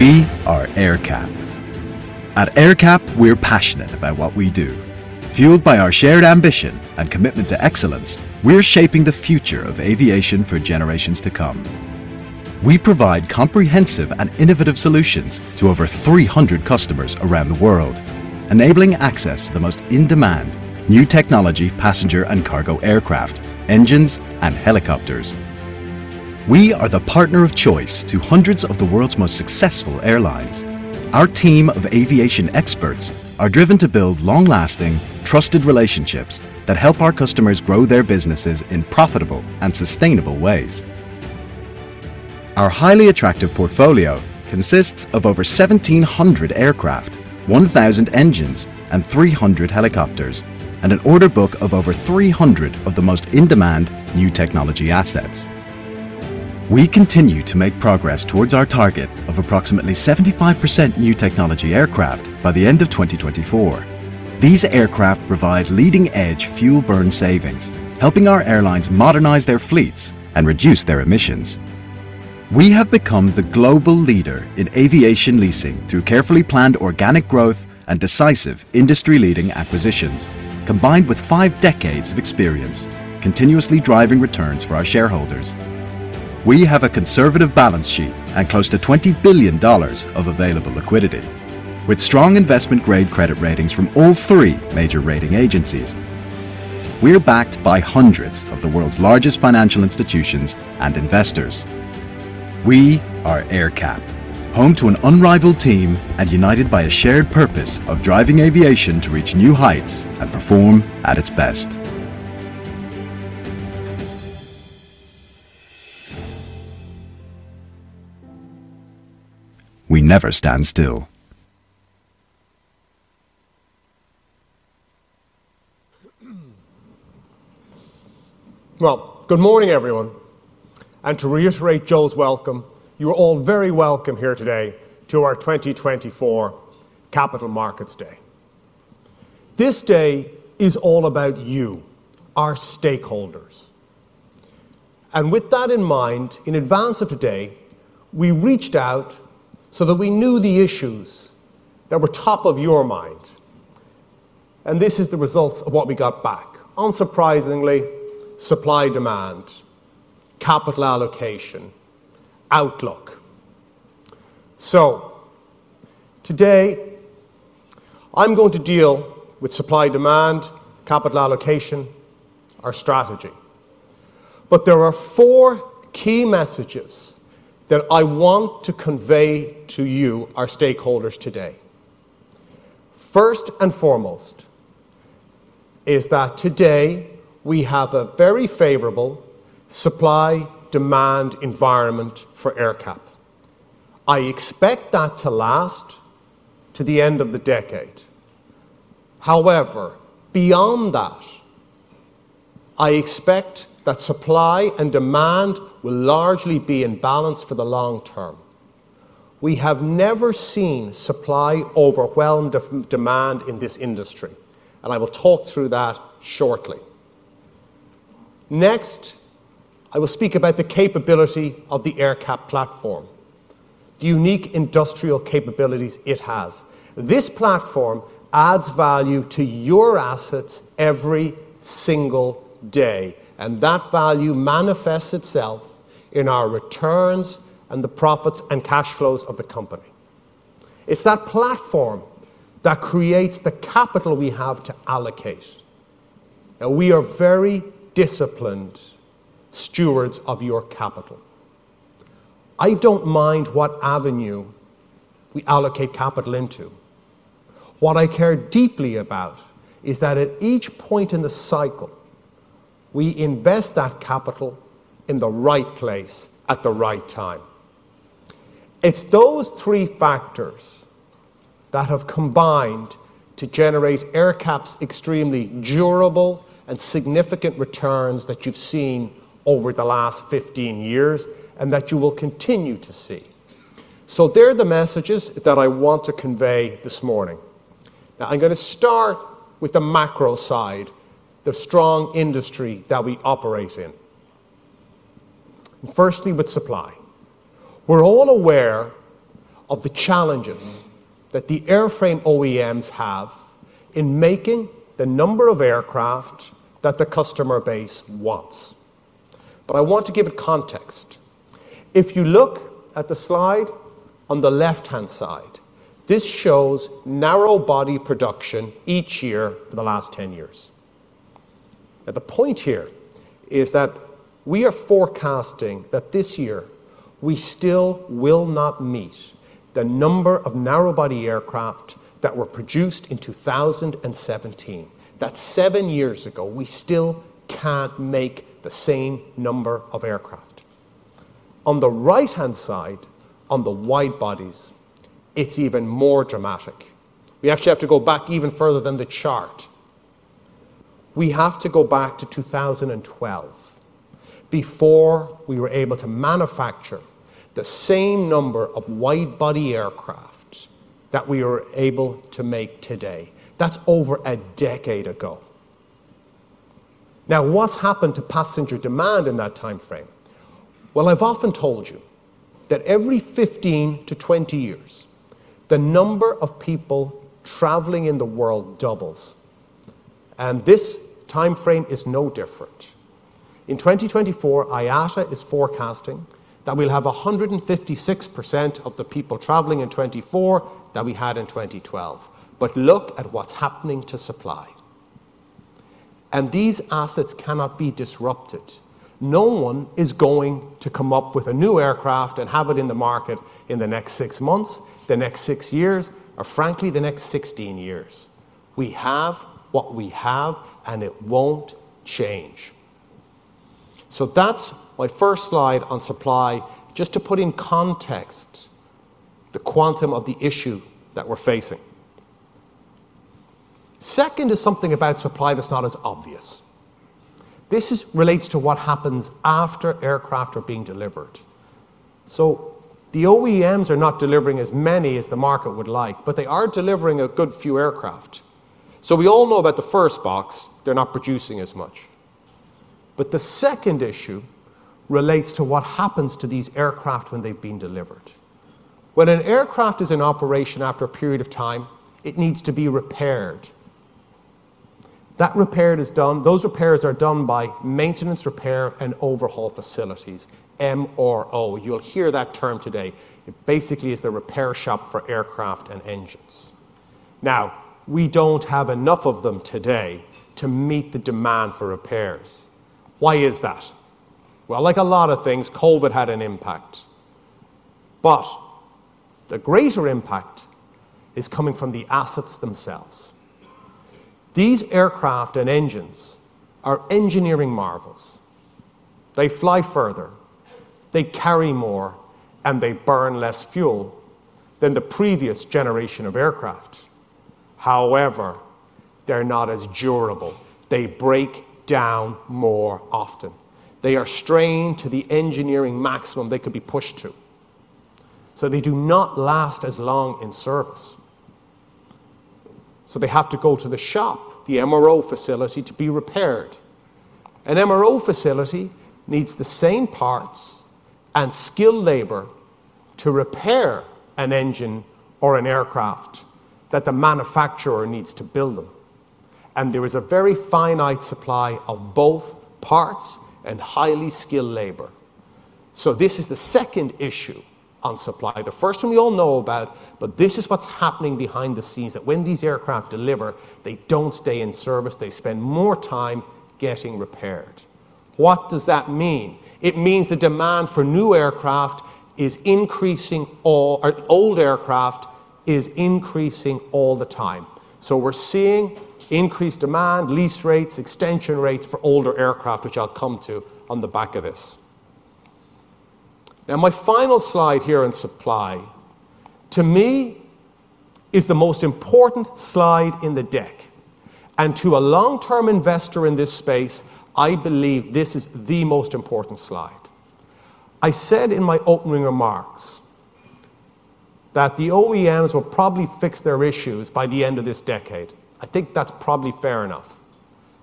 We are AerCap. At AerCap, we're passionate about what we do. Fueled by our shared ambition and commitment to excellence, we're shaping the future of aviation for generations to come. We provide comprehensive and innovative solutions to over 300 customers around the world, enabling access to the most in-demand new technology passenger and cargo aircraft, engines, and helicopters. We are the partner of choice to hundreds of the world's most successful airlines. Our team of aviation experts are driven to build long-lasting, trusted relationships that help our customers grow their businesses in profitable and sustainable ways. Our highly attractive portfolio consists of over 1,700 aircraft, 1,000 engines, and 300 helicopters, and an order book of over 300 of the most in-demand new technology assets. We continue to make progress towards our target of approximately 75% new technology aircraft by the end of 2024. These aircraft provide leading-edge fuel burn savings, helping our airlines modernize their fleets and reduce their emissions. We have become the global leader in aviation leasing through carefully planned organic growth and decisive industry-leading acquisitions, combined with five decades of experience, continuously driving returns for our shareholders. We have a conservative balance sheet and close to $20 billion of available liquidity, with strong investment-grade credit ratings from all three major rating agencies. We're backed by hundreds of the world's largest financial institutions and investors. We are AerCap, home to an unrivaled team and united by a shared purpose of driving aviation to reach new heights and perform at its best. We never stand still. Well, good morning, everyone. And to reiterate Joel's welcome, you are all very welcome here today to our 2024 Capital Markets Day. This day is all about you, our stakeholders. And with that in mind, in advance of today, we reached out so that we knew the issues that were top of your mind. And this is the results of what we got back, unsurprisingly, supply-demand, capital allocation, outlook. So today, I'm going to deal with supply-demand, capital allocation, our strategy. But there are four key messages that I want to convey to you, our stakeholders, today. First and foremost is that today we have a very favorable supply-demand environment for AerCap. I expect that to last to the end of the decade. However, beyond that, I expect that supply and demand will largely be in balance for the long term. We have never seen supply overwhelm demand in this industry, and I will talk through that shortly. Next, I will speak about the capability of the AerCap platform, the unique industrial capabilities it has. This platform adds value to your assets every single day, and that value manifests itself in our returns and the profits and cash flows of the company. It's that platform that creates the capital we have to allocate. We are very disciplined stewards of your capital. I don't mind what avenue we allocate capital into. What I care deeply about is that at each point in the cycle, we invest that capital in the right place at the right time. It's those three factors that have combined to generate AerCap's extremely durable and significant returns that you've seen over the last 15 years and that you will continue to see. So they're the messages that I want to convey this morning. Now, I'm going to start with the macro side, the strong industry that we operate in. Firstly, with supply. We're all aware of the challenges that the airframe OEMs have in making the number of aircraft that the customer base wants. But I want to give it context. If you look at the slide on the left-hand side, this shows narrow-body production each year for the last 10 years. Now, the point here is that we are forecasting that this year we still will not meet the number of narrow-body aircraft that were produced in 2017, that 7 years ago we still can't make the same number of aircraft. On the right-hand side, on the wide bodies, it's even more dramatic. We actually have to go back even further than the chart. We have to go back to 2012 before we were able to manufacture the same number of wide-body aircraft that we were able to make today. That's over a decade ago. Now, what's happened to passenger demand in that time frame? Well, I've often told you that every 15-20 years, the number of people traveling in the world doubles. This time frame is no different. In 2024, IATA is forecasting that we'll have 156% of the people traveling in 2024 that we had in 2012. But look at what's happening to supply. These assets cannot be disrupted. No one is going to come up with a new aircraft and have it in the market in the next 6 months, the next 6 years, or frankly, the next 16 years. We have what we have, and it won't change. So that's my first slide on supply, just to put in context the quantum of the issue that we're facing. Second is something about supply that's not as obvious. This relates to what happens after aircraft are being delivered. So the OEMs are not delivering as many as the market would like, but they are delivering a good few aircraft. So we all know about the first box. They're not producing as much. But the second issue relates to what happens to these aircraft when they've been delivered. When an aircraft is in operation after a period of time, it needs to be repaired. That repair is done. Those repairs are done by maintenance, repair, and overhaul facilities, MRO. You'll hear that term today. It basically is the repair shop for aircraft and engines. Now, we don't have enough of them today to meet the demand for repairs. Why is that? Well, like a lot of things, COVID had an impact. But the greater impact is coming from the assets themselves. These aircraft and engines are engineering marvels. They fly further. They carry more, and they burn less fuel than the previous generation of aircraft. However, they're not as durable. They break down more often. They are strained to the engineering maximum they could be pushed to. So they do not last as long in service. So they have to go to the shop, the MRO facility, to be repaired. An MRO facility needs the same parts and skilled labor to repair an engine or an aircraft that the manufacturer needs to build them. And there is a very finite supply of both parts and highly skilled labor. So this is the second issue on supply, the first one we all know about. But this is what's happening behind the scenes, that when these aircraft deliver, they don't stay in service. They spend more time getting repaired. What does that mean? It means the demand for new aircraft is increasing, and for old aircraft is increasing all the time. So we're seeing increased demand, lease rates, extension rates for older aircraft, which I'll come to on the back of this. Now, my final slide here on supply, to me, is the most important slide in the deck. And to a long-term investor in this space, I believe this is the most important slide. I said in my opening remarks that the OEMs will probably fix their issues by the end of this decade. I think that's probably fair enough.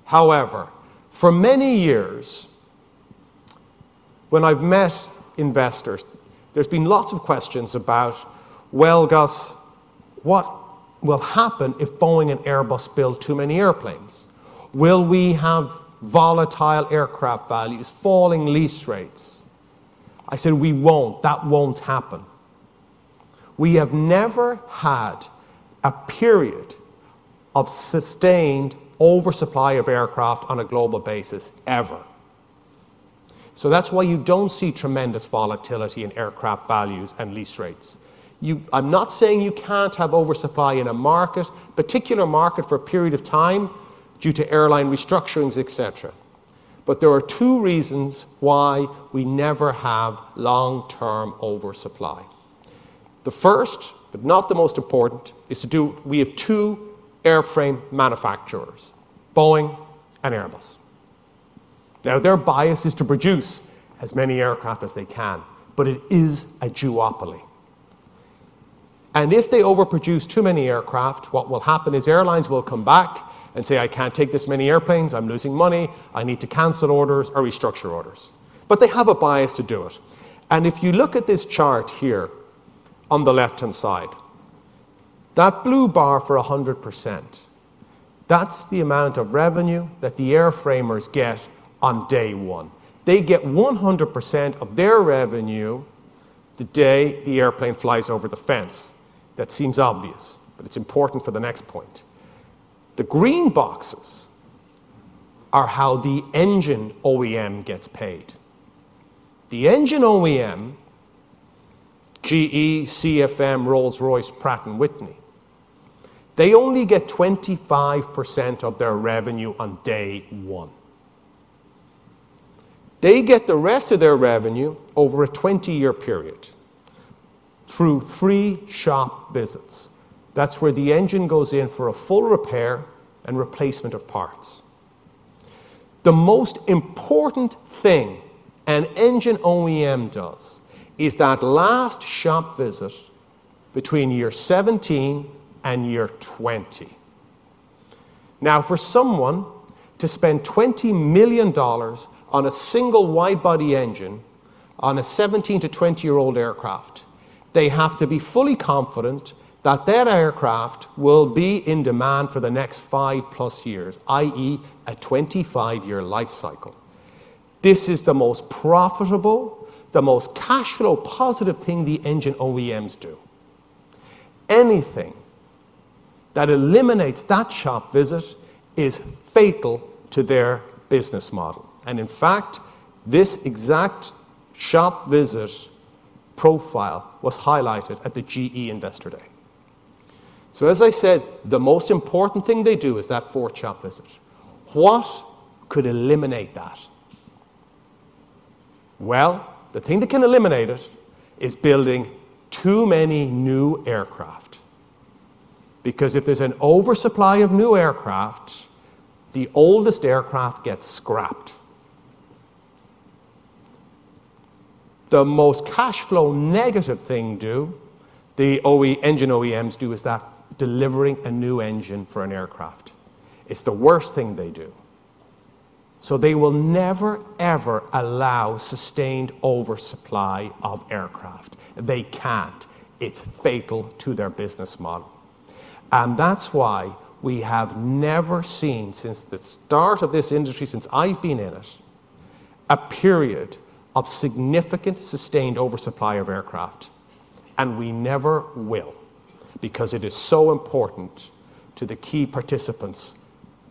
However, for many years, when I've met investors, there's been lots of questions about, "Well, Gus, what will happen if Boeing and Airbus build too many airplanes? Will we have volatile aircraft values, falling lease rates?" I said, "We won't. That won't happen." We have never had a period of sustained oversupply of aircraft on a global basis, ever. So that's why you don't see tremendous volatility in aircraft values and lease rates. I'm not saying you can't have oversupply in a particular market for a period of time due to airline restructurings, etc. But there are two reasons why we never have long-term oversupply. The first, but not the most important, is to do we have two airframe manufacturers, Boeing and Airbus. Now, their bias is to produce as many aircraft as they can, but it is a duopoly. If they overproduce too many aircraft, what will happen is airlines will come back and say, "I can't take this many airplanes. I'm losing money. I need to cancel orders or restructure orders." But they have a bias to do it. And if you look at this chart here on the left-hand side, that blue bar for 100%, that's the amount of revenue that the airframers get on day one. They get 100% of their revenue the day the airplane flies over the fence. That seems obvious, but it's important for the next point. The green boxes are how the engine OEM gets paid. The engine OEM, GE, CFM, Rolls-Royce, Pratt & Whitney, they only get 25% of their revenue on day one. They get the rest of their revenue over a 20-year period through three shop visits. That's where the engine goes in for a full repair and replacement of parts. The most important thing an engine OEM does is that last shop visit between 2017 and 2020. Now, for someone to spend $20 million on a single wide-body engine on a 17-20-year-old aircraft, they have to be fully confident that that aircraft will be in demand for the next 5+ years, i.e., a 25-year life cycle. This is the most profitable, the most cash-flow positive thing the engine OEMs do. Anything that eliminates that shop visit is fatal to their business model. And in fact, this exact shop visit profile was highlighted at the GE Investor Day. So as I said, the most important thing they do is that fourth shop visit. What could eliminate that? Well, the thing that can eliminate it is building too many new aircraft. Because if there's an oversupply of new aircraft, the oldest aircraft gets scrapped. The most cash-flow negative thing the engine OEMs do is that delivering a new engine for an aircraft. It's the worst thing they do. So they will never, ever allow sustained oversupply of aircraft. They can't. It's fatal to their business model. And that's why we have never seen, since the start of this industry, since I've been in it, a period of significant sustained oversupply of aircraft. And we never will because it is so important to the key participants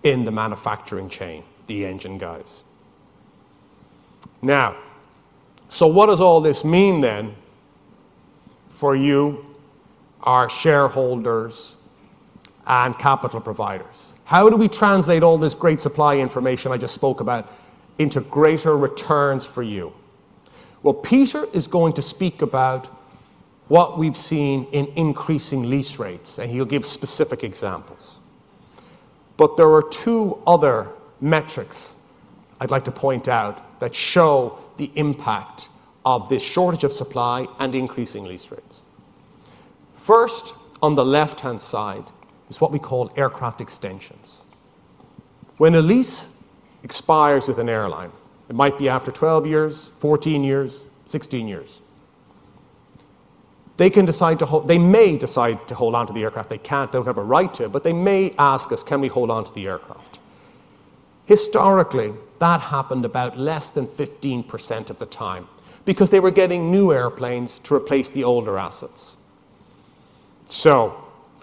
in the manufacturing chain, the engine guys. Now, so what does all this mean, then, for you, our shareholders and capital providers? How do we translate all this great supply information I just spoke about into greater returns for you? Well, Peter is going to speak about what we've seen in increasing lease rates, and he'll give specific examples. But there are two other metrics I'd like to point out that show the impact of this shortage of supply and increasing lease rates. First, on the left-hand side is what we call aircraft extensions. When a lease expires with an airline, it might be after 12 years, 14 years, 16 years. They may decide to hold onto the aircraft. They can't. They don't have a right to. But they may ask us, "Can we hold onto the aircraft?" Historically, that happened about less than 15% of the time because they were getting new airplanes to replace the older assets. So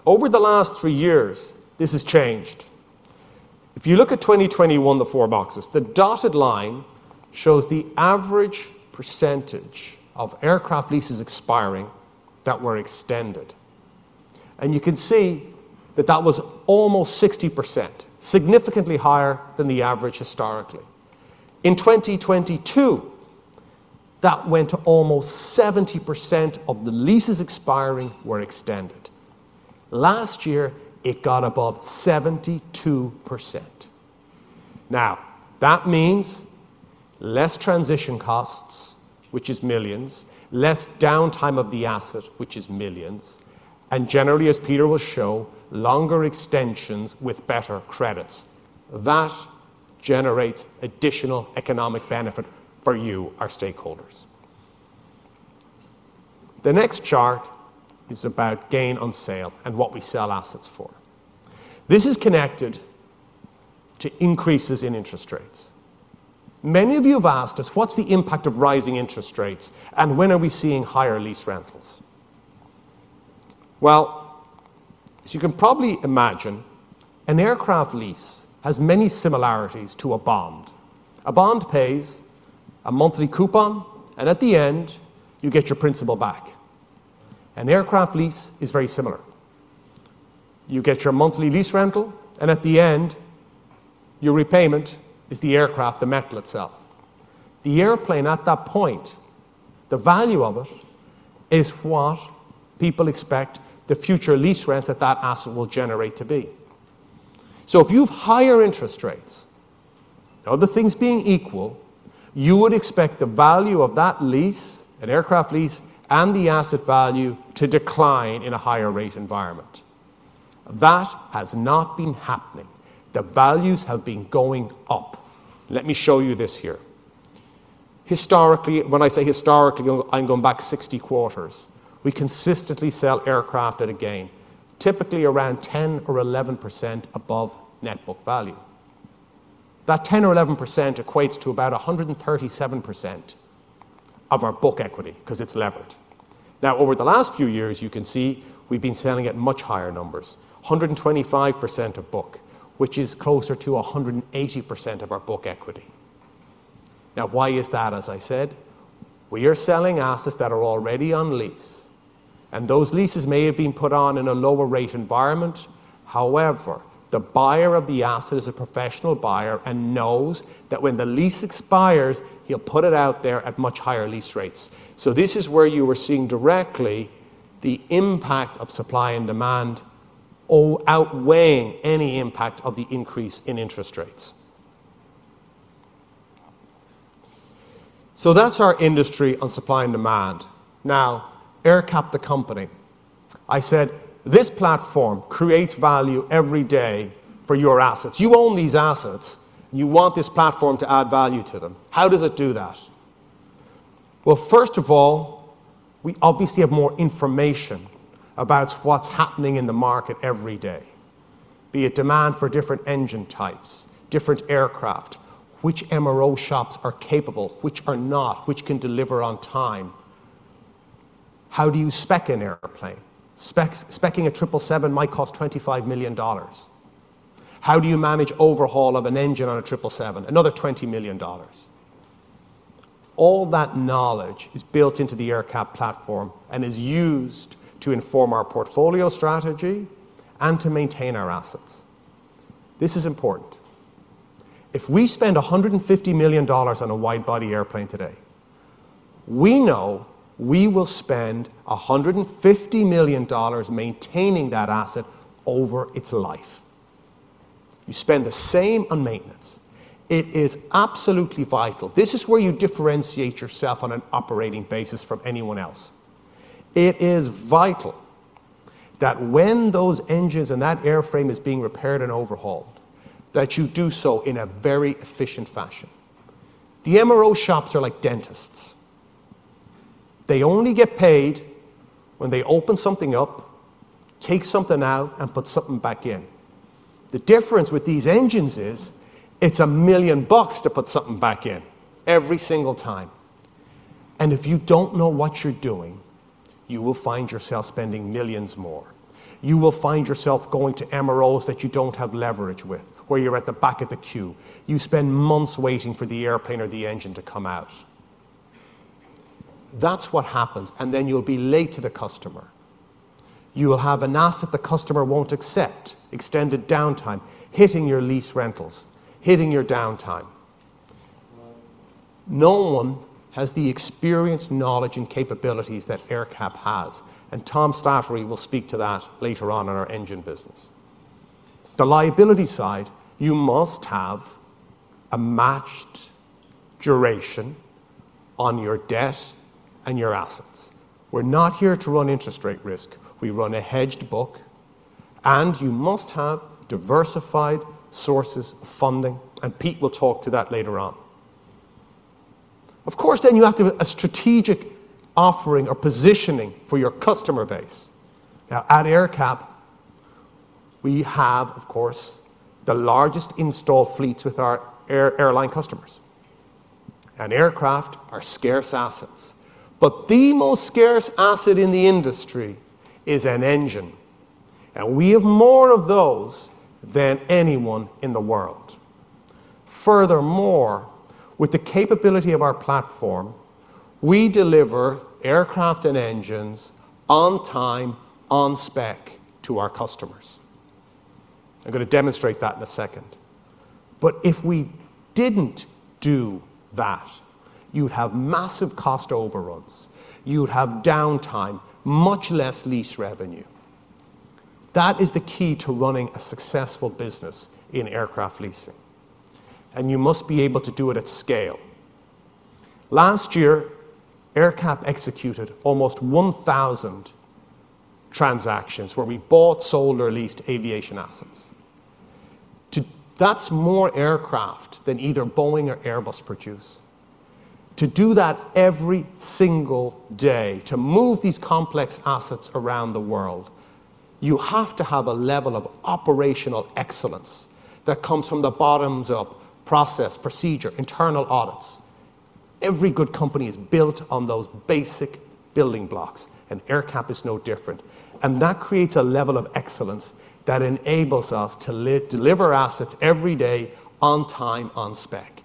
over the last three years, this has changed. If you look at 2021, the four boxes, the dotted line shows the average percentage of aircraft leases expiring that were extended. You can see that that was almost 60%, significantly higher than the average historically. In 2022, that went to almost 70% of the leases expiring were extended. Last year, it got above 72%. Now, that means less transition costs, which is $ millions, less downtime of the asset, which is $ millions, and generally, as Peter will show, longer extensions with better credits. That generates additional economic benefit for you, our stakeholders. The next chart is about gain on sale and what we sell assets for. This is connected to increases in interest rates. Many of you have asked us, "What's the impact of rising interest rates, and when are we seeing higher lease rentals?" Well, as you can probably imagine, an aircraft lease has many similarities to a bond. A bond pays a monthly coupon, and at the end, you get your principal back. An aircraft lease is very similar. You get your monthly lease rental, and at the end, your repayment is the aircraft, the metal itself. The airplane at that point, the value of it is what people expect the future lease rents at that asset will generate to be. So if you have higher interest rates, the other things being equal, you would expect the value of that lease, an aircraft lease, and the asset value to decline in a higher rate environment. That has not been happening. The values have been going up. Let me show you this here. Historically, when I say historically, I'm going back 60 quarters. We consistently sell aircraft at a gain, typically around 10% or 11% above net book value. That 10% or 11% equates to about 137% of our book equity because it's levered. Now, over the last few years, you can see we've been selling at much higher numbers, 125% of book, which is closer to 180% of our book equity. Now, why is that? As I said, we are selling assets that are already on lease. And those leases may have been put on in a lower rate environment. However, the buyer of the asset is a professional buyer and knows that when the lease expires, he'll put it out there at much higher lease rates. So this is where you are seeing directly the impact of supply and demand outweighing any impact of the increase in interest rates. So that's our industry on supply and demand. Now, AerCap, the company, I said, this platform creates value every day for your assets. You own these assets, and you want this platform to add value to them. How does it do that? Well, first of all, we obviously have more information about what's happening in the market every day, be it demand for different engine types, different aircraft, which MRO shops are capable, which are not, which can deliver on time. How do you spec an airplane? Speccing a 777 might cost $25 million. How do you manage overhaul of an engine on a 777, another $20 million? All that knowledge is built into the AerCap platform and is used to inform our portfolio strategy and to maintain our assets. This is important. If we spend $150 million on a wide-body airplane today, we know we will spend $150 million maintaining that asset over its life. You spend the same on maintenance. It is absolutely vital. This is where you differentiate yourself on an operating basis from anyone else. It is vital that when those engines and that airframe is being repaired and overhauled, that you do so in a very efficient fashion. The MRO shops are like dentists. They only get paid when they open something up, take something out, and put something back in. The difference with these engines is it's $1 million to put something back in every single time. And if you don't know what you're doing, you will find yourself spending millions more. You will find yourself going to MROs that you don't have leverage with, where you're at the back of the queue. You spend months waiting for the airplane or the engine to come out. That's what happens. And then you'll be late to the customer. You will have an asset the customer won't accept, extended downtime, hitting your lease rentals, hitting your downtime. No one has the experience, knowledge, and capabilities that AerCap has. And Tom Slattery will speak to that later on in our engine business. The liability side, you must have a matched duration on your debt and your assets. We're not here to run interest rate risk. We run a hedged book. And you must have diversified sources of funding. And Pete will talk to that later on. Of course, then you have to have a strategic offering or positioning for your customer base. Now, at AerCap, we have, of course, the largest install fleets with our airline customers. And aircraft are scarce assets. But the most scarce asset in the industry is an engine. And we have more of those than anyone in the world. Furthermore, with the capability of our platform, we deliver aircraft and engines on time, on spec, to our customers. I'm going to demonstrate that in a second. But if we didn't do that, you'd have massive cost overruns. You'd have downtime, much less lease revenue. That is the key to running a successful business in aircraft leasing. And you must be able to do it at scale. Last year, AerCap executed almost 1,000 transactions where we bought, sold, or leased aviation assets. That's more aircraft than either Boeing or Airbus produce. To do that every single day, to move these complex assets around the world, you have to have a level of operational excellence that comes from the bottom up: process, procedure, internal audits. Every good company is built on those basic building blocks. AerCap is no different. That creates a level of excellence that enables us to deliver assets every day on time, on spec.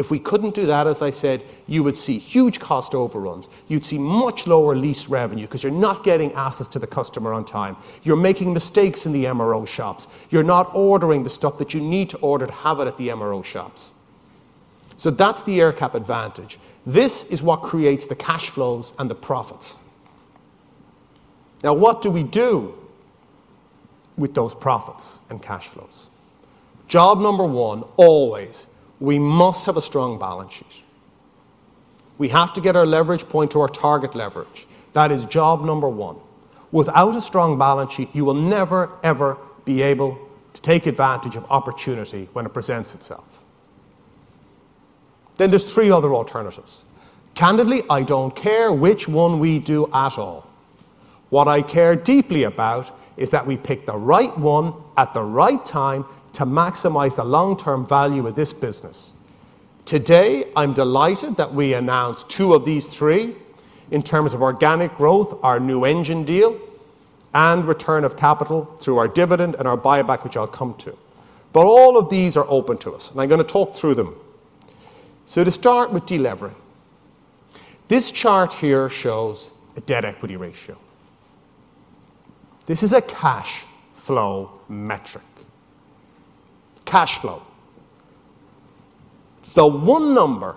If we couldn't do that, as I said, you would see huge cost overruns. You'd see much lower lease revenue because you're not getting assets to the customer on time. You're making mistakes in the MRO shops. You're not ordering the stuff that you need to order to have it at the MRO shops. So that's the AerCap advantage. This is what creates the cash flows and the profits. Now, what do we do with those profits and cash flows? Job number one, always, we must have a strong balance sheet. We have to get our leverage point to our target leverage. That is job number one. Without a strong balance sheet, you will never, ever be able to take advantage of opportunity when it presents itself. Then there's three other alternatives. Candidly, I don't care which one we do at all. What I care deeply about is that we pick the right one at the right time to maximize the long-term value of this business. Today, I'm delighted that we announced two of these three in terms of organic growth, our new engine deal, and return of capital through our dividend and our buyback, which I'll come to. But all of these are open to us. And I'm going to talk through them. So to start with delivery, this chart here shows a debt equity ratio. This is a cash flow metric. Cash flow. It's the one number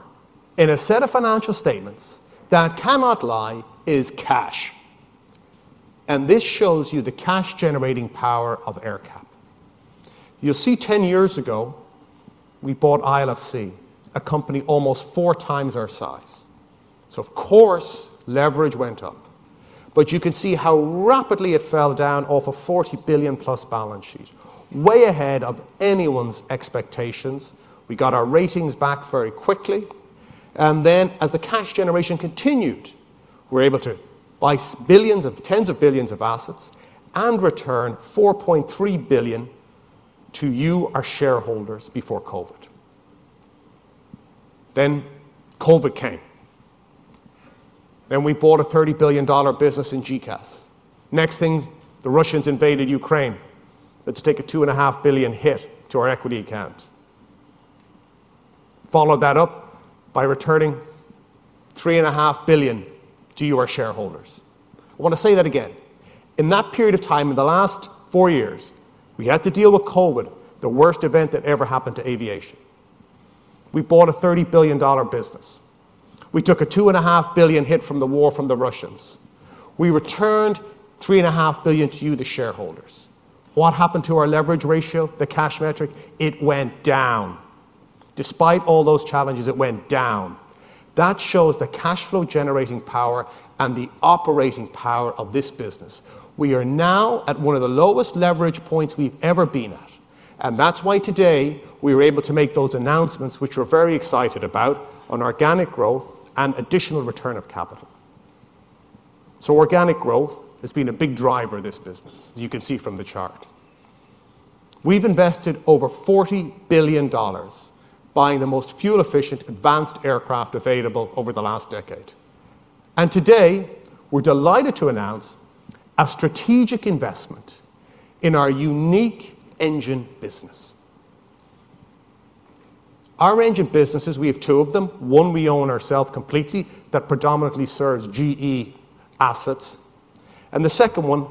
in a set of financial statements that cannot lie, is cash. This shows you the cash-generating power of AerCap. You'll see, 10 years ago, we bought ILFC, a company almost 4 times our size. So, of course, leverage went up. But you can see how rapidly it fell down off a $40 billion-plus balance sheet, way ahead of anyone's expectations. We got our ratings back very quickly. And then, as the cash generation continued, we were able to buy billions of tens of billions of assets and return $4.3 billion to you, our shareholders, before COVID. Then COVID came. Then we bought a $30 billion business in GECAS. Next thing, the Russians invaded Ukraine. That's a $2.5 billion hit to our equity account. Followed that up by returning $3.5 billion to you, our shareholders. I want to say that again. In that period of time, in the last four years, we had to deal with COVID, the worst event that ever happened to aviation. We bought a $30 billion business. We took a $2.5 billion hit from the war from the Russians. We returned $3.5 billion to you, the shareholders. What happened to our leverage ratio, the cash metric? It went down. Despite all those challenges, it went down. That shows the cash flow-generating power and the operating power of this business. We are now at one of the lowest leverage points we've ever been at. And that's why today, we were able to make those announcements, which we're very excited about, on organic growth and additional return of capital. So organic growth has been a big driver of this business, as you can see from the chart. We've invested over $40 billion buying the most fuel-efficient, advanced aircraft available over the last decade. Today, we're delighted to announce a strategic investment in our unique engine business. Our engine businesses, we have two of them. One we own ourselves completely that predominantly serves GE assets. And the second one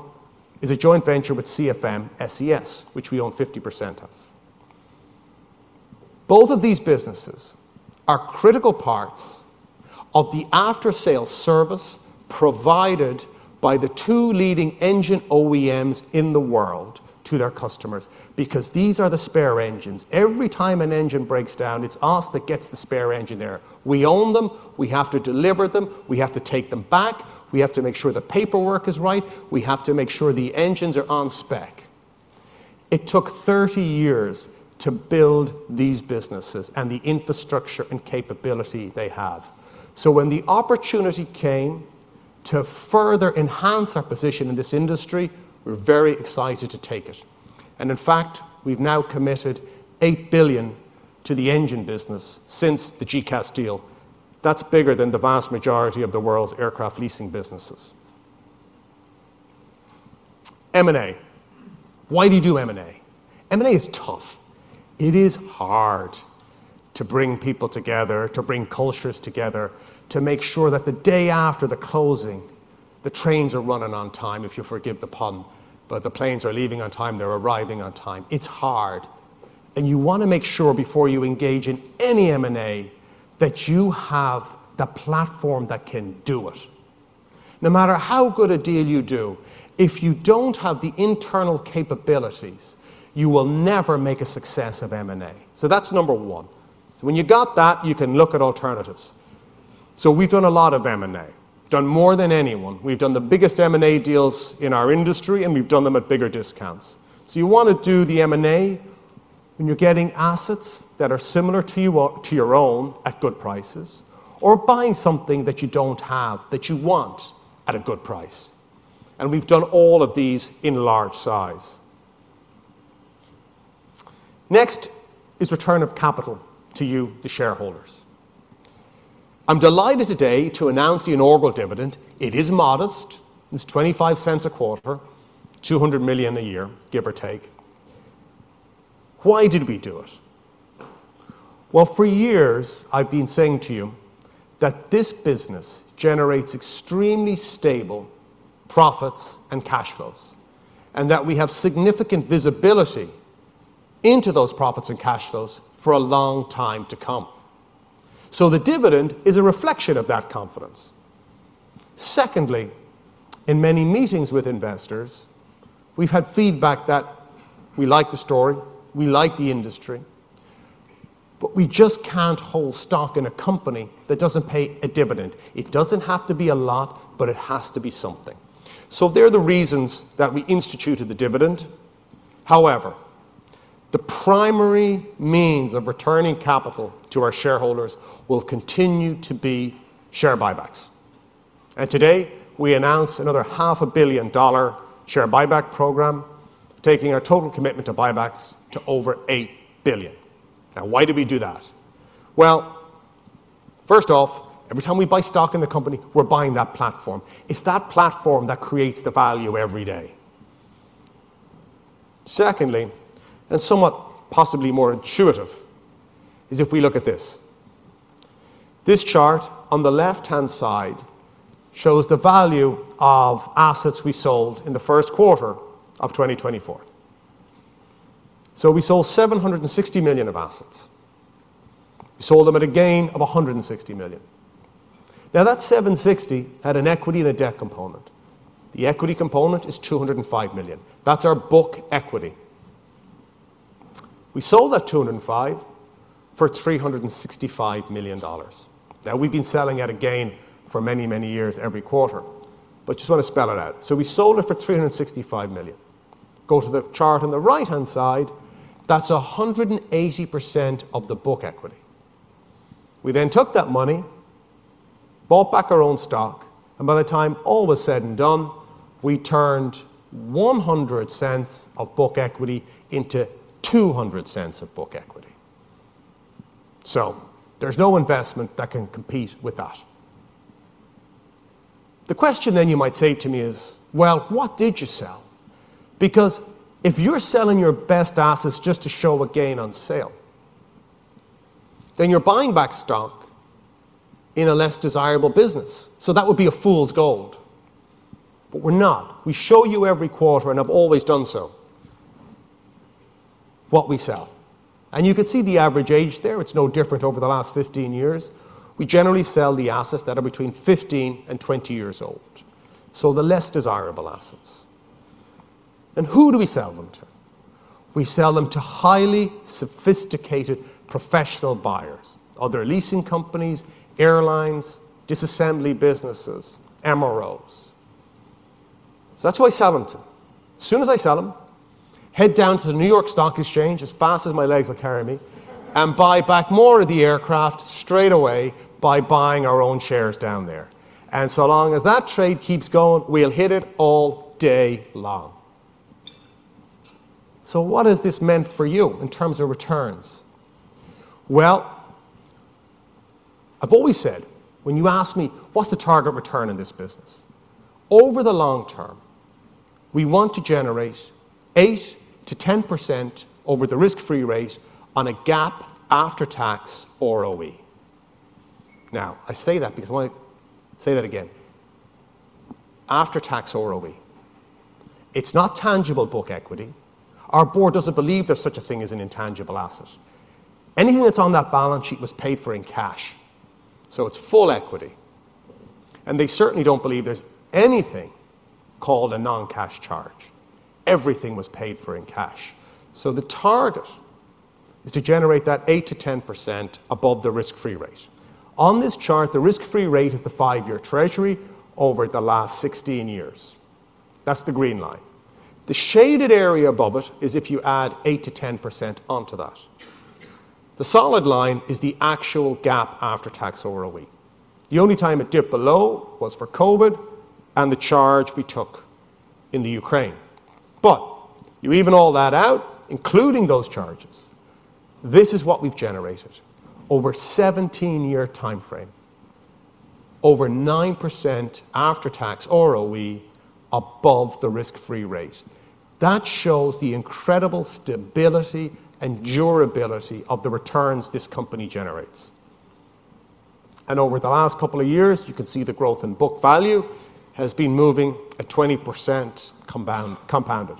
is a joint venture with CFM, SES, which we own 50% of. Both of these businesses are critical parts of the after-sales service provided by the two leading engine OEMs in the world to their customers because these are the spare engines. Every time an engine breaks down, it's us that gets the spare engine there. We own them. We have to deliver them. We have to take them back. We have to make sure the paperwork is right. We have to make sure the engines are on spec. It took 30 years to build these businesses and the infrastructure and capability they have. So when the opportunity came to further enhance our position in this industry, we're very excited to take it. In fact, we've now committed $8 billion to the engine business since the GECAS deal. That's bigger than the vast majority of the world's aircraft leasing businesses. M&A. Why do you do M&A? M&A is tough. It is hard to bring people together, to bring cultures together, to make sure that the day after the closing, the trains are running on time, if you forgive the pun. But the planes are leaving on time. They're arriving on time. It's hard. You want to make sure before you engage in any M&A that you have the platform that can do it. No matter how good a deal you do, if you don't have the internal capabilities, you will never make a success of M&A. So that's number one. So when you got that, you can look at alternatives. So we've done a lot of M&A. We've done more than anyone. We've done the biggest M&A deals in our industry, and we've done them at bigger discounts. So you want to do the M&A when you're getting assets that are similar to your own at good prices or buying something that you don't have that you want at a good price. And we've done all of these in large size. Next is return of capital to you, the shareholders. I'm delighted today to announce the inaugural dividend. It is modest. It's $0.25 a quarter, $200 million a year, give or take. Why did we do it? Well, for years, I've been saying to you that this business generates extremely stable profits and cash flows and that we have significant visibility into those profits and cash flows for a long time to come. So the dividend is a reflection of that confidence. Secondly, in many meetings with investors, we've had feedback that we like the story. We like the industry. But we just can't hold stock in a company that doesn't pay a dividend. It doesn't have to be a lot, but it has to be something. So they're the reasons that we instituted the dividend. However, the primary means of returning capital to our shareholders will continue to be share buybacks. And today, we announce another $500 million share buyback program, taking our total commitment to buybacks to over $8 billion. Now, why do we do that? Well, first off, every time we buy stock in the company, we're buying that platform. It's that platform that creates the value every day. Secondly, and somewhat possibly more intuitive, is if we look at this. This chart on the left-hand side shows the value of assets we sold in the first quarter of 2024. So we sold $760 million of assets. We sold them at a gain of $160 million. Now, that $760 million had an equity and a debt component. The equity component is $205 million. That's our book equity. We sold that $205 for $365 million. Now, we've been selling at a gain for many, many years every quarter. But I just want to spell it out. So we sold it for $365 million. Go to the chart on the right-hand side. That's 180% of the book equity. We then took that money, bought back our own stock, and by the time all was said and done, we turned $0.01 of book equity into $0.02 of book equity. So there's no investment that can compete with that. The question then you might say to me is, well, what did you sell? Because if you're selling your best assets just to show a gain on sale, then you're buying back stock in a less desirable business. So that would be a fool's gold. But we're not. We show you every quarter, and I've always done so, what we sell. And you can see the average age there. It's no different over the last 15 years. We generally sell the assets that are between 15 and 20 years old, so the less desirable assets. And who do we sell them to? We sell them to highly sophisticated, professional buyers: other leasing companies, airlines, disassembly businesses, MROs. So that's who I sell them to. As soon as I sell them, head down to the New York Stock Exchange as fast as my legs will carry me and buy back more of the aircraft straight away by buying our own shares down there. And so long as that trade keeps going, we'll hit it all day long. So what has this meant for you in terms of returns? Well, I've always said, when you ask me, what's the target return in this business? Over the long term, we want to generate 8%-10% over the risk-free rate on a GAAP after-tax ROE. Now, I say that because I want to say that again: after-tax ROE. It's not tangible book equity. Our board doesn't believe there's such a thing as an intangible asset. Anything that's on that balance sheet was paid for in cash. So it's full equity. They certainly don't believe there's anything called a non-cash charge. Everything was paid for in cash. The target is to generate that 8%-10% above the risk-free rate. On this chart, the risk-free rate is the 5-year Treasury over the last 16 years. That's the green line. The shaded area above it is if you add 8%-10% onto that. The solid line is the actual GAAP after-tax ROE. The only time it dipped below was for COVID and the charge we took in the Ukraine. You even all that out, including those charges. This is what we've generated over a 17-year time frame: over 9% after-tax ROE above the risk-free rate. That shows the incredible stability and durability of the returns this company generates. Over the last couple of years, you can see the growth in book value has been moving at 20% compounded.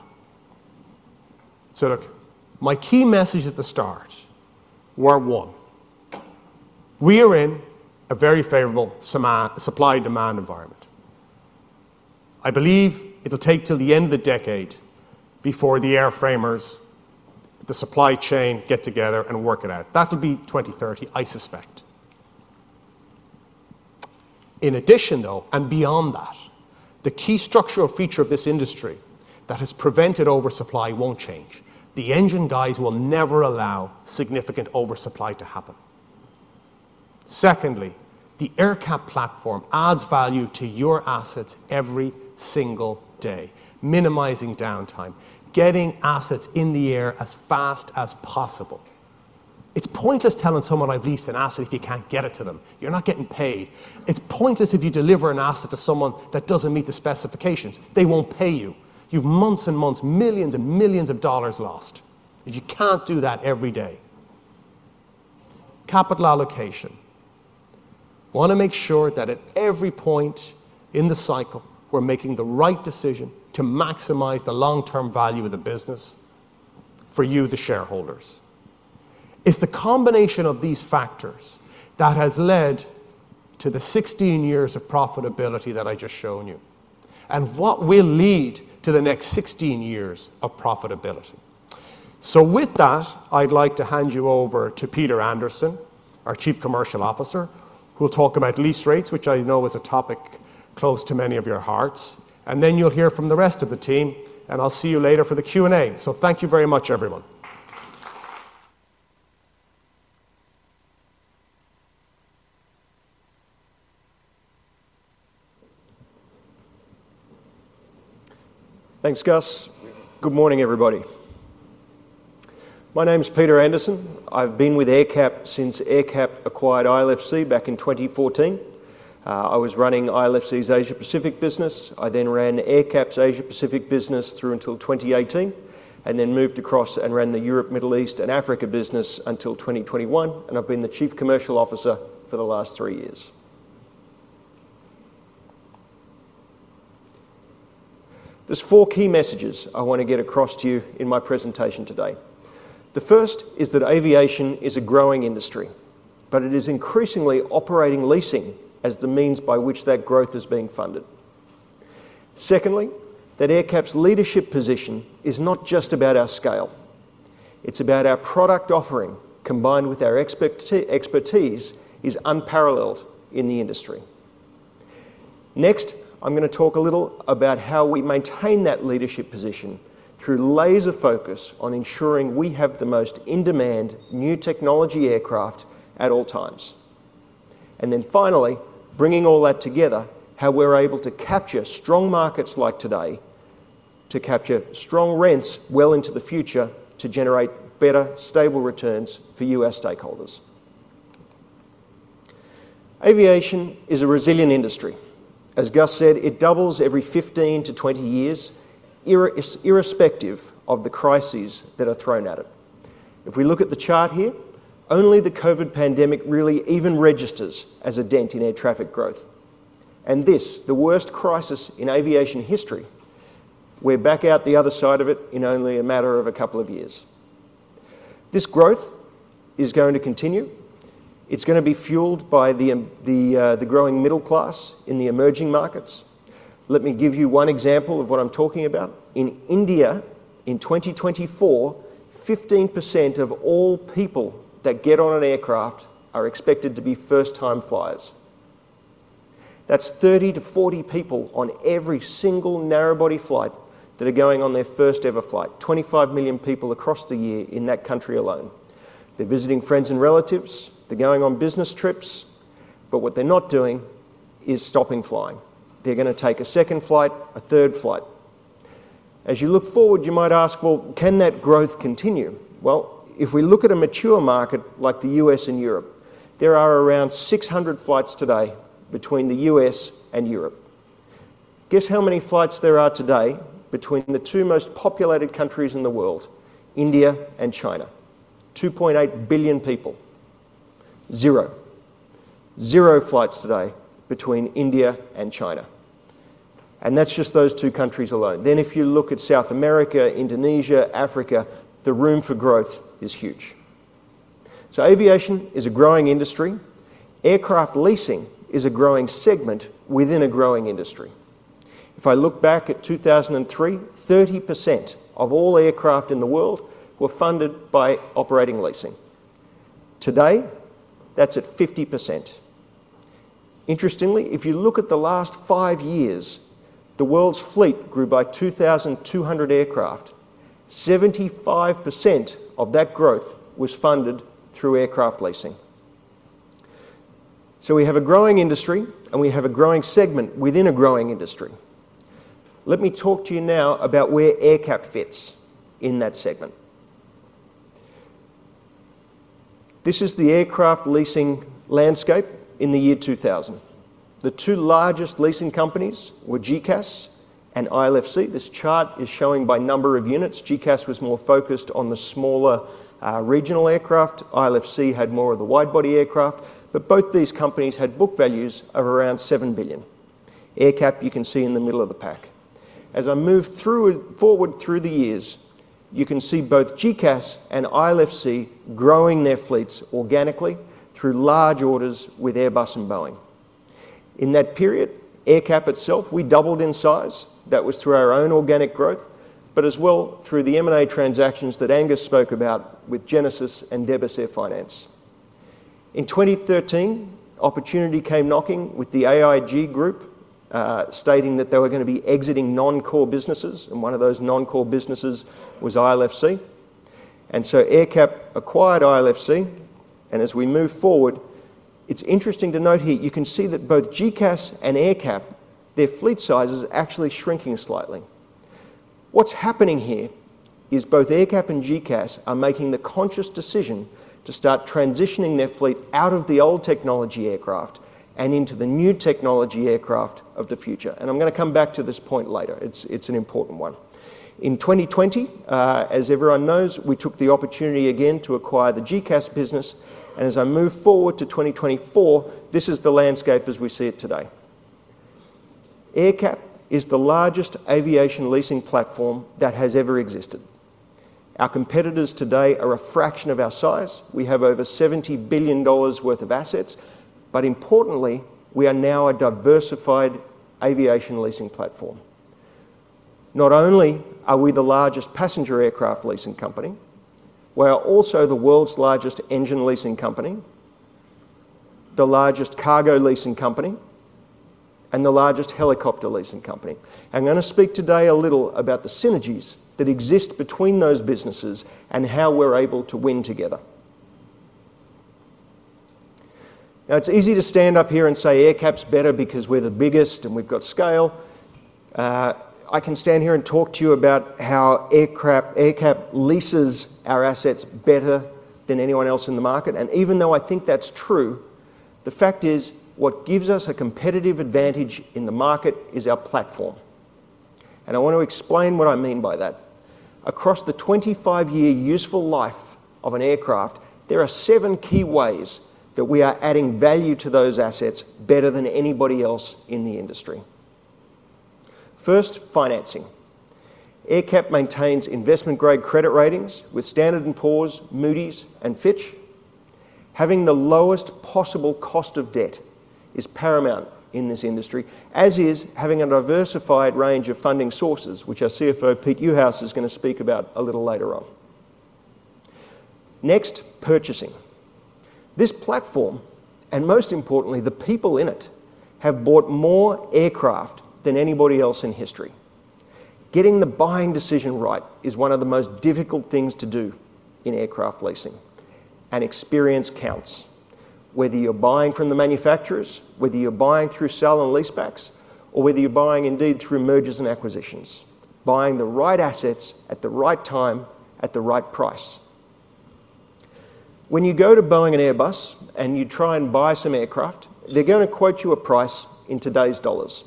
So look, my key message at the start were one. We are in a very favorable supply-demand environment. I believe it'll take till the end of the decade before the airframers, the supply chain, get together and work it out. That'll be 2030, I suspect. In addition, though, and beyond that, the key structural feature of this industry that has prevented oversupply won't change. The engine guys will never allow significant oversupply to happen. Secondly, the AerCap platform adds value to your assets every single day, minimizing downtime, getting assets in the air as fast as possible. It's pointless telling someone I've leased an asset if you can't get it to them. You're not getting paid. It's pointless if you deliver an asset to someone that doesn't meet the specifications. They won't pay you. You've months and months, millions and millions of dollars lost if you can't do that every day. Capital allocation. Want to make sure that at every point in the cycle, we're making the right decision to maximize the long-term value of the business for you, the shareholders. It's the combination of these factors that has led to the 16 years of profitability that I just shown you and what will lead to the next 16 years of profitability. So with that, I'd like to hand you over to Peter Anderson, our Chief Commercial Officer, who will talk about lease rates, which I know is a topic close to many of your hearts. Then you'll hear from the rest of the team, and I'll see you later for the Q&A. So thank you very much, everyone. Thanks, Gus. Good morning, everybody. My name's Peter Anderson. I've been with AerCap since AerCap acquired ILFC back in 2014. I was running ILFC's Asia-Pacific business. I then ran AerCap's Asia-Pacific business through until 2018 and then moved across and ran the Europe, Middle East, and Africa business until 2021. I've been the Chief Commercial Officer for the last three years. There's four key messages I want to get across to you in my presentation today. The first is that aviation is a growing industry, but it is increasingly operating leasing as the means by which that growth is being funded. Secondly, that AerCap's leadership position is not just about our scale. It's about our product offering combined with our expertise is unparalleled in the industry. Next, I'm going to talk a little about how we maintain that leadership position through layers of focus on ensuring we have the most in-demand new technology aircraft at all times. Then finally, bringing all that together, how we're able to capture strong markets like today to capture strong rents well into the future to generate better, stable returns for our stakeholders. Aviation is a resilient industry. As Gus said, it doubles every 15 to 20 years, irrespective of the crises that are thrown at it. If we look at the chart here, only the COVID pandemic really even registers as a dent in air traffic growth. This, the worst crisis in aviation history, we're back out the other side of it in only a matter of a couple of years. This growth is going to continue. It's going to be fueled by the growing middle class in the emerging markets. Let me give you one example of what I'm talking about. In India, in 2024, 15% of all people that get on an aircraft are expected to be first-time flyers. That's 30-40 people on every single narrowbody flight that are going on their first-ever flight, 25 million people across the year in that country alone. They're visiting friends and relatives. They're going on business trips. But what they're not doing is stopping flying. They're going to take a second flight, a third flight. As you look forward, you might ask, well, can that growth continue? Well, if we look at a mature market like the U.S. and Europe, there are around 600 flights today between the U.S. and Europe. Guess how many flights there are today between the two most populated countries in the world, India and China: 2.8 billion people. 0. 0 flights today between India and China. That's just those two countries alone. If you look at South America, Indonesia, Africa, the room for growth is huge. Aviation is a growing industry. Aircraft leasing is a growing segment within a growing industry. If I look back at 2003, 30% of all aircraft in the world were funded by operating leasing. Today, that's at 50%. Interestingly, if you look at the last five years, the world's fleet grew by 2,200 aircraft. 75% of that growth was funded through aircraft leasing. We have a growing industry, and we have a growing segment within a growing industry. Let me talk to you now about where AerCap fits in that segment. This is the aircraft leasing landscape in the year 2000. The two largest leasing companies were GECAS and ILFC. This chart is showing by number of units. GECAS was more focused on the smaller regional aircraft. ILFC had more of the wide-body aircraft. But both these companies had book values of around $7 billion. AerCap, you can see in the middle of the pack. As I move forward through the years, you can see both GECAS and ILFC growing their fleets organically through large orders with Airbus and Boeing. In that period, AerCap itself, we doubled in size. That was through our own organic growth but as well through the M&A transactions that Aengus spoke about with Genesis and debis AirFinance. In 2013, opportunity came knocking with the AIG Group stating that they were going to be exiting non-core businesses. One of those non-core businesses was ILFC. AerCap acquired ILFC. As we move forward, it's interesting to note here, you can see that both GECAS and AerCap, their fleet size is actually shrinking slightly. What's happening here is both AerCap and GECAS are making the conscious decision to start transitioning their fleet out of the old technology aircraft and into the new technology aircraft of the future. I'm going to come back to this point later. It's an important one. In 2020, as everyone knows, we took the opportunity again to acquire the GECAS business. As I move forward to 2024, this is the landscape as we see it today. AerCap is the largest aviation leasing platform that has ever existed. Our competitors today are a fraction of our size. We have over $70 billion worth of assets. Importantly, we are now a diversified aviation leasing platform. Not only are we the largest passenger aircraft leasing company, we are also the world's largest engine leasing company, the largest cargo leasing company, and the largest helicopter leasing company. I'm going to speak today a little about the synergies that exist between those businesses and how we're able to win together. Now, it's easy to stand up here and say AerCap's better because we're the biggest and we've got scale. I can stand here and talk to you about how AerCap leases our assets better than anyone else in the market. Even though I think that's true, the fact is, what gives us a competitive advantage in the market is our platform. I want to explain what I mean by that. Across the 25-year useful life of an aircraft, there are 7 key ways that we are adding value to those assets better than anybody else in the industry. First, financing. AerCap maintains investment-grade credit ratings with Standard & Poor's, Moody's, and Fitch. Having the lowest possible cost of debt is paramount in this industry, as is having a diversified range of funding sources, which our CFO, Pete Juhas, is going to speak about a little later on. Next, purchasing. This platform and, most importantly, the people in it have bought more aircraft than anybody else in history. Getting the buying decision right is one of the most difficult things to do in aircraft leasing. Experience counts, whether you're buying from the manufacturers, whether you're buying through sale and leasebacks, or whether you're buying indeed through mergers and acquisitions, buying the right assets at the right time at the right price. When you go to Boeing and Airbus and you try and buy some aircraft, they're going to quote you a price in today's dollars.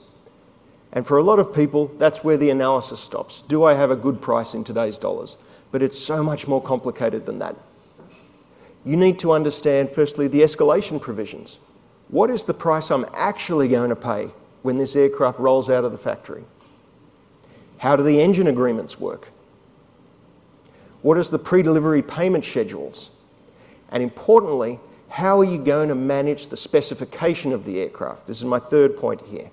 For a lot of people, that's where the analysis stops. Do I have a good price in today's dollars? But it's so much more complicated than that. You need to understand, firstly, the escalation provisions. What is the price I'm actually going to pay when this aircraft rolls out of the factory? How do the engine agreements work? What are the pre-delivery payment schedules? And importantly, how are you going to manage the specification of the aircraft? This is my third point here.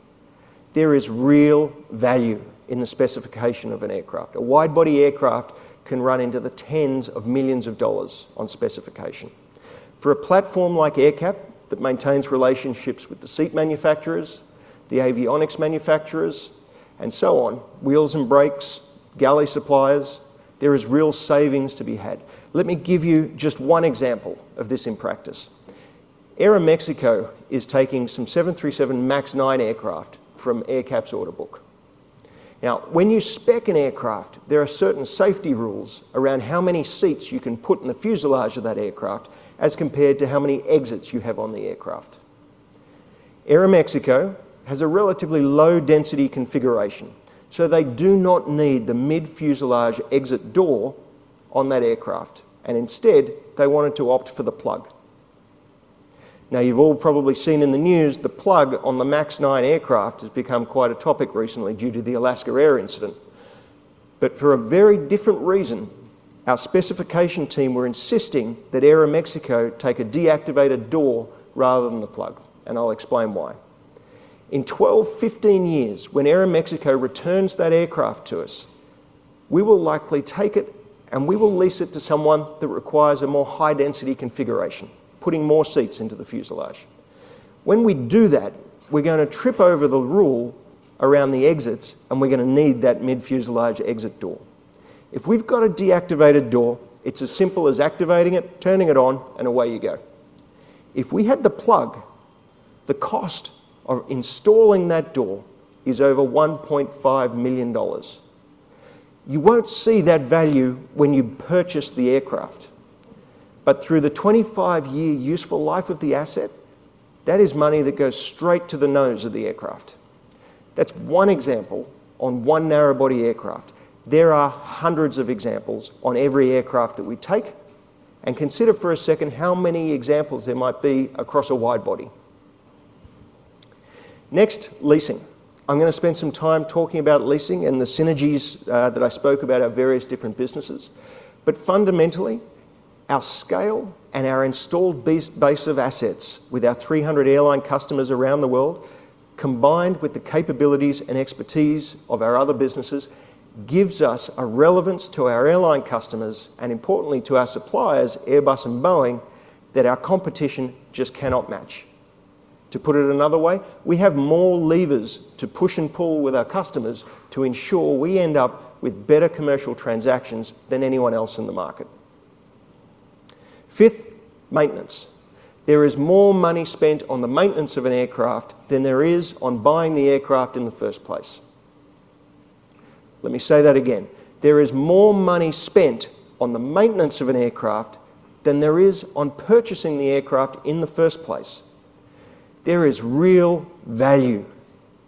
There is real value in the specification of an aircraft. A wide-body aircraft can run into the $10s of millions on specification. For a platform like AerCap that maintains relationships with the seat manufacturers, the avionics manufacturers, and so on, wheels and brakes, galley suppliers, there is real savings to be had. Let me give you just one example of this in practice. Aeroméxico is taking some 737 MAX 9 aircraft from AerCap's order book. Now, when you spec an aircraft, there are certain safety rules around how many seats you can put in the fuselage of that aircraft as compared to how many exits you have on the aircraft. Aeroméxico has a relatively low-density configuration, so they do not need the mid-fuselage exit door on that aircraft. And instead, they wanted to opt for the plug. Now, you've all probably seen in the news the plug on the MAX 9 aircraft has become quite a topic recently due to the Alaska Air incident. But for a very different reason, our specification team were insisting that Aeroméxico take a deactivated door rather than the plug. And I'll explain why. In 12-15 years, when Aeroméxico returns that aircraft to us, we will likely take it, and we will lease it to someone that requires a more high-density configuration, putting more seats into the fuselage. When we do that, we're going to trip over the rule around the exits, and we're going to need that mid-fuselage exit door. If we've got a deactivated door, it's as simple as activating it, turning it on, and away you go. If we had the plug, the cost of installing that door is over $1.5 million. You won't see that value when you purchase the aircraft. But through the 25-year useful life of the asset, that is money that goes straight to the nose of the aircraft. That's one example on one narrow-body aircraft. There are hundreds of examples on every aircraft that we take. And consider for a second how many examples there might be across a wide-body. Next, leasing. I'm going to spend some time talking about leasing and the synergies that I spoke about at various different businesses. But fundamentally, our scale and our installed base of assets with our 300 airline customers around the world, combined with the capabilities and expertise of our other businesses, gives us a relevance to our airline customers and, importantly, to our suppliers, Airbus and Boeing, that our competition just cannot match. To put it another way, we have more levers to push and pull with our customers to ensure we end up with better commercial transactions than anyone else in the market. Fifth, maintenance. There is more money spent on the maintenance of an aircraft than there is on buying the aircraft in the first place. Let me say that again. There is more money spent on the maintenance of an aircraft than there is on purchasing the aircraft in the first place. There is real value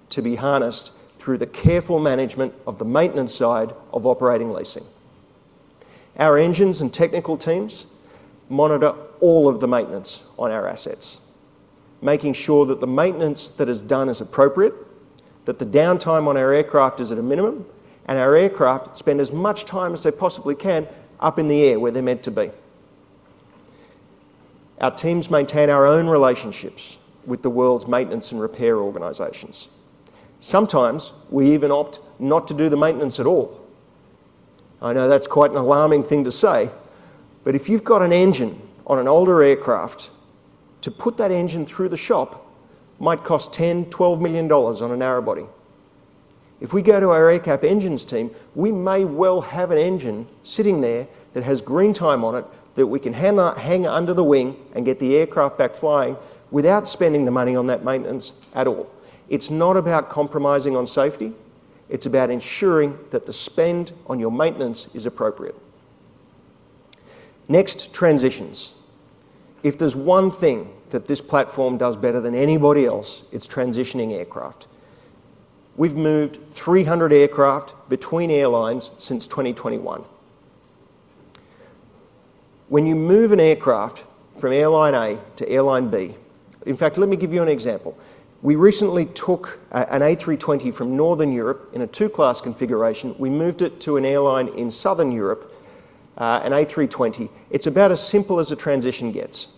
to be harnessed through the careful management of the maintenance side of operating leasing. Our engines and technical teams monitor all of the maintenance on our assets, making sure that the maintenance that is done is appropriate, that the downtime on our aircraft is at a minimum, and our aircraft spend as much time as they possibly can up in the air where they're meant to be. Our teams maintain our own relationships with the world's maintenance and repair organizations. Sometimes, we even opt not to do the maintenance at all. I know that's quite an alarming thing to say. But if you've got an engine on an older aircraft, to put that engine through the shop might cost $10-$12 million on a narrowbody. If we go to our AerCap Engines team, we may well have an engine sitting there that has green time on it that we can hang under the wing and get the aircraft back flying without spending the money on that maintenance at all. It's not about compromising on safety. It's about ensuring that the spend on your maintenance is appropriate. Next, transitions. If there's one thing that this platform does better than anybody else, it's transitioning aircraft. We've moved 300 aircraft between airlines since 2021. When you move an aircraft from airline A to airline B, in fact, let me give you an example. We recently took an A320 from Northern Europe in a two-class configuration. We moved it to an airline in Southern Europe, an A320. It's about as simple as a transition gets.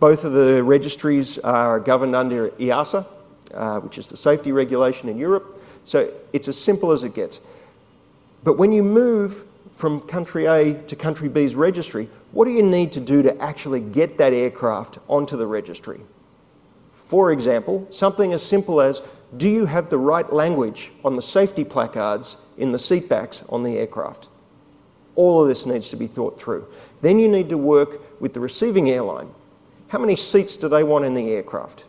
Both of the registries are governed under EASA, which is the safety regulation in Europe. So it's as simple as it gets. But when you move from country A to country B's registry, what do you need to do to actually get that aircraft onto the registry? For example, something as simple as, do you have the right language on the safety placards in the seat backs on the aircraft? All of this needs to be thought through. Then you need to work with the receiving airline. How many seats do they want in the aircraft?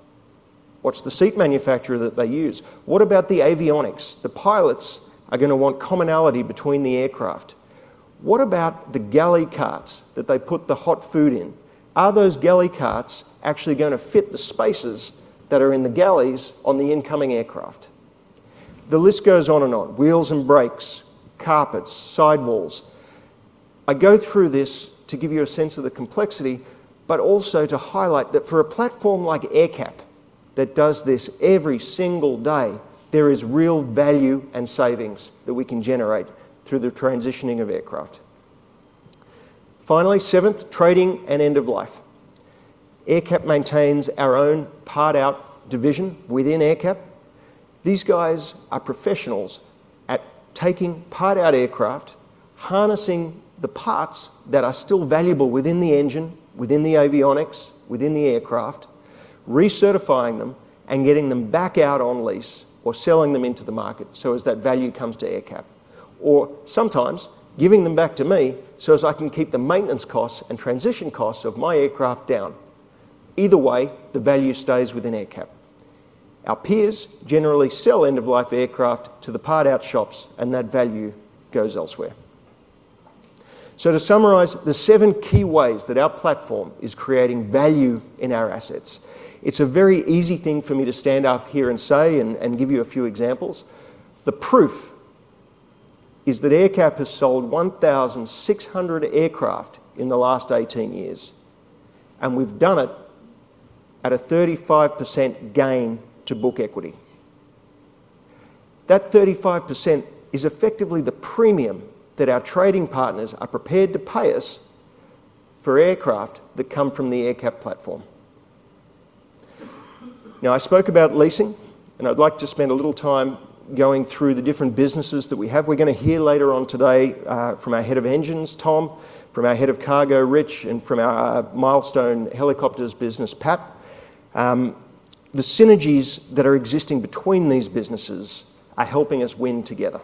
What's the seat manufacturer that they use? What about the avionics? The pilots are going to want commonality between the aircraft. What about the galley carts that they put the hot food in? Are those galley carts actually going to fit the spaces that are in the galleys on the incoming aircraft? The list goes on and on: wheels and brakes, carpets, sidewalls. I go through this to give you a sense of the complexity but also to highlight that for a platform like AerCap that does this every single day, there is real value and savings that we can generate through the transitioning of aircraft. Finally, seventh, trading and end of life. AerCap maintains our own part-out division within AerCap. These guys are professionals at taking part-out aircraft, harnessing the parts that are still valuable within the engine, within the avionics, within the aircraft, recertifying them, and getting them back out on lease or selling them into the market so as that value comes to AerCap or sometimes giving them back to me so as I can keep the maintenance costs and transition costs of my aircraft down. Either way, the value stays within AerCap. Our peers generally sell end-of-life aircraft to the part-out shops, and that value goes elsewhere. So to summarize, the seven key ways that our platform is creating value in our assets, it's a very easy thing for me to stand up here and say and give you a few examples. The proof is that AerCap has sold 1,600 aircraft in the last 18 years. We've done it at a 35% gain to book equity. That 35% is effectively the premium that our trading partners are prepared to pay us for aircraft that come from the AerCap platform. Now, I spoke about leasing. I'd like to spend a little time going through the different businesses that we have. We're going to hear later on today from our head of engines, Tom, from our head of cargo, Rich, and from our Milestone helicopters business, Pat. The synergies that are existing between these businesses are helping us win together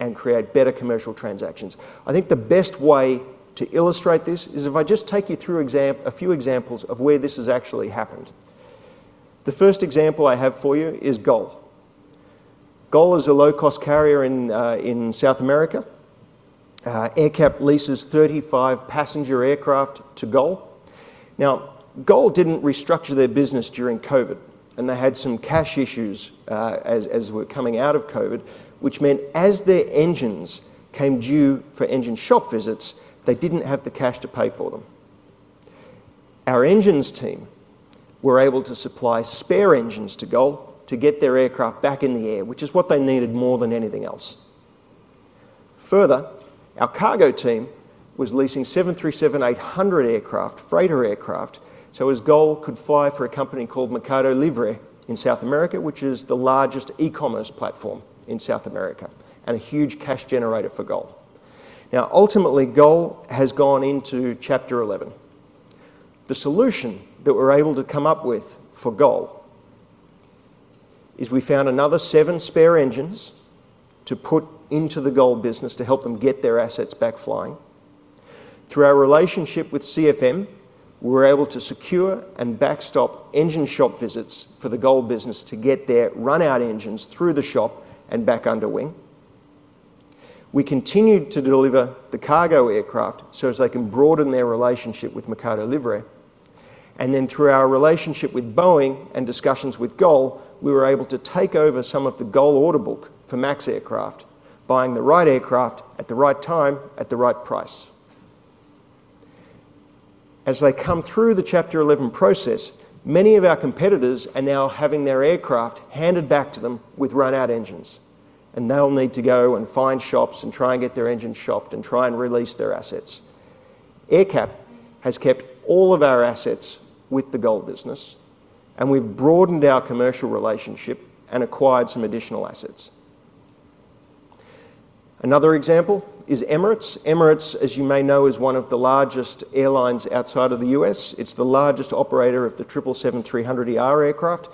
and create better commercial transactions. I think the best way to illustrate this is if I just take you through a few examples of where this has actually happened. The first example I have for you is GOL. GOL is a low-cost carrier in South America. AerCap leases 35 passenger aircraft to GOL. Now, GOL didn't restructure their business during COVID. They had some cash issues as we're coming out of COVID, which meant as their engines came due for engine shop visits, they didn't have the cash to pay for them. Our engines team were able to supply spare engines to GOL to get their aircraft back in the air, which is what they needed more than anything else. Further, our cargo team was leasing 737-800 aircraft, freighter aircraft, so as GOL could fly for a company called Mercado Libre in South America, which is the largest e-commerce platform in South America and a huge cash generator for GOL. Now, ultimately, GOL has gone into Chapter 11. The solution that we're able to come up with for GOL is we found another 7 spare engines to put into the GOL business to help them get their assets back flying. Through our relationship with CFM, we were able to secure and backstop engine shop visits for the GOL business to get their run-out engines through the shop and back under wing. We continued to deliver the cargo aircraft so as they can broaden their relationship with Mercado Libre. And then through our relationship with Boeing and discussions with GOL, we were able to take over some of the GOL order book for MAX aircraft, buying the right aircraft at the right time at the right price. As they come through the chapter 11 process, many of our competitors are now having their aircraft handed back to them with run-out engines. And they'll need to go and find shops and try and get their engines shopped and try and release their assets. AerCap has kept all of our assets with the GOL business. And we've broadened our commercial relationship and acquired some additional assets. Another example is Emirates. Emirates, as you may know, is one of the largest airlines outside of the U.S. It's the largest operator of the 777-300ER aircraft.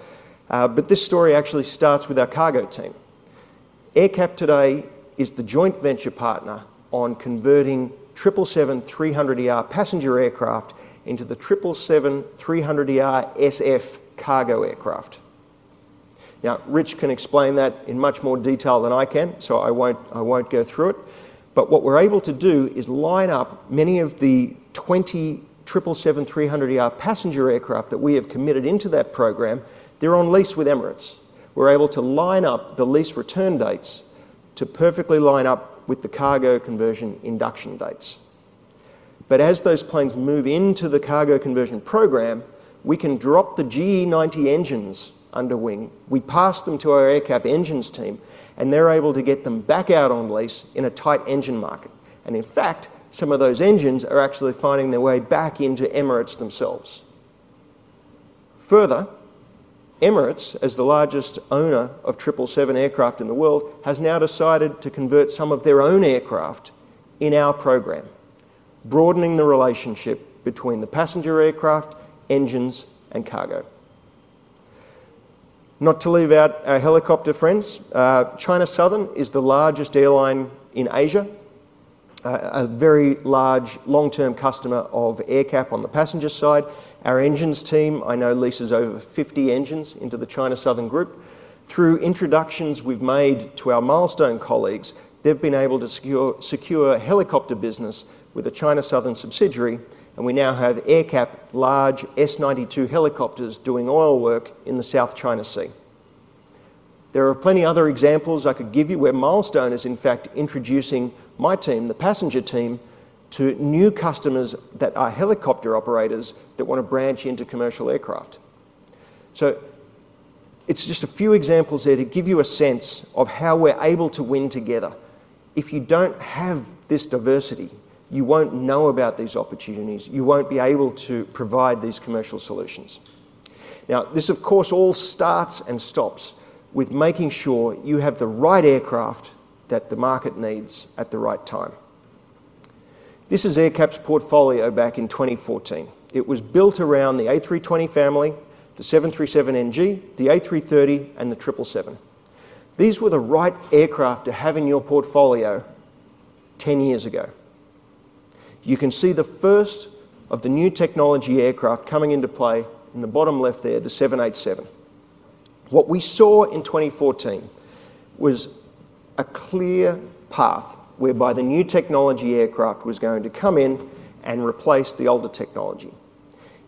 But this story actually starts with our cargo team. AerCap today is the joint venture partner on converting 777-300ER passenger aircraft into the 777-300ERSF cargo aircraft. Now, Rich can explain that in much more detail than I can, so I won't go through it. But what we're able to do is line up many of the 20 777-300ER passenger aircraft that we have committed into that program, they're on lease with Emirates. We're able to line up the lease return dates to perfectly line up with the cargo conversion induction dates. But as those planes move into the cargo conversion program, we can drop the GE90 engines under wing. We pass them to our AerCap engines team. And they're able to get them back out on lease in a tight engine market. And in fact, some of those engines are actually finding their way back into Emirates themselves. Further, Emirates, as the largest owner of 777 aircraft in the world, has now decided to convert some of their own aircraft in our program, broadening the relationship between the passenger aircraft, engines, and cargo. Not to leave out our helicopter friends, China Southern is the largest airline in Asia, a very large long-term customer of AerCap on the passenger side. Our engines team I know leases over 50 engines into the China Southern Group. Through introductions we've made to our Milestone colleagues, they've been able to secure a helicopter business with a China Southern subsidiary. And we now have AerCap large S-92 helicopters doing oil work in the South China Sea. There are plenty other examples I could give you where Milestone is, in fact, introducing my team, the passenger team, to new customers that are helicopter operators that want to branch into commercial aircraft. So it's just a few examples there to give you a sense of how we're able to win together. If you don't have this diversity, you won't know about these opportunities. You won't be able to provide these commercial solutions. Now, this, of course, all starts and stops with making sure you have the right aircraft that the market needs at the right time. This is AerCap's portfolio back in 2014. It was built around the A320 family, the 737NG, the A330, and the 777. These were the right aircraft to have in your portfolio 10 years ago. You can see the first of the new technology aircraft coming into play in the bottom left there, the 787. What we saw in 2014 was a clear path whereby the new technology aircraft was going to come in and replace the older technology.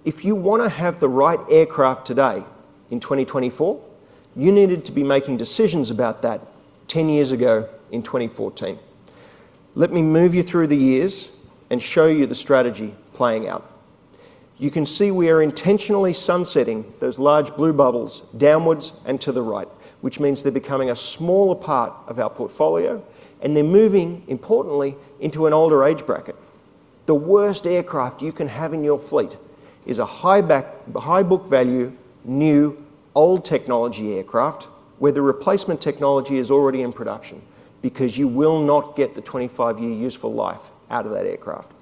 If you want to have the right aircraft today in 2024, you needed to be making decisions about that 10 years ago in 2014. Let me move you through the years and show you the strategy playing out. You can see we are intentionally sunsetting those large blue bubbles downwards and to the right, which means they're becoming a smaller part of our portfolio. They're moving, importantly, into an older age bracket. The worst aircraft you can have in your fleet is a high-book value, new, old technology aircraft where the replacement technology is already in production because you will not get the 25-year useful life out of that aircraft.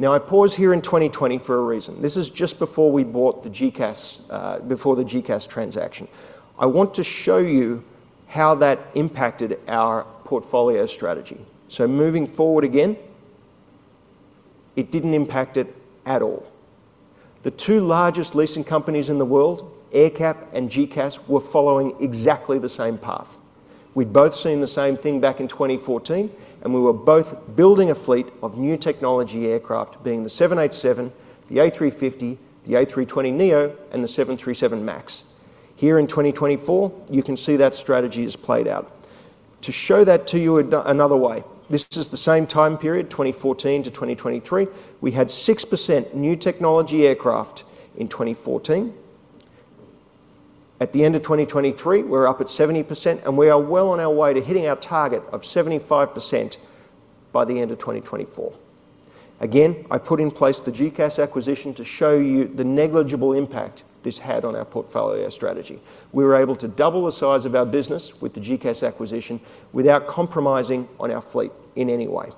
Now, I pause here in 2020 for a reason. This is just before we bought the GECAS before the GECAS transaction. I want to show you how that impacted our portfolio strategy. So moving forward again, it didn't impact it at all. The two largest leasing companies in the world, AerCap and GECAS, were following exactly the same path. We'd both seen the same thing back in 2014. And we were both building a fleet of new technology aircraft being the 787, the A350, the A320neo, and the 737 MAX. Here in 2024, you can see that strategy has played out. To show that to you another way, this is the same time period, 2014 to 2023. We had 6% new technology aircraft in 2014. At the end of 2023, we're up at 70%. And we are well on our way to hitting our target of 75% by the end of 2024. Again, I put in place the GECAS acquisition to show you the negligible impact this had on our portfolio strategy. We were able to double the size of our business with the GECAS acquisition without compromising on our fleet in any way.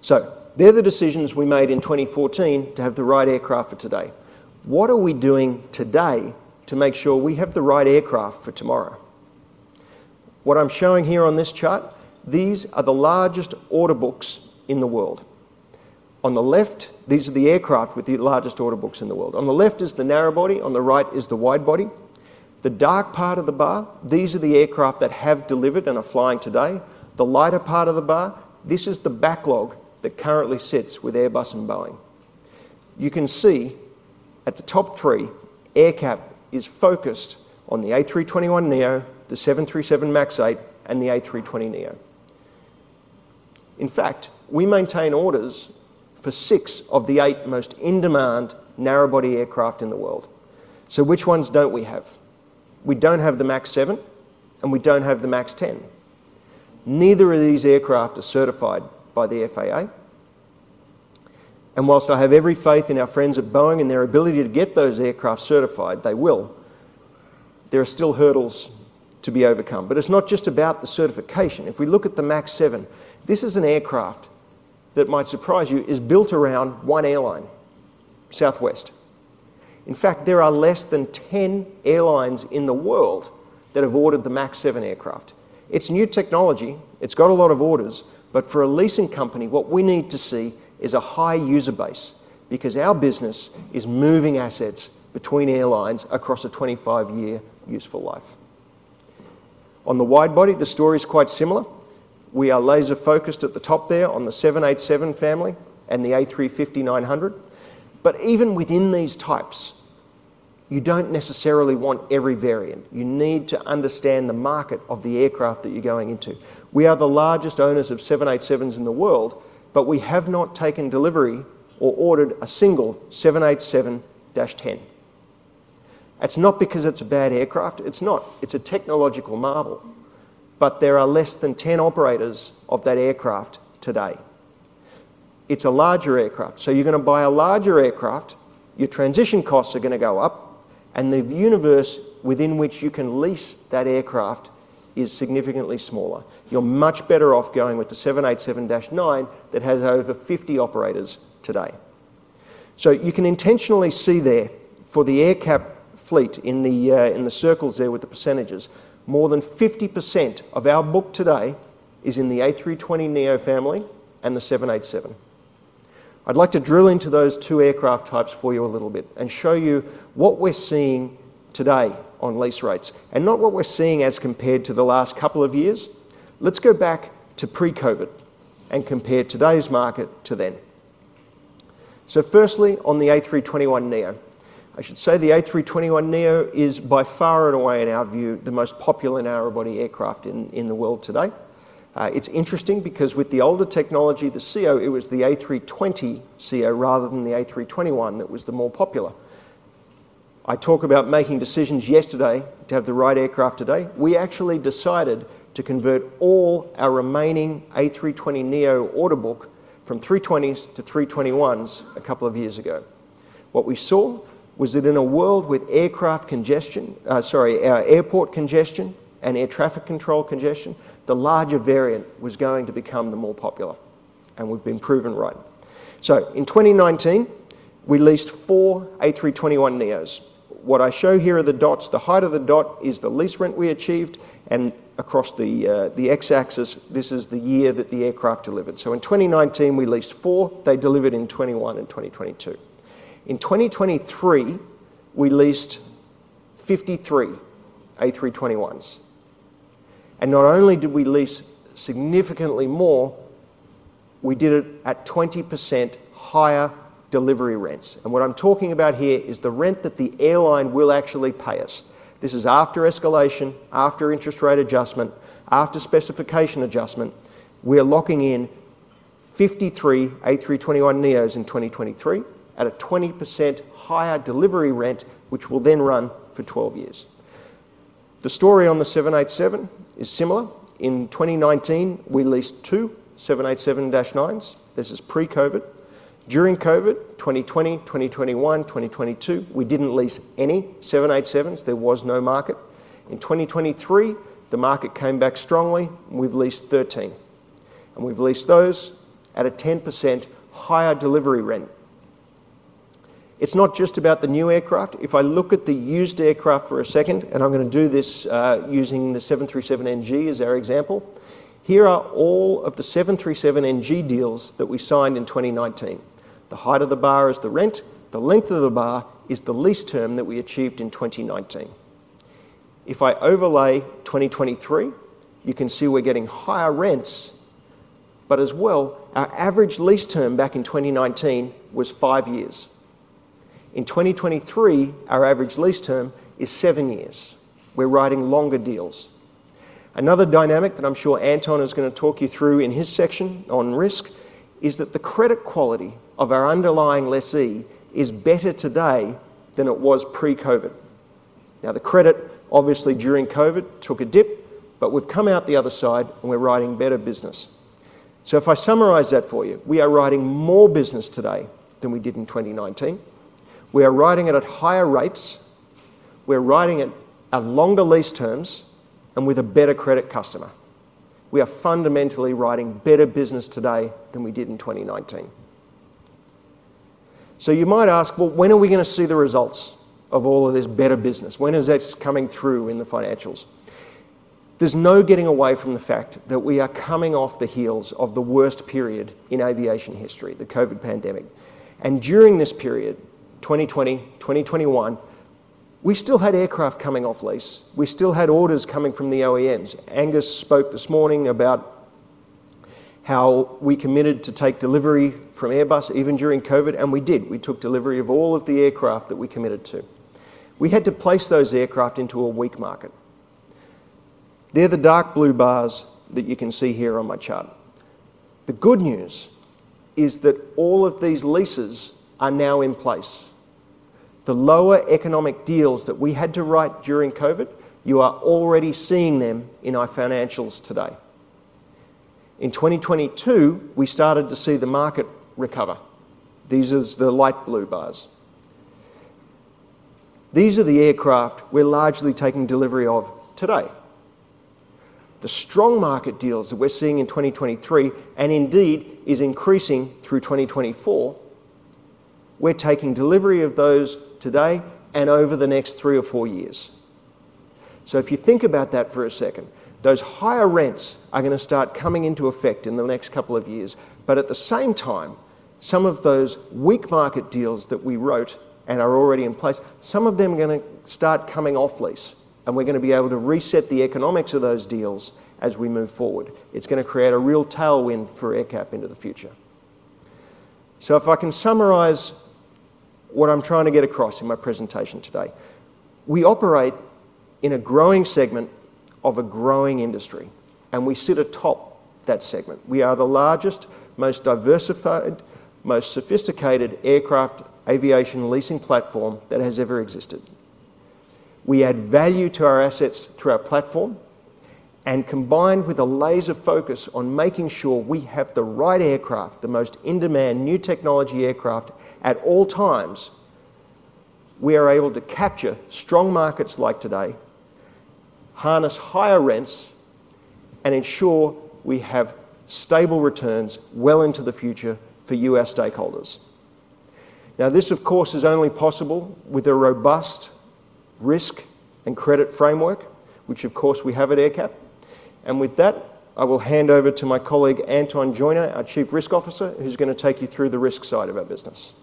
So those are the decisions we made in 2014 to have the right aircraft for today. What are we doing today to make sure we have the right aircraft for tomorrow? What I'm showing here on this chart, these are the largest order books in the world. On the left, these are the aircraft with the largest order books in the world. On the left is the narrow-body. On the right is the wide-body. The dark part of the bar, these are the aircraft that have delivered and are flying today. The lighter part of the bar, this is the backlog that currently sits with Airbus and Boeing. You can see at the top three, AerCap is focused on the A321neo, the 737 MAX 8, and the A320neo. In fact, we maintain orders for six of the eight most in-demand narrow-body aircraft in the world. So which ones don't we have? We don't have the MAX7. We don't have the MAX10. Neither of these aircraft are certified by the FAA. While I have every faith in our friends at Boeing and their ability to get those aircraft certified, they will, there are still hurdles to be overcome. It's not just about the certification. If we look at the MAX7, this is an aircraft that might surprise you is built around one airline, Southwest. In fact, there are less than 10 airlines in the world that have ordered the MAX7 aircraft. It's new technology. It's got a lot of orders. But for a leasing company, what we need to see is a high user base because our business is moving assets between airlines across a 25-year useful life. On the wide body, the story is quite similar. We are laser-focused at the top there on the 787 family and the A350-900. But even within these types, you don't necessarily want every variant. You need to understand the market of the aircraft that you're going into. We are the largest owners of 787s in the world. But we have not taken delivery or ordered a single 787-10. It's not because it's a bad aircraft. It's not. It's a technological marvel. But there are less than 10 operators of that aircraft today. It's a larger aircraft. So you're going to buy a larger aircraft. Your transition costs are going to go up. The universe within which you can lease that aircraft is significantly smaller. You're much better off going with the 787-9 that has over 50 operators today. So you can intentionally see there for the AerCap fleet in the circles there with the percentages, more than 50% of our book today is in the A320neo family and the 787. I'd like to drill into those two aircraft types for you a little bit and show you what we're seeing today on lease rates and not what we're seeing as compared to the last couple of years. Let's go back to pre-COVID and compare today's market to then. So firstly, on the A321neo, I should say the A321neo is by far and away, in our view, the most popular narrow-body aircraft in the world today. It's interesting because with the older technology, the ceo, it was the A320ceo rather than the A321 that was the more popular. I talk about making decisions yesterday to have the right aircraft today. We actually decided to convert all our remaining A320neo order book from 320s to 321s a couple of years ago. What we saw was that in a world with airport congestion and air traffic control congestion, the larger variant was going to become the more popular. And we've been proven right. So in 2019, we leased four A321neos. What I show here are the dots. The height of the dot is the lease rent we achieved. And across the X-axis, this is the year that the aircraft delivered. So in 2019, we leased four. They delivered in 2021 and 2022. In 2023, we leased 53 A321s. Not only did we lease significantly more, we did it at 20% higher delivery rents. What I'm talking about here is the rent that the airline will actually pay us. This is after escalation, after interest rate adjustment, after specification adjustment. We're locking in 53 A321neos in 2023 at a 20% higher delivery rent, which will then run for 12 years. The story on the 787 is similar. In 2019, we leased 2 787-9s. This is pre-COVID. During COVID, 2020, 2021, 2022, we didn't lease any 787s. There was no market. In 2023, the market came back strongly. We've leased 13. We've leased those at a 10% higher delivery rent. It's not just about the new aircraft. If I look at the used aircraft for a second and I'm going to do this using the 737NG as our example, here are all of the 737NG deals that we signed in 2019. The height of the bar is the rent. The length of the bar is the lease term that we achieved in 2019. If I overlay 2023, you can see we're getting higher rents. But as well, our average lease term back in 2019 was 5 years. In 2023, our average lease term is 7 years. We're writing longer deals. Another dynamic that I'm sure Aengus is going to talk you through in his section on risk is that the credit quality of our underlying lessee is better today than it was pre-COVID. Now, the credit, obviously, during COVID took a dip. But we've come out the other side. We're writing better business. So if I summarize that for you, we are writing more business today than we did in 2019. We are writing it at higher rates. We're writing it at longer lease terms and with a better credit customer. We are fundamentally writing better business today than we did in 2019. So you might ask, "Well, when are we going to see the results of all of this better business? When is this coming through in the financials?" There's no getting away from the fact that we are coming off the heels of the worst period in aviation history, the COVID pandemic. And during this period, 2020, 2021, we still had aircraft coming off lease. We still had orders coming from the OEMs. Aengus spoke this morning about how we committed to take delivery from Airbus even during COVID. And we did. We took delivery of all of the aircraft that we committed to. We had to place those aircraft into a weak market. They're the dark blue bars that you can see here on my chart. The good news is that all of these leases are now in place. The lower economic deals that we had to write during COVID, you are already seeing them in our financials today. In 2022, we started to see the market recover. These are the light blue bars. These are the aircraft we're largely taking delivery of today. The strong market deals that we're seeing in 2023 and indeed is increasing through 2024, we're taking delivery of those today and over the next 3 or 4 years. So if you think about that for a second, those higher rents are going to start coming into effect in the next couple of years. But at the same time, some of those weak market deals that we wrote and are already in place, some of them are going to start coming off lease. And we're going to be able to reset the economics of those deals as we move forward. It's going to create a real tailwind for AerCap into the future. So if I can summarize what I'm trying to get across in my presentation today, we operate in a growing segment of a growing industry. And we sit atop that segment. We are the largest, most diversified, most sophisticated aircraft aviation leasing platform that has ever existed. We add value to our assets through our platform. Combined with a laser focus on making sure we have the right aircraft, the most in-demand new technology aircraft at all times, we are able to capture strong markets like today, harness higher rents, and ensure we have stable returns well into the future for U.S. stakeholders. Now, this, of course, is only possible with a robust risk and credit framework, which, of course, we have at AerCap. With that, I will hand over to my colleague, Anton Joiner, our Chief Risk Officer, who's going to take you through the risk side of our business.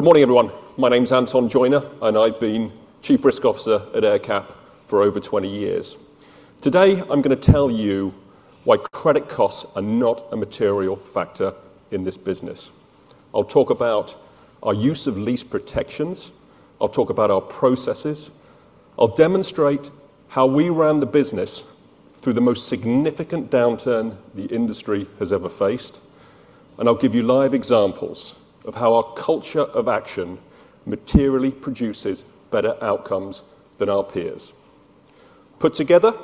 Good morning, everyone. My name's Anton Joiner. I've been Chief Risk Officer at AerCap for over 20 years. Today, I'm going to tell you why credit costs are not a material factor in this business. I'll talk about our use of lease protections. I'll talk about our processes. I'll demonstrate how we ran the business through the most significant downturn the industry has ever faced. I'll give you live examples of how our culture of action materially produces better outcomes than our peers. Put together,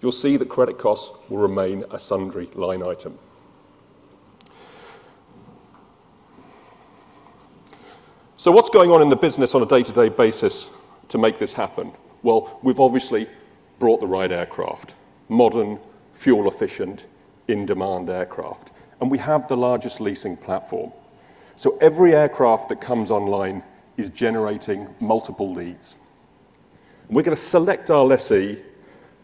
you'll see that credit costs will remain a sundry line item. What's going on in the business on a day-to-day basis to make this happen? Well, we've obviously brought the right aircraft, modern, fuel-efficient, in-demand aircraft. We have the largest leasing platform. Every aircraft that comes online is generating multiple leads. We're going to select our lessee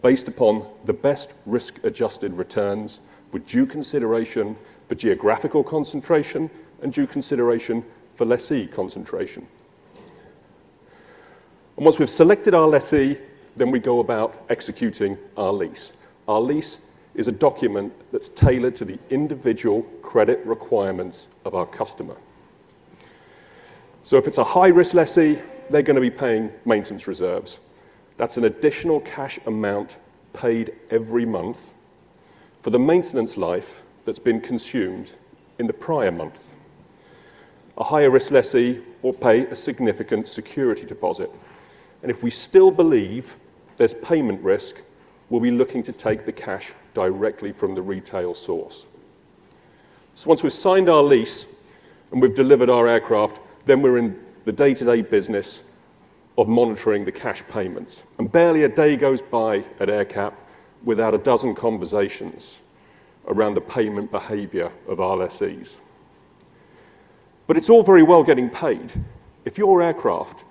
based upon the best risk-adjusted returns with due consideration for geographical concentration and due consideration for lessee concentration. Once we've selected our lessee, we go about executing our lease. Our lease is a document that's tailored to the individual credit requirements of our customer. So if it's a high-risk lessee, they're going to be paying maintenance reserves. That's an additional cash amount paid every month for the maintenance life that's been consumed in the prior month. A higher-risk lessee will pay a significant security deposit. And if we still believe there's payment risk, we'll be looking to take the cash directly from the retail source. So once we've signed our lease and we've delivered our aircraft, then we're in the day-to-day business of monitoring the cash payments. And barely a day goes by at AerCap without a dozen conversations around the payment behavior of our lessees. But it's all very well getting paid. If your aircraft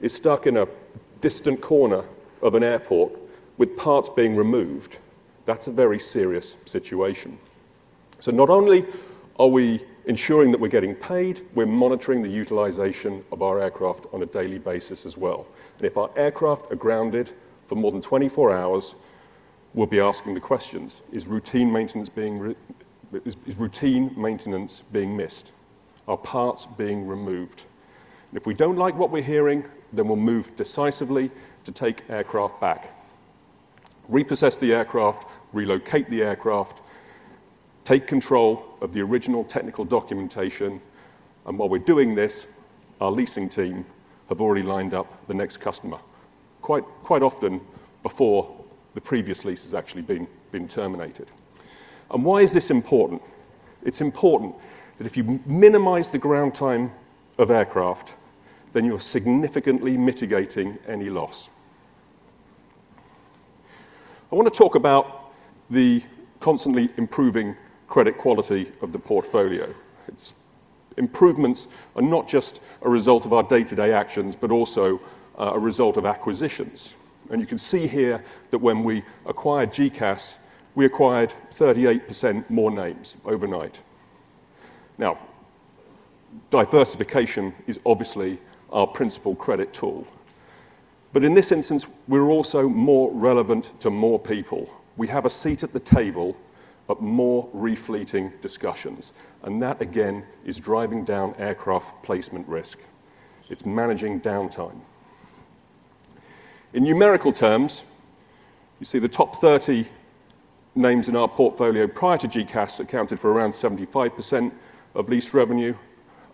is stuck in a distant corner of an airport with parts being removed, that's a very serious situation. So not only are we ensuring that we're getting paid, we're monitoring the utilization of our aircraft on a daily basis as well. If our aircraft are grounded for more than 24 hours, we'll be asking the questions, "Is routine maintenance being missed? Are parts being removed?" If we don't like what we're hearing, then we'll move decisively to take aircraft back, repossess the aircraft, relocate the aircraft, take control of the original technical documentation. While we're doing this, our leasing team have already lined up the next customer quite often before the previous lease has actually been terminated. Why is this important? It's important that if you minimize the ground time of aircraft, then you're significantly mitigating any loss. I want to talk about the constantly improving credit quality of the portfolio. Improvements are not just a result of our day-to-day actions but also a result of acquisitions. You can see here that when we acquired GECAS, we acquired 38% more names overnight. Now, diversification is obviously our principal credit tool. In this instance, we're also more relevant to more people. We have a seat at the table of more refleeting discussions. That, again, is driving down aircraft placement risk. It's managing downtime. In numerical terms, you see the top 30 names in our portfolio prior to GECAS accounted for around 75% of lease revenue.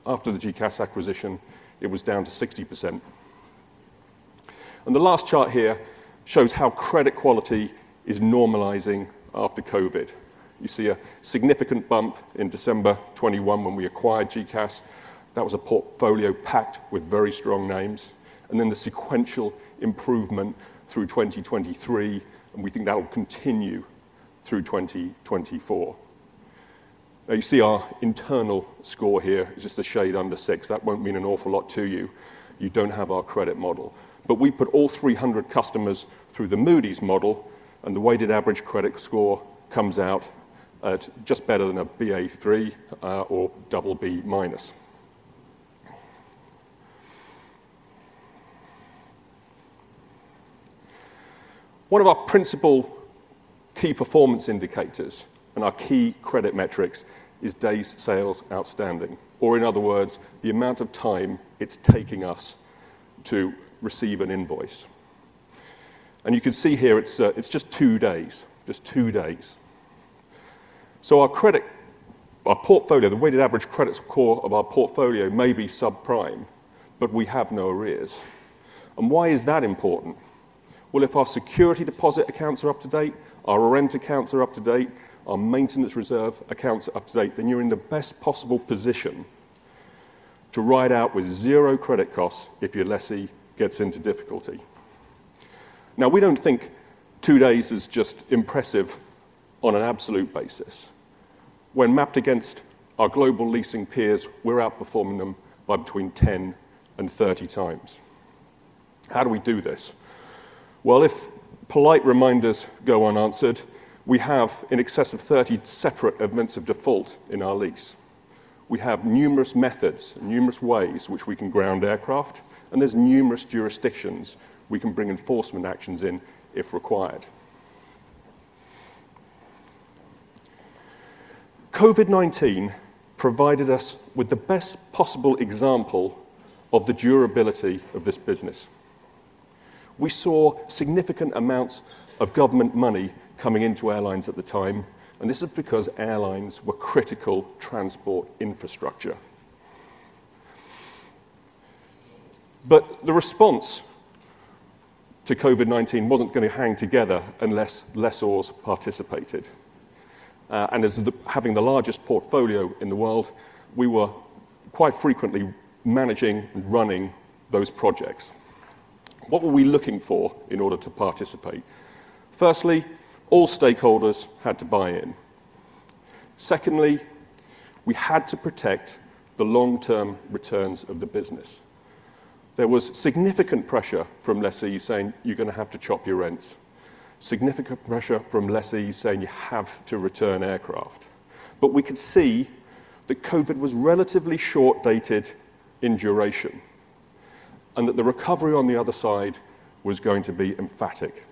After the GECAS acquisition, it was down to 60%. The last chart here shows how credit quality is normalizing after COVID. You see a significant bump in December 2021 when we acquired GECAS. That was a portfolio packed with very strong names. Then the sequential improvement through 2023. We think that will continue through 2024. Now, you see our internal score here is just a shade under 6. That won't mean an awful lot to you. You don't have our credit model. But we put all 300 customers through the Moody's model. The weighted average credit score comes out just better than a Ba3 or BB minus. One of our principal key performance indicators and our key credit metrics is day's sales outstanding, or in other words, the amount of time it's taking us to receive an invoice. You can see here, it's just 2 days, just 2 days. Our portfolio, the weighted average credit score of our portfolio may be subprime. But we have no arrears. Why is that important? Well, if our security deposit accounts are up to date, our rent accounts are up to date, our maintenance reserve accounts are up to date, then you're in the best possible position to ride out with zero credit costs if your lessee gets into difficulty. Now, we don't think two days is just impressive on an absolute basis. When mapped against our global leasing peers, we're outperforming them by between 10 and 30 times. How do we do this? Well, if polite reminders go unanswered, we have in excess of 30 separate events of default in our lease. We have numerous methods, numerous ways which we can ground aircraft. There's numerous jurisdictions we can bring enforcement actions in if required. COVID-19 provided us with the best possible example of the durability of this business. We saw significant amounts of government money coming into airlines at the time. This is because airlines were critical transport infrastructure. But the response to COVID-19 wasn't going to hang together unless lessors participated. And as having the largest portfolio in the world, we were quite frequently managing and running those projects. What were we looking for in order to participate? Firstly, all stakeholders had to buy in. Secondly, we had to protect the long-term returns of the business. There was significant pressure from lessees saying, "You're going to have to chop your rents," significant pressure from lessees saying, "You have to return aircraft." But we could see that COVID was relatively short-dated in duration and that the recovery on the other side was going to be emphatic.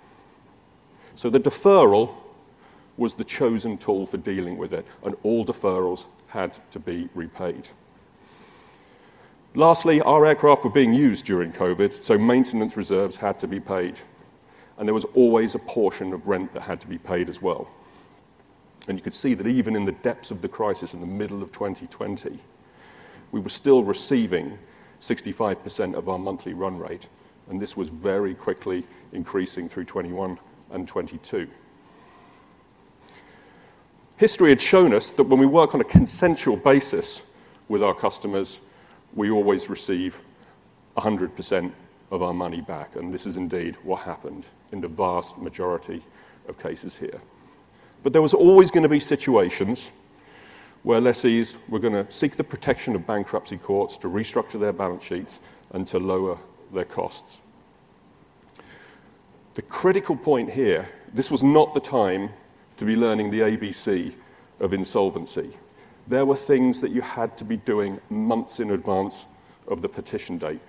So the deferral was the chosen tool for dealing with it. And all deferrals had to be repaid. Lastly, our aircraft were being used during COVID. So maintenance reserves had to be paid. There was always a portion of rent that had to be paid as well. You could see that even in the depths of the crisis in the middle of 2020, we were still receiving 65% of our monthly run rate. This was very quickly increasing through 2021 and 2022. History had shown us that when we work on a consensual basis with our customers, we always receive 100% of our money back. This is indeed what happened in the vast majority of cases here. But there was always going to be situations where lessees were going to seek the protection of bankruptcy courts to restructure their balance sheets and to lower their costs. The critical point here, this was not the time to be learning the ABC of insolvency. There were things that you had to be doing months in advance of the petition date.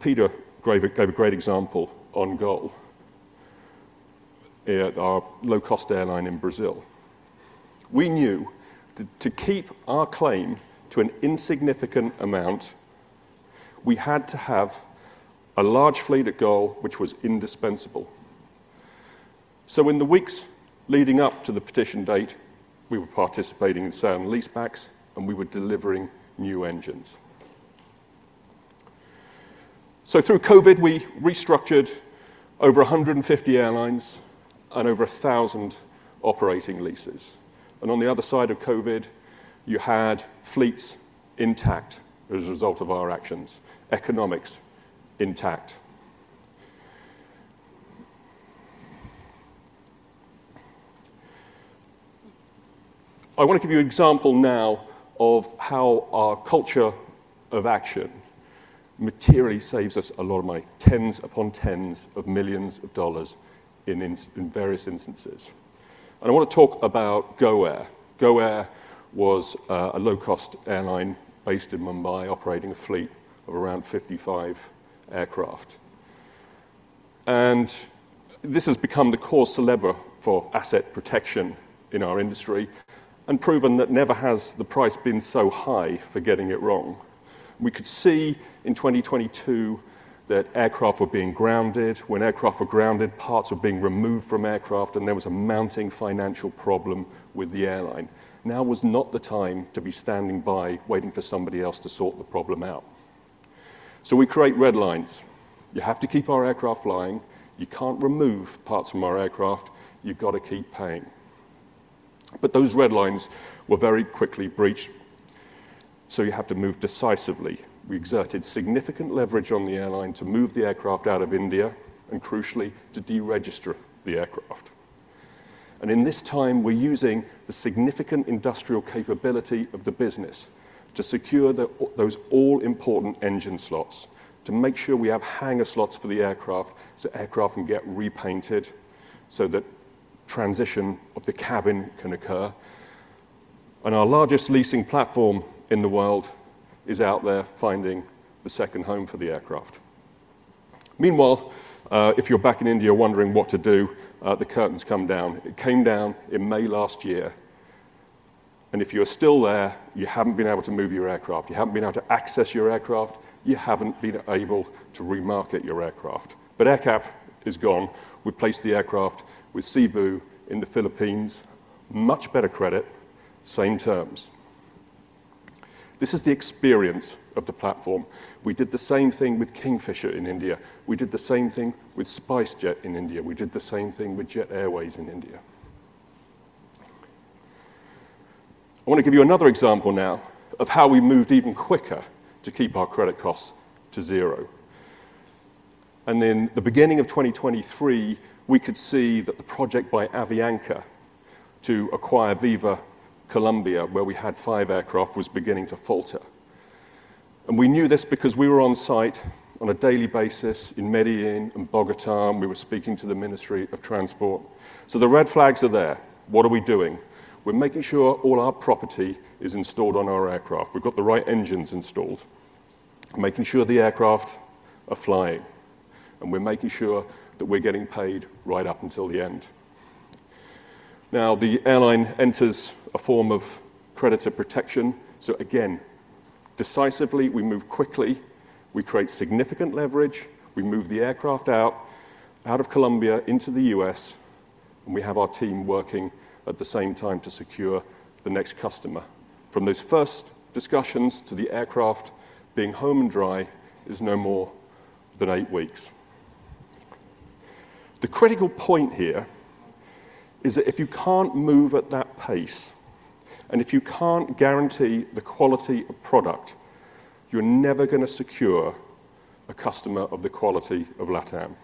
Peter gave a great example on GOL, our low-cost airline in Brazil. We knew that to keep our claim to an insignificant amount, we had to have a large fleet at GOL which was indispensable. So in the weeks leading up to the petition date, we were participating in selling leasebacks. And we were delivering new engines. So through COVID, we restructured over 150 airlines and over 1,000 operating leases. And on the other side of COVID, you had fleets intact as a result of our actions, economics intact. I want to give you an example now of how our culture of action materially saves us a lot, in tens upon tens of $ millions in various instances. And I want to talk about GoAir. GoAir was a low-cost airline based in Mumbai operating a fleet of around 55 aircraft. This has become the core criteria for asset protection in our industry and proven that never has the price been so high for getting it wrong. We could see in 2022 that aircraft were being grounded. When aircraft were grounded, parts were being removed from aircraft. There was a mounting financial problem with the airline. Now was not the time to be standing by waiting for somebody else to sort the problem out. We create red lines. You have to keep our aircraft flying. You can't remove parts from our aircraft. You've got to keep paying. But those red lines were very quickly breached. You have to move decisively. We exerted significant leverage on the airline to move the aircraft out of India and, crucially, to deregister the aircraft. And in this time, we're using the significant industrial capability of the business to secure those all-important engine slots, to make sure we have hangar slots for the aircraft so aircraft can get repainted so that transition of the cabin can occur. And our largest leasing platform in the world is out there finding the second home for the aircraft. Meanwhile, if you're back in India wondering what to do, the curtains come down. It came down in May last year. And if you're still there, you haven't been able to move your aircraft. You haven't been able to access your aircraft. You haven't been able to remarket your aircraft. But AerCap is gone. We've placed the aircraft with Cebu in the Philippines, much better credit, same terms. This is the experience of the platform. We did the same thing with Kingfisher in India. We did the same thing with SpiceJet in India. We did the same thing with Jet Airways in India. I want to give you another example now of how we moved even quicker to keep our credit costs to zero. And in the beginning of 2023, we could see that the project by Avianca to acquire Viva Air Colombia, where we had five aircraft, was beginning to falter. And we knew this because we were on site on a daily basis in Medellín and Bogotá. And we were speaking to the Ministry of Transport. So the red flags are there. What are we doing? We're making sure all our property is installed on our aircraft. We've got the right engines installed, making sure the aircraft are flying. And we're making sure that we're getting paid right up until the end. Now, the airline enters a form of creditor protection. So again, decisively, we move quickly. We create significant leverage. We move the aircraft out of Colombia into the U.S. And we have our team working at the same time to secure the next customer. From those first discussions to the aircraft being home and dry is no more than eight weeks. The critical point here is that if you can't move at that pace and if you can't guarantee the quality of product, you're never going to secure a customer of the quality of LATAM.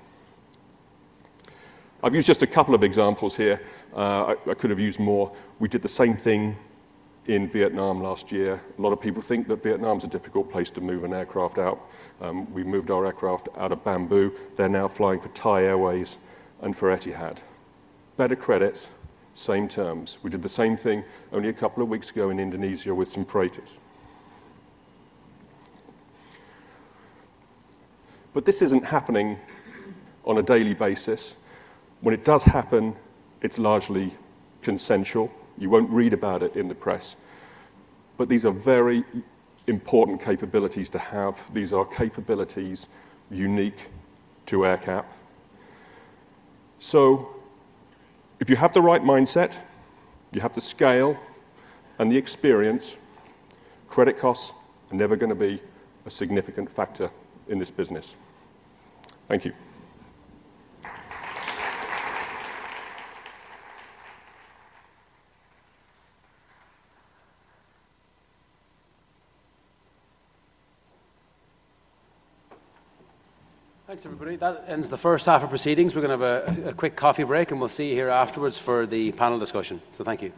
I've used just a couple of examples here. I could have used more. We did the same thing in Vietnam last year. A lot of people think that Vietnam's a difficult place to move an aircraft out. We moved our aircraft out of Bamboo. They're now flying for Thai Airways and for Etihad. Better credits, same terms. We did the same thing only a couple of weeks ago in Indonesia with some freighters. But this isn't happening on a daily basis. When it does happen, it's largely consensual. You won't read about it in the press. But these are very important capabilities to have. These are capabilities unique to AerCap. So if you have the right mindset, you have the scale and the experience, credit costs are never going to be a significant factor in this business. Thank you. Thanks, everybody. That ends the first half of proceedings. We're going to have a quick coffee break. We'll see you here afterwards for the panel discussion. Thank you.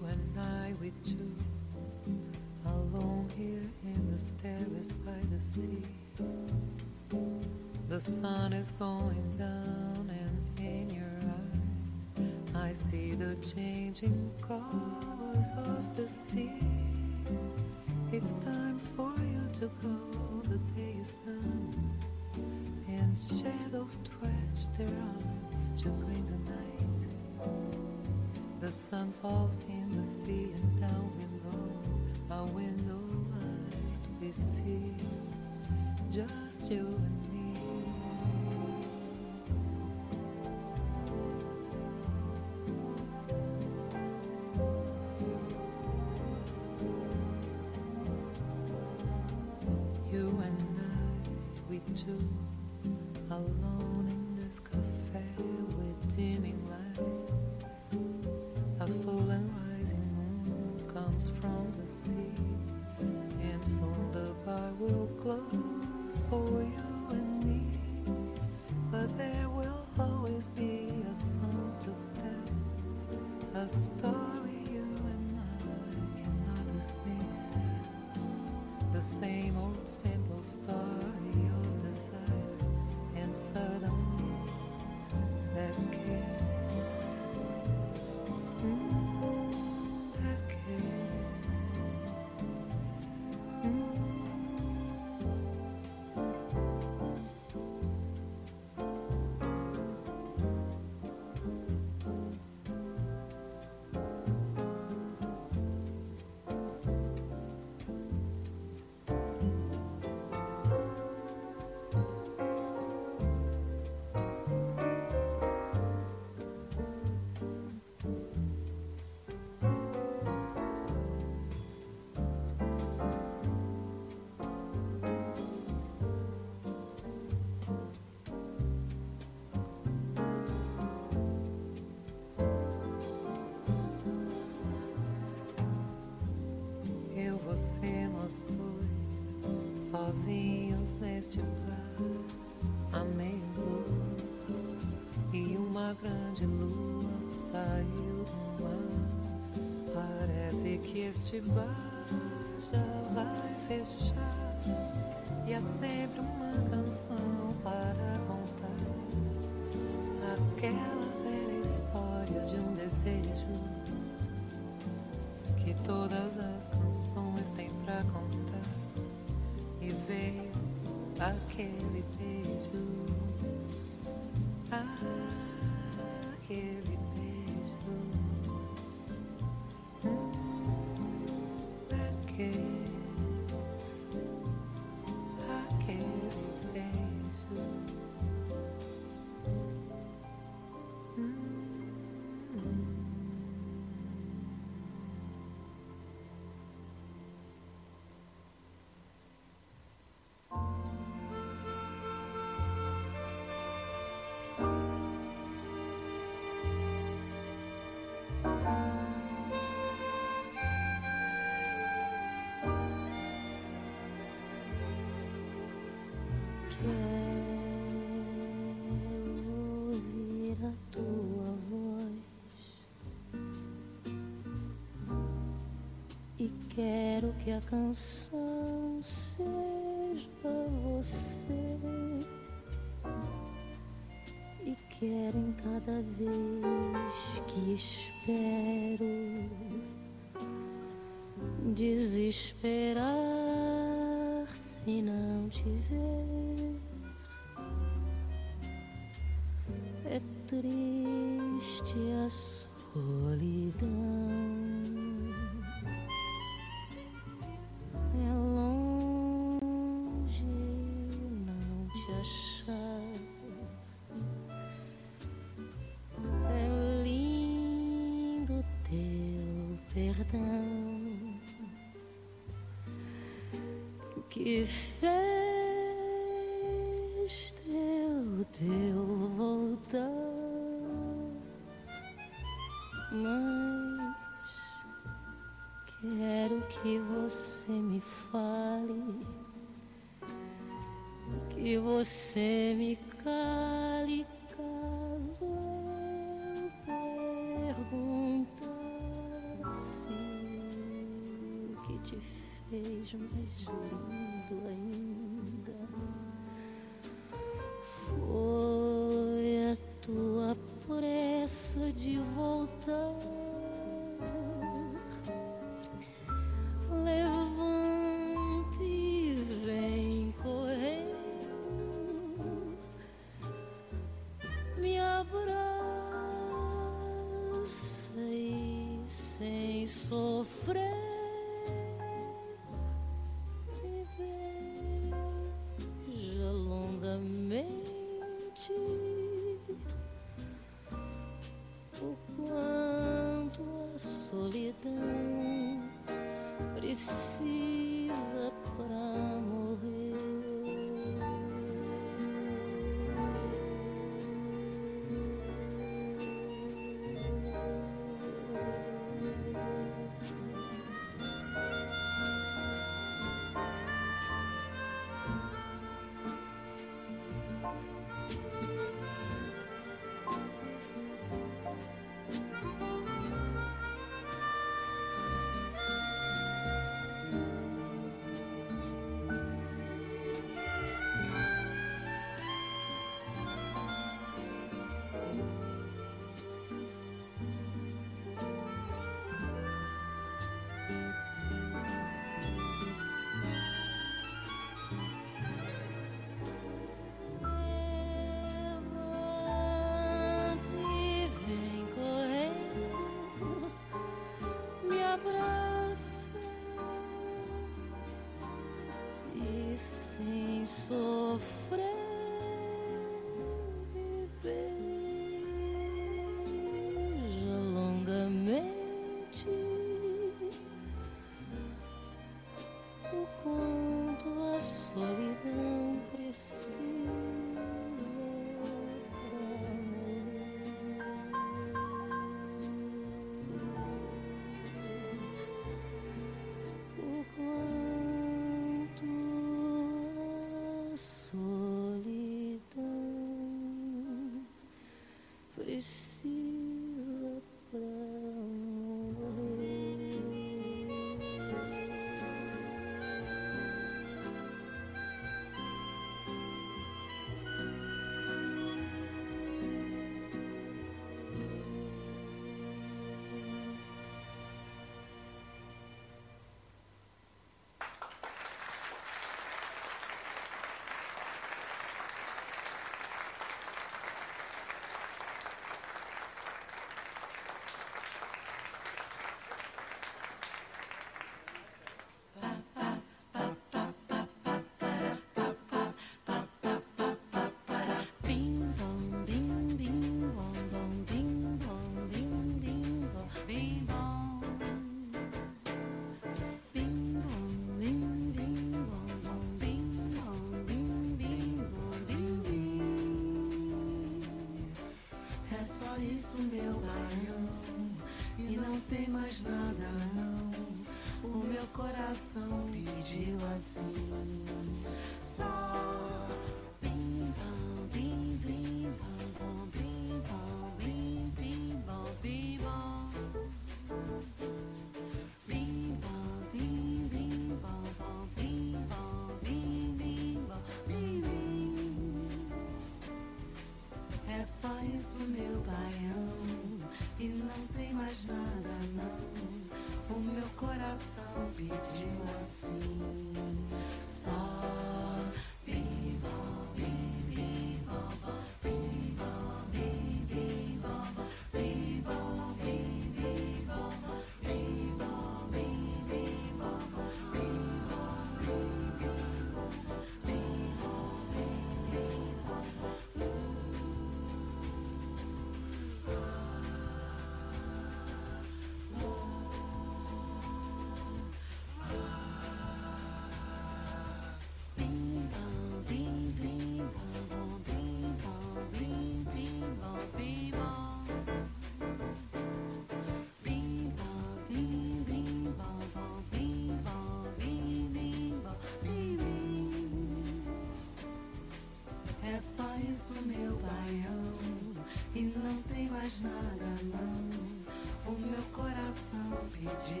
Okay,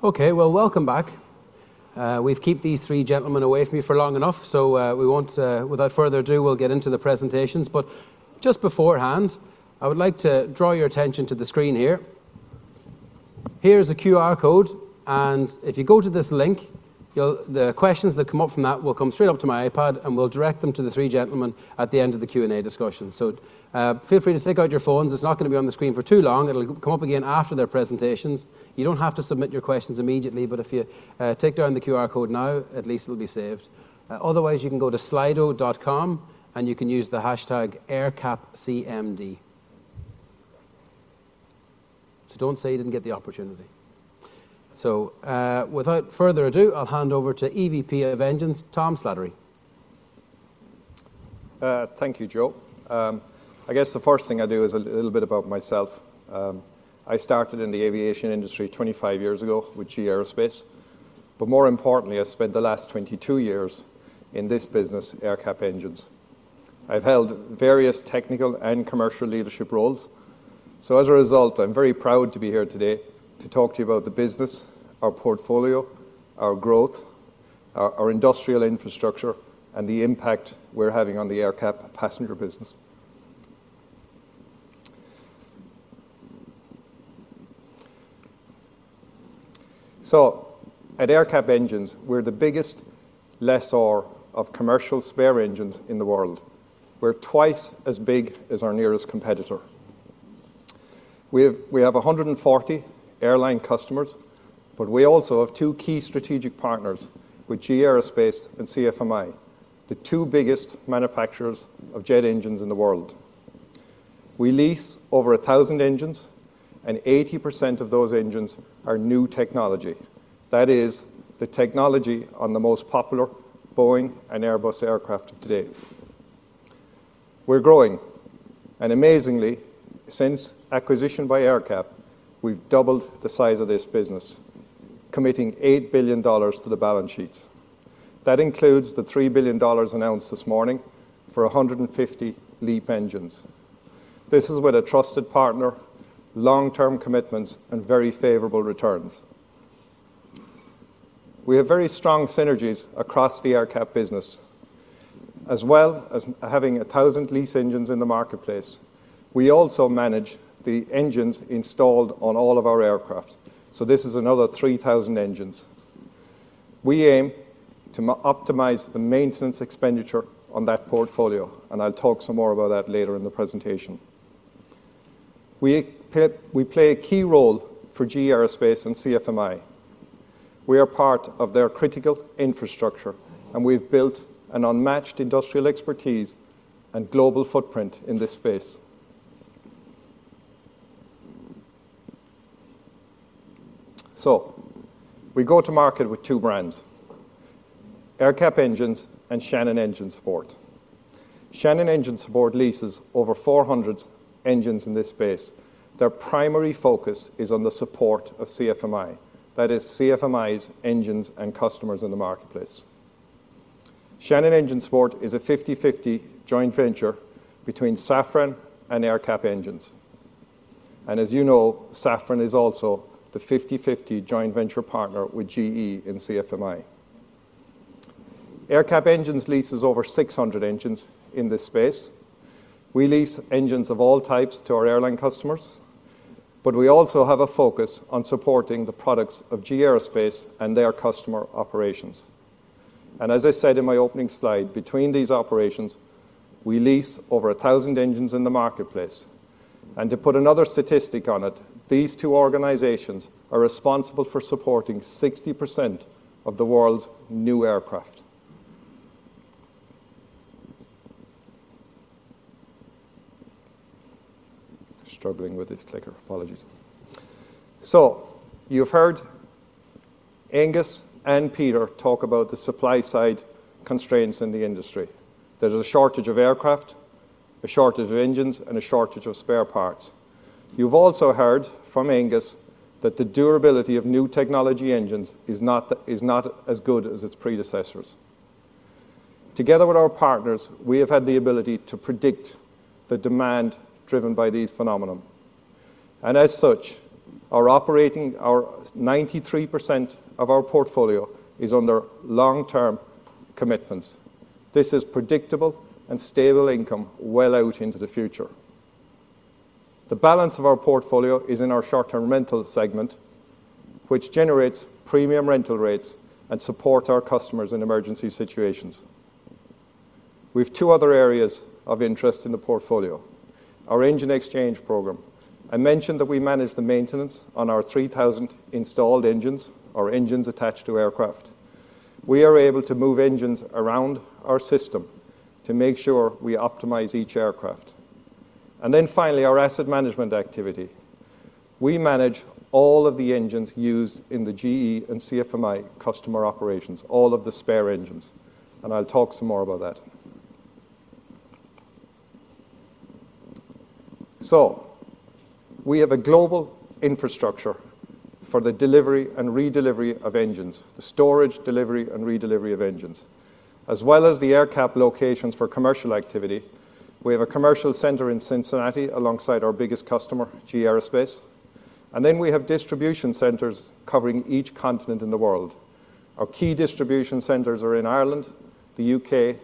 well, welcome back. We've kept these three gentlemen away from you for long enough, so, we won't, without further ado, we'll get into the presentations. But just beforehand, I would like to draw your attention to the screen here. Here's a QR code, and if you go to this link, you'll, the questions that come up from that will come straight up to my iPad, and we'll direct them to the three gentlemen at the end of the Q&A discussion. So, feel free to take out your phones. It's not gonna be on the screen for too long. It'll come up again after their presentations. You don't have to submit your questions immediately, but if you tick down the QR code now, at least it'll be saved. Otherwise, you can go to slido.com, and you can use the hashtag #AerCapCMD. So don't say you didn't get the opportunity. So, without further ado, I'll hand over to EVP of Engines, Tom Slattery. Thank you, Joe. I guess the first thing I do is a little bit about myself. I started in the aviation industry 25 years ago with GE Aerospace, but more importantly, I spent the last 22 years in this business, AerCap Engines. I've held various technical and commercial leadership roles. As a result, I'm very proud to be here today to talk to you about the business, our portfolio, our growth, our industrial infrastructure, and the impact we're having on the AerCap passenger business. At AerCap Engines, we're the biggest lessor of commercial spare engines in the world. We're twice as big as our nearest competitor. We have 140 airline customers, but we also have two key strategic partners with GE Aerospace and CFMI, the two biggest manufacturers of jet engines in the world. We lease over 1,000 engines, and 80% of those engines are new technology. That is the technology on the most popular Boeing and Airbus aircraft of today. We're growing. And amazingly, since acquisition by AerCap, we've doubled the size of this business, committing $8 billion to the balance sheets. That includes the $3 billion announced this morning for 150 LEAP engines. This is with a trusted partner, long-term commitments, and very favorable returns. We have very strong synergies across the AerCap business. As well as having 1,000 lease engines in the marketplace, we also manage the engines installed on all of our aircraft. So this is another 3,000 engines. We aim to optimize the maintenance expenditure on that portfolio, and I'll talk some more about that later in the presentation. We play a key role for GE Aerospace and CFMI. We are part of their critical infrastructure, and we've built an unmatched industrial expertise and global footprint in this space. So we go to market with two brands, AerCap Engines and Shannon Engine Support. Shannon Engine Support leases over 400 engines in this space. Their primary focus is on the support of CFMI. That is CFMI's engines and customers in the marketplace. Shannon Engine Support is a 50/50 joint venture between Safran and AerCap Engines. And as you know, Safran is also the 50/50 joint venture partner with GE in CFMI. AerCap Engines leases over 600 engines in this space. We lease engines of all types to our airline customers, but we also have a focus on supporting the products of GE Aerospace and their customer operations. And as I said in my opening slide, between these operations, we lease over 1,000 engines in the marketplace. And to put another statistic on it, these two organizations are responsible for supporting 60% of the world's new aircraft. Struggling with this clicker. Apologies. So you've heard Aengus and Peter talk about the supply side constraints in the industry. There's a shortage of aircraft, a shortage of engines, and a shortage of spare parts. You've also heard from Aengus that the durability of new technology engines is not the - is not as good as its predecessors. Together with our partners, we have had the ability to predict the demand driven by these phenomena. And as such, our operating - our 93% of our portfolio is under long-term commitments. This is predictable and stable income well out into the future. The balance of our portfolio is in our short-term rental segment, which generates premium rental rates and supports our customers in emergency situations. We have two other areas of interest in the portfolio: our engine exchange program. I mentioned that we manage the maintenance on our 3,000 installed engines, our engines attached to aircraft. We are able to move engines around our system to make sure we optimize each aircraft. Then finally, our asset management activity. We manage all of the engines used in the GE and CFMI customer operations, all of the spare engines. And I'll talk some more about that. We have a global infrastructure for the delivery and redelivery of engines, the storage, delivery, and redelivery of engines, as well as the AerCap locations for commercial activity. We have a commercial center in Cincinnati alongside our biggest customer, GE Aerospace. Then we have distribution centers covering each continent in the world. Our key distribution centers are in Ireland, the U.K.,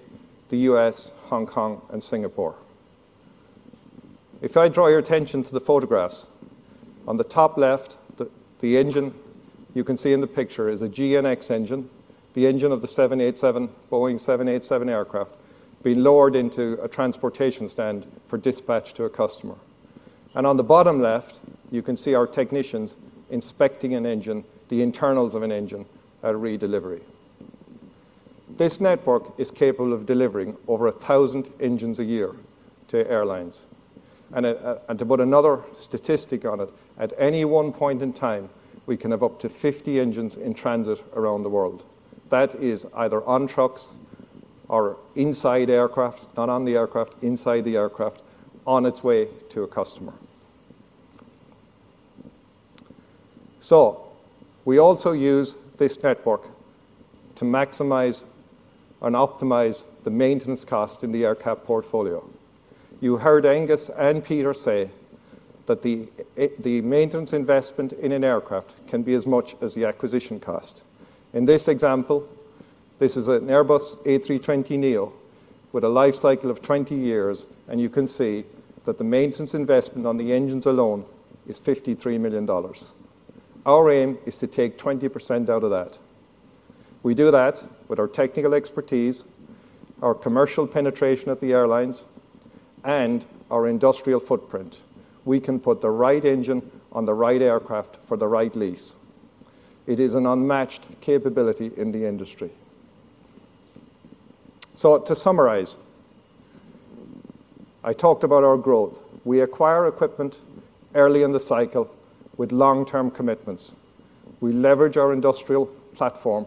the U.S., Hong Kong, and Singapore. If I draw your attention to the photographs, on the top left, the engine you can see in the picture is a GEnx engine, the engine of the Boeing 787 aircraft being lowered into a transportation stand for dispatch to a customer. And on the bottom left, you can see our technicians inspecting an engine, the internals of an engine at redelivery. This network is capable of delivering over 1,000 engines a year to airlines. And to put another statistic on it, at any one point in time, we can have up to 50 engines in transit around the world. That is either on trucks or inside aircraft, not on the aircraft, inside the aircraft, on its way to a customer. So we also use this network to maximize and optimize the maintenance cost in the AerCap portfolio. You heard Aengus and Peter say that the maintenance investment in an aircraft can be as much as the acquisition cost. In this example, this is an Airbus A320neo with a lifecycle of 20 years, and you can see that the maintenance investment on the engines alone is $53 million. Our aim is to take 20% out of that. We do that with our technical expertise, our commercial penetration at the airlines, and our industrial footprint. We can put the right engine on the right aircraft for the right lease. It is an unmatched capability in the industry. So to summarize, I talked about our growth. We acquire equipment early in the cycle with long-term commitments. We leverage our industrial platform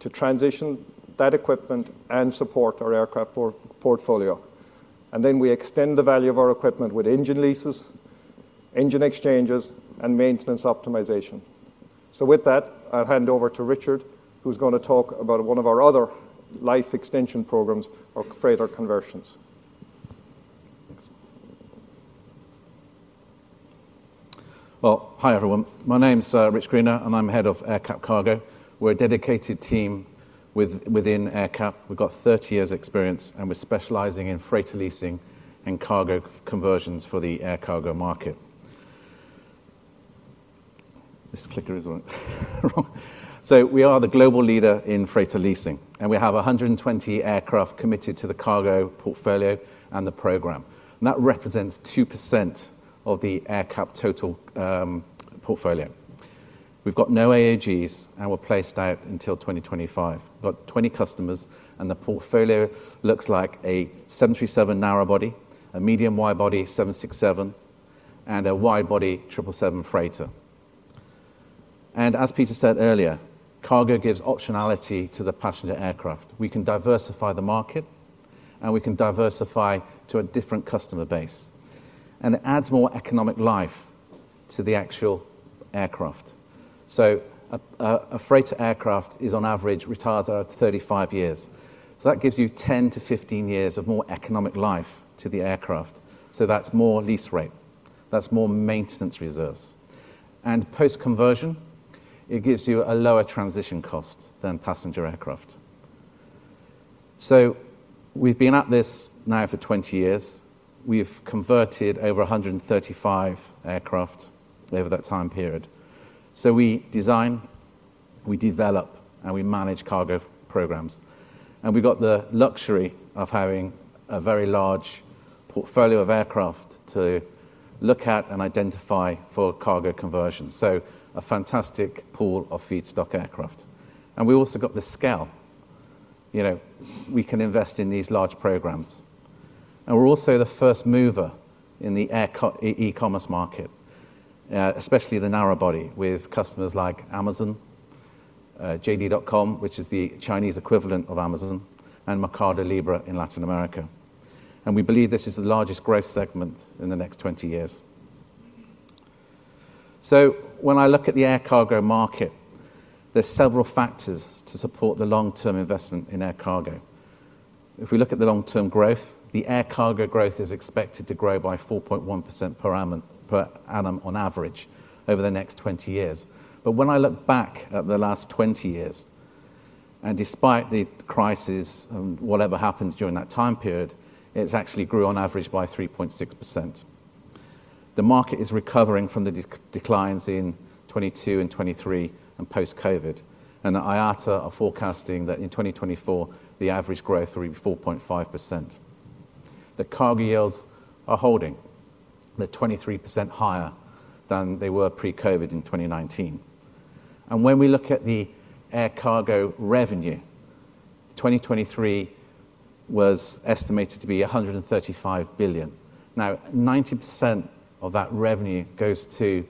to transition that equipment and support our aircraft portfolio. And then we extend the value of our equipment with engine leases, engine exchanges, and maintenance optimization. With that, I'll hand over to Rich, who's gonna talk about one of our other life extension programs, our freighter conversions. Thanks. Well, hi everyone. My name's Rich Greener, and I'm head of AerCap Cargo. We're a dedicated team within AerCap. We've got 30 years' experience, and we're specializing in freighter leasing and cargo conversions for the air cargo market. This clicker is wrong. Wrong. So we are the global leader in freighter leasing, and we have 120 aircraft committed to the cargo portfolio and the program. And that represents 2% of the AerCap total portfolio. We've got no AOGs, and we're placed out until 2025. We've got 20 customers, and the portfolio looks like a 737 narrow body, a medium wide body 767, and a wide body 777 freighter. And as Peter said earlier, cargo gives optionality to the passenger aircraft. We can diversify the market, and we can diversify to a different customer base. And it adds more economic life to the actual aircraft. So a freighter aircraft is on average retires out at 35 years. So that gives you 10-15 years of more economic life to the aircraft. So that's more lease rate. That's more maintenance reserves. And post-conversion, it gives you a lower transition cost than passenger aircraft. So we've been at this now for 20 years. We've converted over 135 aircraft over that time period. So we design, we develop, and we manage cargo programs. And we got the luxury of having a very large portfolio of aircraft to look at and identify for cargo conversion. So a fantastic pool of feedstock aircraft. And we also got the scale. You know, we can invest in these large programs. We're also the first mover in the air cargo e-commerce market, especially the narrow body with customers like Amazon, JD.com, which is the Chinese equivalent of Amazon, and Mercado Libre in Latin America. We believe this is the largest growth segment in the next 20 years. When I look at the air cargo market, there's several factors to support the long-term investment in air cargo. If we look at the long-term growth, the air cargo growth is expected to grow by 4.1% per annum on average over the next 20 years. But when I look back at the last 20 years, and despite the crisis and whatever happened during that time period, it actually grew on average by 3.6%. The market is recovering from the declines in 2022 and 2023 and post-COVID. IATA is forecasting that in 2024, the average growth will be 4.5%. The cargo yields are holding. They're 23% higher than they were pre-COVID in 2019. When we look at the air cargo revenue, 2023 was estimated to be $135 billion. Now, 90% of that revenue goes to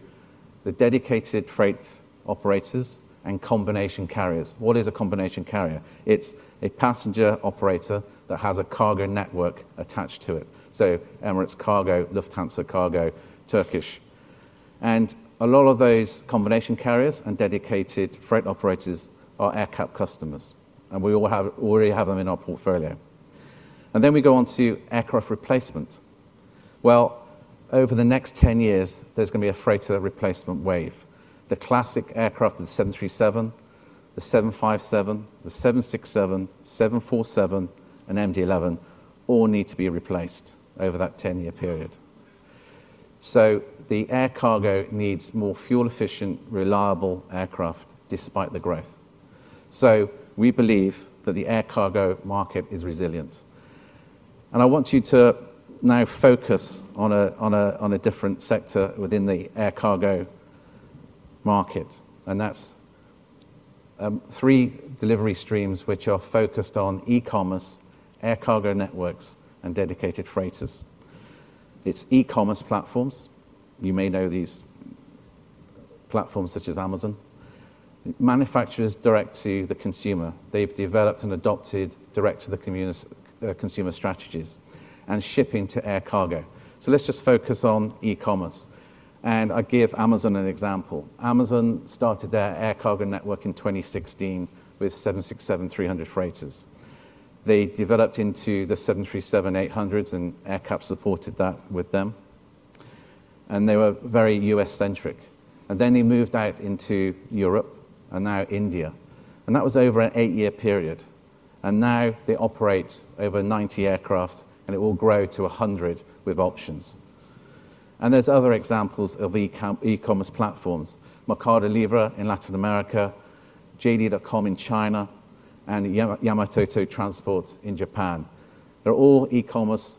the dedicated freight operators and combination carriers. What is a combination carrier? It's a passenger operator that has a cargo network attached to it. So Emirates Cargo, Lufthansa Cargo, Turkish. And a lot of those combination carriers and dedicated freight operators are AerCap customers. And we already have them in our portfolio. Then we go on to aircraft replacement. Well, over the next 10 years, there's gonna be a freighter replacement wave. The classic aircraft, the 737, the 757, the 767, 747, and MD-11, all need to be replaced over that 10-year period. So the air cargo needs more fuel-efficient, reliable aircraft despite the growth. So we believe that the air cargo market is resilient. I want you to now focus on a different sector within the air cargo market. And that's three delivery streams which are focused on e-commerce, air cargo networks, and dedicated freighters. It's e-commerce platforms. You may know these platforms such as Amazon. Manufacturers direct to the consumer. They've developed and adopted direct-to-consumer strategies and shipping to air cargo. So let's just focus on e-commerce. I give Amazon an example. Amazon started their air cargo network in 2016 with 767-300 freighters. They developed into the 737-800s, and AerCap supported that with them. And they were very U.S.-centric. And then they moved out into Europe and now India. And that was over an 8-year period. And now they operate over 90 aircraft, and it will grow to 100 with options. There's other examples of e-commerce platforms: Mercado Libre in Latin America, JD.com in China, and Yamato Transport in Japan. They're all e-commerce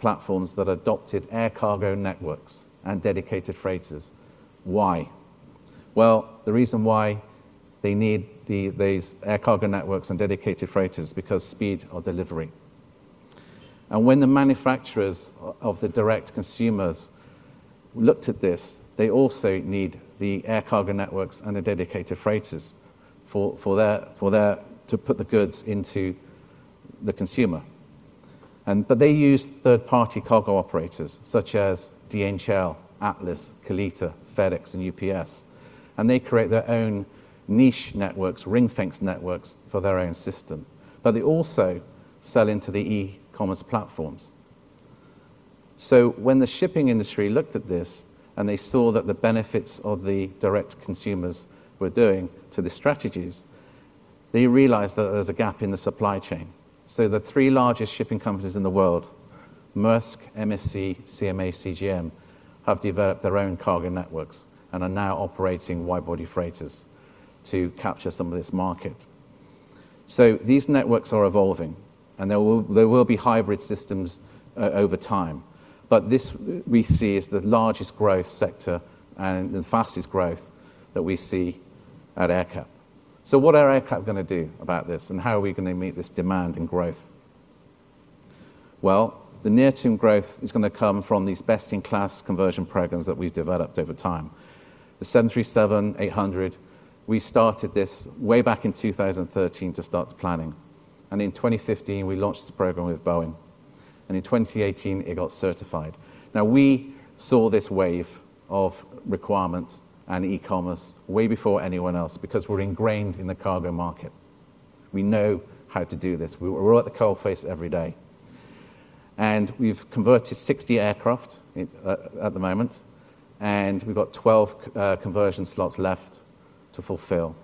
platforms that adopted air cargo networks and dedicated freighters. Why? Well, the reason why they need these air cargo networks and dedicated freighters is because of speed of delivery. When the manufacturers of the direct consumers looked at this, they also need the air cargo networks and the dedicated freighters for their to put the goods into the consumer. But they use third-party cargo operators such as DHL, Atlas, Kalitta, FedEx, and UPS. They create their own niche networks, ring-fenced networks for their own system. But they also sell into the e-commerce platforms. So when the shipping industry looked at this and they saw that the benefits of the direct consumers were doing to the strategies, they realized that there was a gap in the supply chain. So the three largest shipping companies in the world, Maersk, MSC, CMA CGM, have developed their own cargo networks and are now operating wide-body freighters to capture some of this market. So these networks are evolving, and there will be hybrid systems, over time. But this we see is the largest growth sector and the fastest growth that we see at AerCap. So what are AerCap gonna do about this, and how are we gonna meet this demand and growth? Well, the near-term growth is gonna come from these best-in-class conversion programs that we've developed over time. The 737-800, we started this way back in 2013 to start the planning. In 2015, we launched this program with Boeing. In 2018, it got certified. Now, we saw this wave of requirements and e-commerce way before anyone else because we're ingrained in the cargo market. We know how to do this. We're at the coalface every day. We've converted 60 aircraft at the moment, and we've got 12 conversion slots left to fulfill.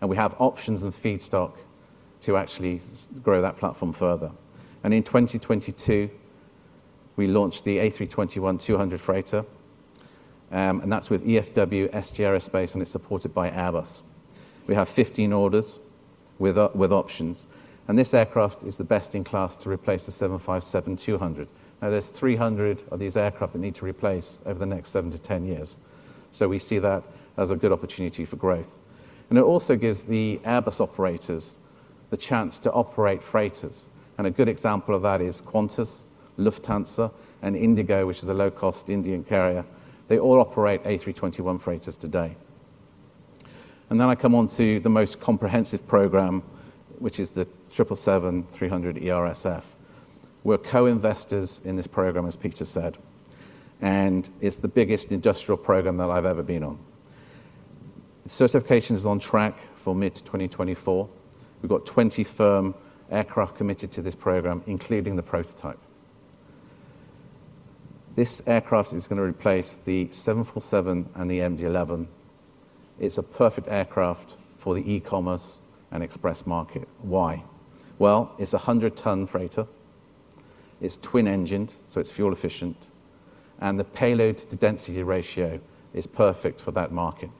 We have options and feedstock to actually grow that platform further. In 2022, we launched the A321-200 freighter, and that's with EFW and ST Aerospace, and it's supported by Airbus. We have 15 orders with options. This aircraft is the best-in-class to replace the 757-200. Now, there's 300 of these aircraft that need to replace over the next 7-10 years. So we see that as a good opportunity for growth. It also gives the Airbus operators the chance to operate freighters. And a good example of that is Qantas, Lufthansa, and IndiGo, which is a low-cost Indian carrier. They all operate A321 freighters today. And then I come on to the most comprehensive program, which is the 777-300ERSF. We're co-investors in this program, as Peter said. And it's the biggest industrial program that I've ever been on. Certification is on track for mid-2024. We've got 20 firm aircraft committed to this program, including the prototype. This aircraft is gonna replace the 747 and the MD-11. It's a perfect aircraft for the e-commerce and express market. Why? Well, it's a 100-ton freighter. It's twin-engined, so it's fuel-efficient. And the payload-to-density ratio is perfect for that market.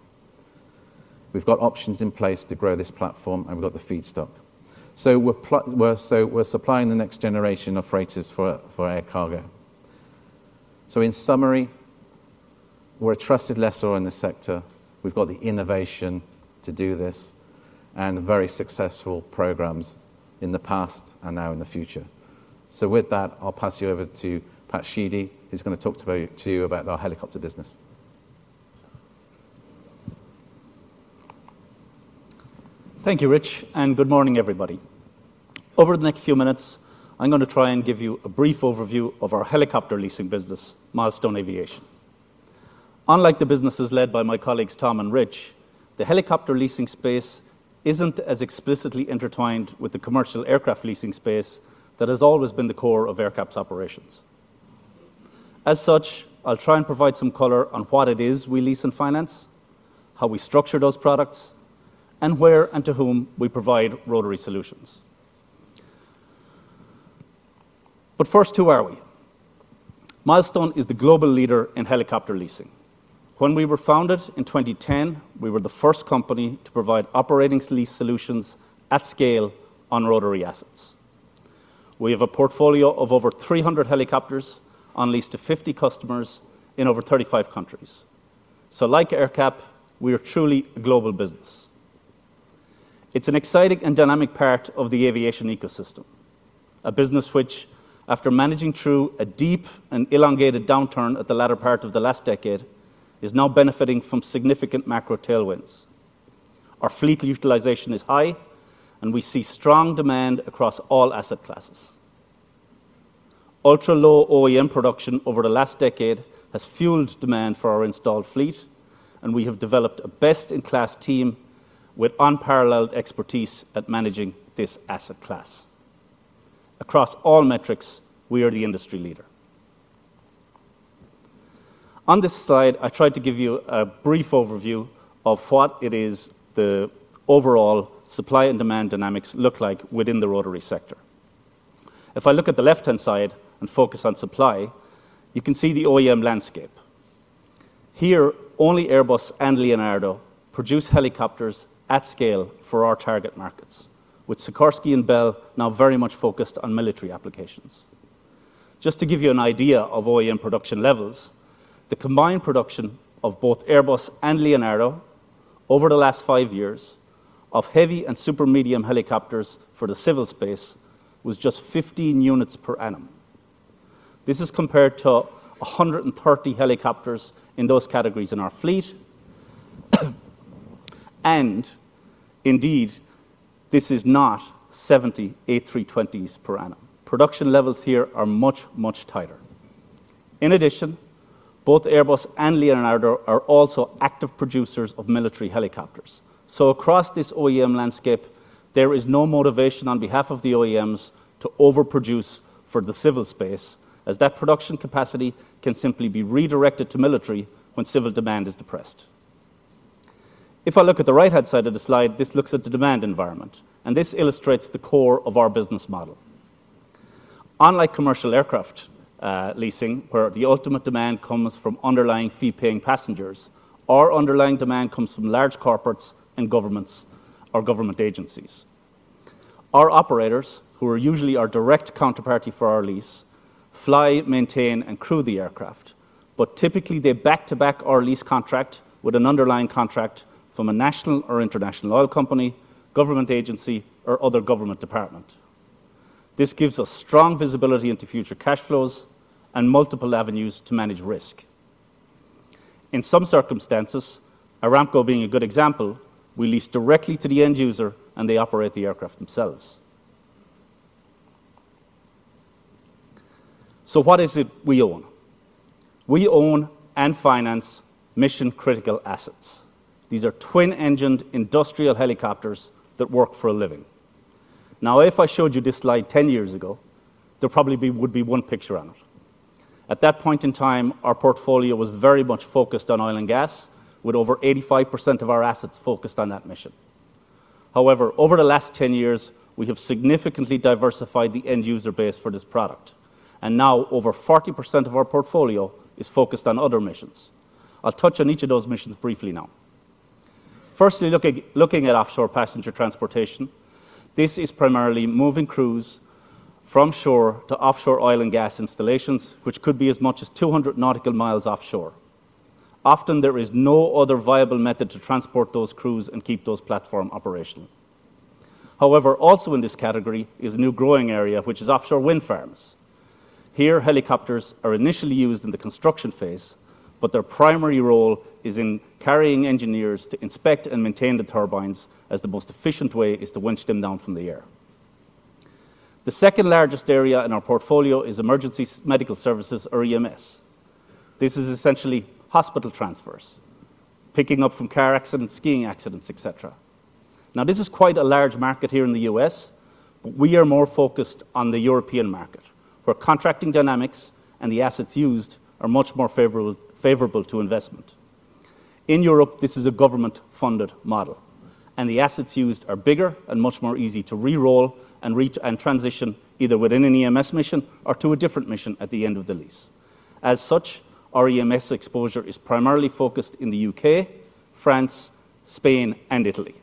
We've got options in place to grow this platform, and we've got the feedstock. So we're supplying the next generation of freighters for air cargo. So in summary, we're a trusted lessor in the sector. We've got the innovation to do this and very successful programs in the past and now in the future. So with that, I'll pass you over to Pat Sheedy, who's gonna talk to you about our helicopter business. Thank you, Rich, and good morning, everybody. Over the next few minutes, I'm gonna try and give you a brief overview of our helicopter leasing business, Milestone Aviation. Unlike the businesses led by my colleagues Tom and Rich, the helicopter leasing space isn't as explicitly intertwined with the commercial aircraft leasing space that has always been the core of AerCap's operations. As such, I'll try and provide some color on what it is we lease and finance, how we structure those products, and where and to whom we provide rotary solutions. But first, who are we? Milestone is the global leader in helicopter leasing. When we were founded in 2010, we were the first company to provide operating lease solutions at scale on rotary assets. We have a portfolio of over 300 helicopters leased to 50 customers in over 35 countries. So like AerCap, we are truly a global business. It's an exciting and dynamic part of the aviation ecosystem, a business which, after managing through a deep and elongated downturn at the latter part of the last decade, is now benefiting from significant macro tailwinds. Our fleet utilization is high, and we see strong demand across all asset classes. Ultra-low OEM production over the last decade has fueled demand for our installed fleet, and we have developed a best-in-class team with unparalleled expertise at managing this asset class. Across all metrics, we are the industry leader. On this slide, I tried to give you a brief overview of what it is the overall supply and demand dynamics look like within the rotary sector. If I look at the left-hand side and focus on supply, you can see the OEM landscape. Here, only Airbus and Leonardo produce helicopters at scale for our target markets, with Sikorsky and Bell now very much focused on military applications. Just to give you an idea of OEM production levels, the combined production of both Airbus and Leonardo over the last five years of heavy and supermedium helicopters for the civil space was just 15 units per annum. This is compared to 130 helicopters in those categories in our fleet. And indeed, this is not 70 A320s per annum. Production levels here are much, much tighter. In addition, both Airbus and Leonardo are also active producers of military helicopters. So across this OEM landscape, there is no motivation on behalf of the OEMs to overproduce for the civil space, as that production capacity can simply be redirected to military when civil demand is depressed. If I look at the right-hand side of the slide, this looks at the demand environment. This illustrates the core of our business model. Unlike commercial aircraft leasing where the ultimate demand comes from underlying fee-paying passengers, our underlying demand comes from large corporates and governments or government agencies. Our operators, who are usually our direct counterparty for our lease, fly, maintain, and crew the aircraft. But typically, they back-to-back our lease contract with an underlying contract from a national or international oil company, government agency, or other government department. This gives us strong visibility into future cash flows and multiple avenues to manage risk. In some circumstances, Aramco being a good example, we lease directly to the end user, and they operate the aircraft themselves. So what is it we own? We own and finance mission-critical assets. These are twin-engine industrial helicopters that work for a living. Now, if I showed you this slide 10 years ago, there probably would be one picture on it. At that point in time, our portfolio was very much focused on oil and gas, with over 85% of our assets focused on that mission. However, over the last 10 years, we have significantly diversified the end user base for this product. Now, over 40% of our portfolio is focused on other missions. I'll touch on each of those missions briefly now. Firstly, looking at offshore passenger transportation, this is primarily moving crews from shore to offshore oil and gas installations, which could be as much as 200 nautical miles offshore. Often, there is no other viable method to transport those crews and keep those platforms operational. However, also in this category is a new growing area, which is offshore wind farms. Here, helicopters are initially used in the construction phase, but their primary role is in carrying engineers to inspect and maintain the turbines, as the most efficient way is to winch them down from the air. The second largest area in our portfolio is emergency medical services, or EMS. This is essentially hospital transfers, picking up from car accidents, skiing accidents, etc. Now, this is quite a large market here in the U.S., but we are more focused on the European market, where contracting dynamics and the assets used are much more favorable to investment. In Europe, this is a government-funded model. The assets used are bigger and much more easy to reroll and transition either within an EMS mission or to a different mission at the end of the lease. As such, our EMS exposure is primarily focused in the U.K., France, Spain, and Italy.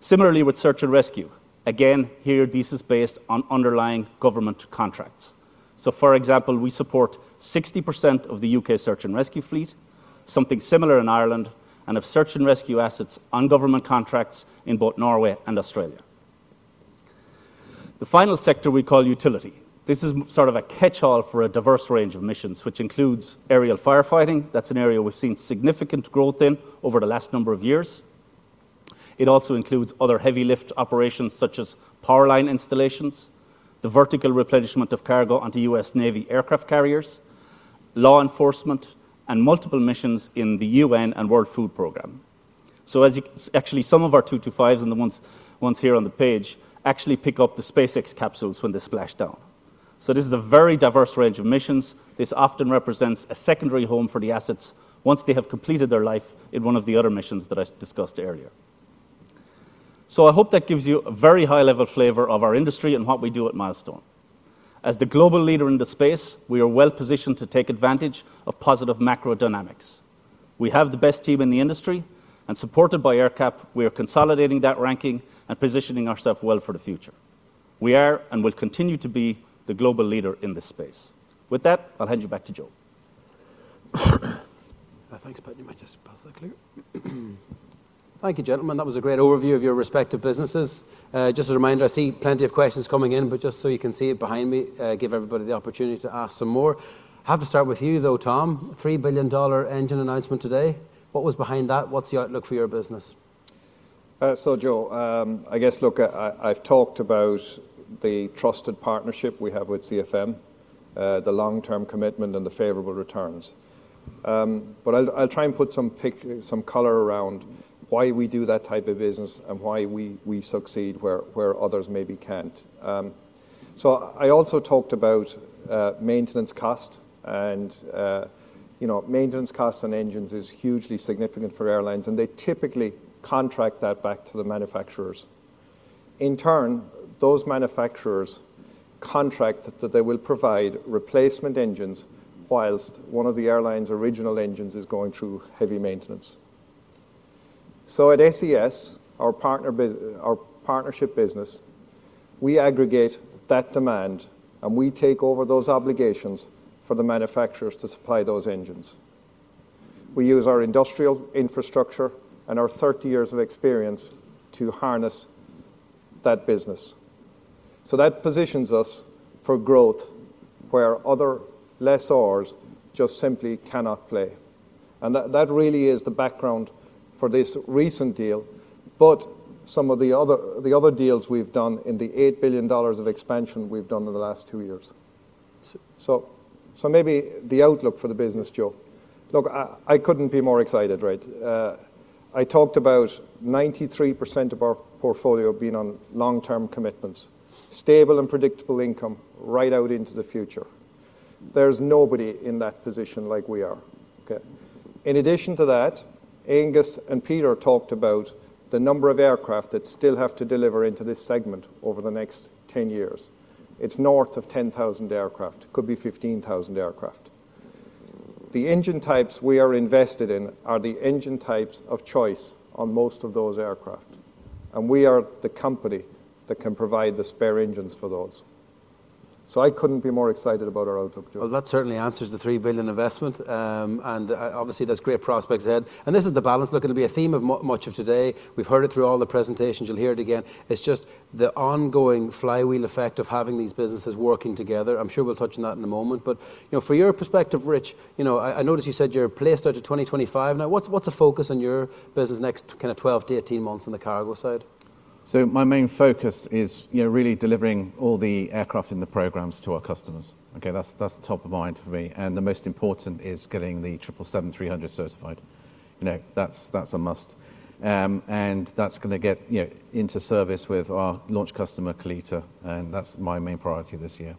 Similarly with search and rescue, again, here, this is based on underlying government contracts. So for example, we support 60% of the UK search and rescue fleet, something similar in Ireland, and have search and rescue assets on government contracts in both Norway and Australia. The final sector we call utility. This is sort of a catch-all for a diverse range of missions, which includes aerial firefighting. That's an area we've seen significant growth in over the last number of years. It also includes other heavy-lift operations such as power line installations, the vertical replenishment of cargo onto U.S. Navy aircraft carriers, law enforcement, and multiple missions in the UN and World Food Program. So as you actually, some of our 225s and the ones here on the page actually pick up the SpaceX capsules when they splash down. So this is a very diverse range of missions. This often represents a secondary home for the assets once they have completed their life in one of the other missions that I discussed earlier. So I hope that gives you a very high-level flavor of our industry and what we do at Milestone. As the global leader in the space, we are well-positioned to take advantage of positive macro dynamics. We have the best team in the industry. Supported by AerCap, we are consolidating that ranking and positioning ourselves well for the future. We are and will continue to be the global leader in this space. With that, I'll hand you back to Joe. Thanks, Pat. You might just pass that clicker. Thank you, gentlemen. That was a great overview of your respective businesses. Just a reminder, I see plenty of questions coming in, but just so you can see it behind me, give everybody the opportunity to ask some more. Have to start with you, though, Tom. $3 billion engine announcement today. What was behind that? What's the outlook for your business? So Joe, I guess, look, I've talked about the trusted partnership we have with CFM, the long-term commitment and the favorable returns. But I'll try and put some color around why we do that type of business and why we succeed where others maybe can't. So I also talked about maintenance cost. And, you know, maintenance costs on engines are hugely significant for airlines, and they typically contract that back to the manufacturers. In turn, those manufacturers contract that they will provide replacement engines while one of the airline's original engines is going through heavy maintenance. So at SES, our partner business, our partnership business, we aggregate that demand, and we take over those obligations for the manufacturers to supply those engines. We use our industrial infrastructure and our 30 years of experience to harness that business. So that positions us for growth where other lessors just simply cannot play. And that really is the background for this recent deal but some of the other deals we've done in the $8 billion of expansion we've done in the last two years. So maybe the outlook for the business, Joe. Look, I couldn't be more excited, right? I talked about 93% of our portfolio being on long-term commitments, stable and predictable income right out into the future. There's nobody in that position like we are, okay? In addition to that, Aengus and Peter talked about the number of aircraft that still have to deliver into this segment over the next 10 years. It's north of 10,000 aircraft. Could be 15,000 aircraft. The engine types we are invested in are the engine types of choice on most of those aircraft. We are the company that can provide the spare engines for those. I couldn't be more excited about our outlook, Joe. Well, that certainly answers the $3 billion investment. And, obviously, that's great prospects, ahead. And this is the balance looking to be a theme of much of today. We've heard it through all the presentations. You'll hear it again. It's just the ongoing flywheel effect of having these businesses working together. I'm sure we'll touch on that in a moment. But, you know, from your perspective, Rich, you know, I I noticed you said you're placed out to 2025. Now, what's what's the focus on your business next kinda 12-18 months on the cargo side? So my main focus is, you know, really delivering all the aircraft in the programs to our customers, okay? That's that's top of mind for me. The most important is getting the 777-300 certified. You know, that's that's a must. That's gonna get, you know, into service with our launch customer, Kalitta. And that's my main priority this year.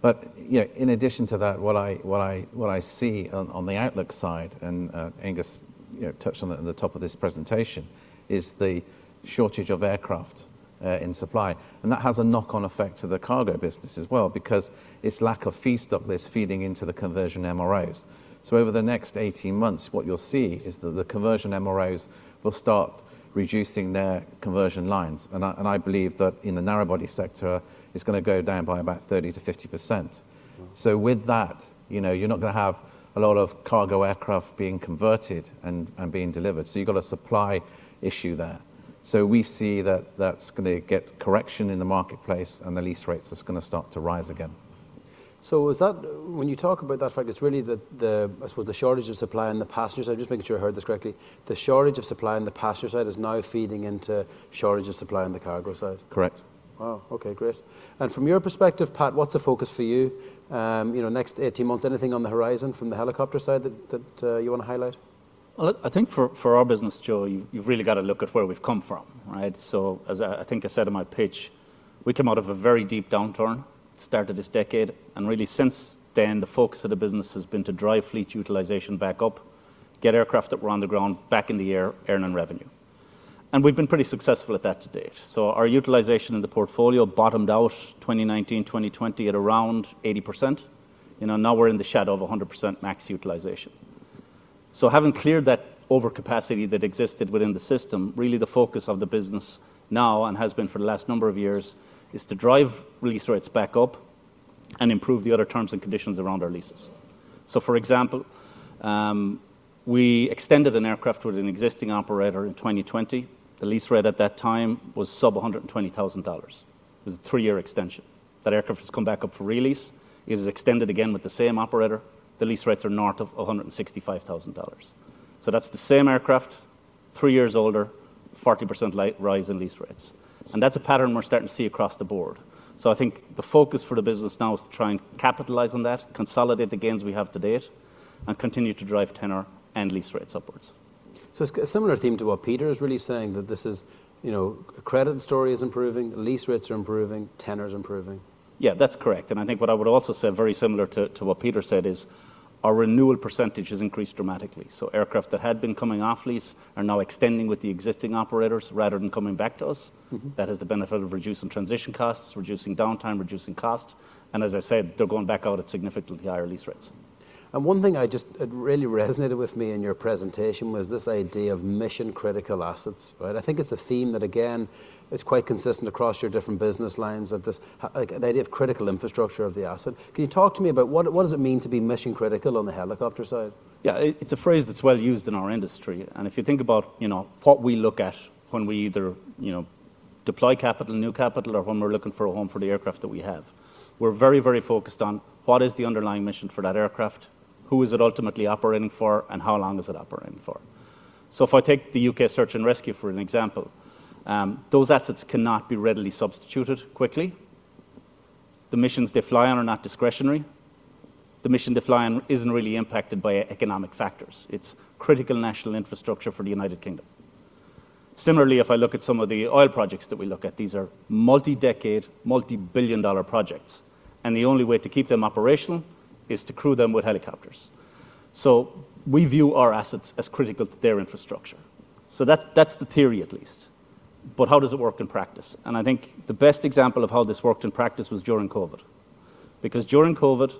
But, you know, in addition to that, what I what I what I see on on the outlook side and, Aengus, you know, touched on it at the top of this presentation is the shortage of aircraft, in supply. That has a knock-on effect to the cargo business as well because it's lack of feedstock that's feeding into the conversion MROs. So over the next 18 months, what you'll see is that the conversion MROs will start reducing their conversion lines. I believe that in the narrowbody sector, it's gonna go down by about 30%-50%. So with that, you know, you're not gonna have a lot of cargo aircraft being converted and being delivered. So you've got a supply issue there. So we see that that's gonna get correction in the marketplace, and the lease rates are gonna start to rise again. So is that when you talk about that fact, it's really the I suppose the shortage of supply on the passengers? I'm just making sure I heard this correctly. The shortage of supply on the passenger side is now feeding into shortage of supply on the cargo side? Correct. Wow. Okay. Great. And from your perspective, Pat, what's the focus for you? You know, next 18 months, anything on the horizon from the helicopter side that you wanna highlight? Well, I think for our business, Joe, you've really gotta look at where we've come from, right? So as I think I said in my pitch, we came out of a very deep downturn starting this decade. And really, since then, the focus of the business has been to drive fleet utilization back up, get aircraft that were on the ground back in the air, earning revenue. And we've been pretty successful at that to date. So our utilization in the portfolio bottomed out 2019, 2020 at around 80%. You know, now we're in the shadow of 100% max utilization. So having cleared that overcapacity that existed within the system, really, the focus of the business now and has been for the last number of years is to drive re-lease rates back up and improve the other terms and conditions around our leases. So for example, we extended an aircraft with an existing operator in 2020. The lease rate at that time was sub $120,000. It was a three-year extension. That aircraft has come back up for release. It is extended again with the same operator. The lease rates are north of $165,000. So that's the same aircraft, three years older, 40%-like rise in lease rates. And that's a pattern we're starting to see across the board. So I think the focus for the business now is to try and capitalize on that, consolidate the gains we have to date, and continue to drive tenor and lease rates upwards. It's a similar theme to what Peter is really saying, that this is, you know, credit story is improving, lease rates are improving, tenor's improving? Yeah. That's correct. And I think what I would also say very similar to what Peter said is our renewal percentage has increased dramatically. So aircraft that had been coming off lease are now extending with the existing operators rather than coming back to us. That has the benefit of reducing transition costs, reducing downtime, reducing cost. And as I said, they're going back out at significantly higher lease rates. One thing that really resonated with me in your presentation was this idea of mission-critical assets, right? I think it's a theme that, again, it's quite consistent across your different business lines, like, the idea of critical infrastructure of the asset. Can you talk to me about what it means to be mission-critical on the helicopter side? Yeah. It's a phrase that's well used in our industry. And if you think about, you know, what we look at when we either, you know, deploy capital, new capital, or when we're looking for a home for the aircraft that we have, we're very, very focused on what is the underlying mission for that aircraft, who is it ultimately operating for, and how long is it operating for. So if I take the U.K. search and rescue for an example, those assets cannot be readily substituted quickly. The missions they fly on are not discretionary. The mission they fly on isn't really impacted by economic factors. It's critical national infrastructure for the United Kingdom. Similarly, if I look at some of the oil projects that we look at, these are multi-decade, multi-billion-dollar projects. And the only way to keep them operational is to crew them with helicopters. We view our assets as critical to their infrastructure. That's the theory, at least. But how does it work in practice? I think the best example of how this worked in practice was during COVID because during COVID,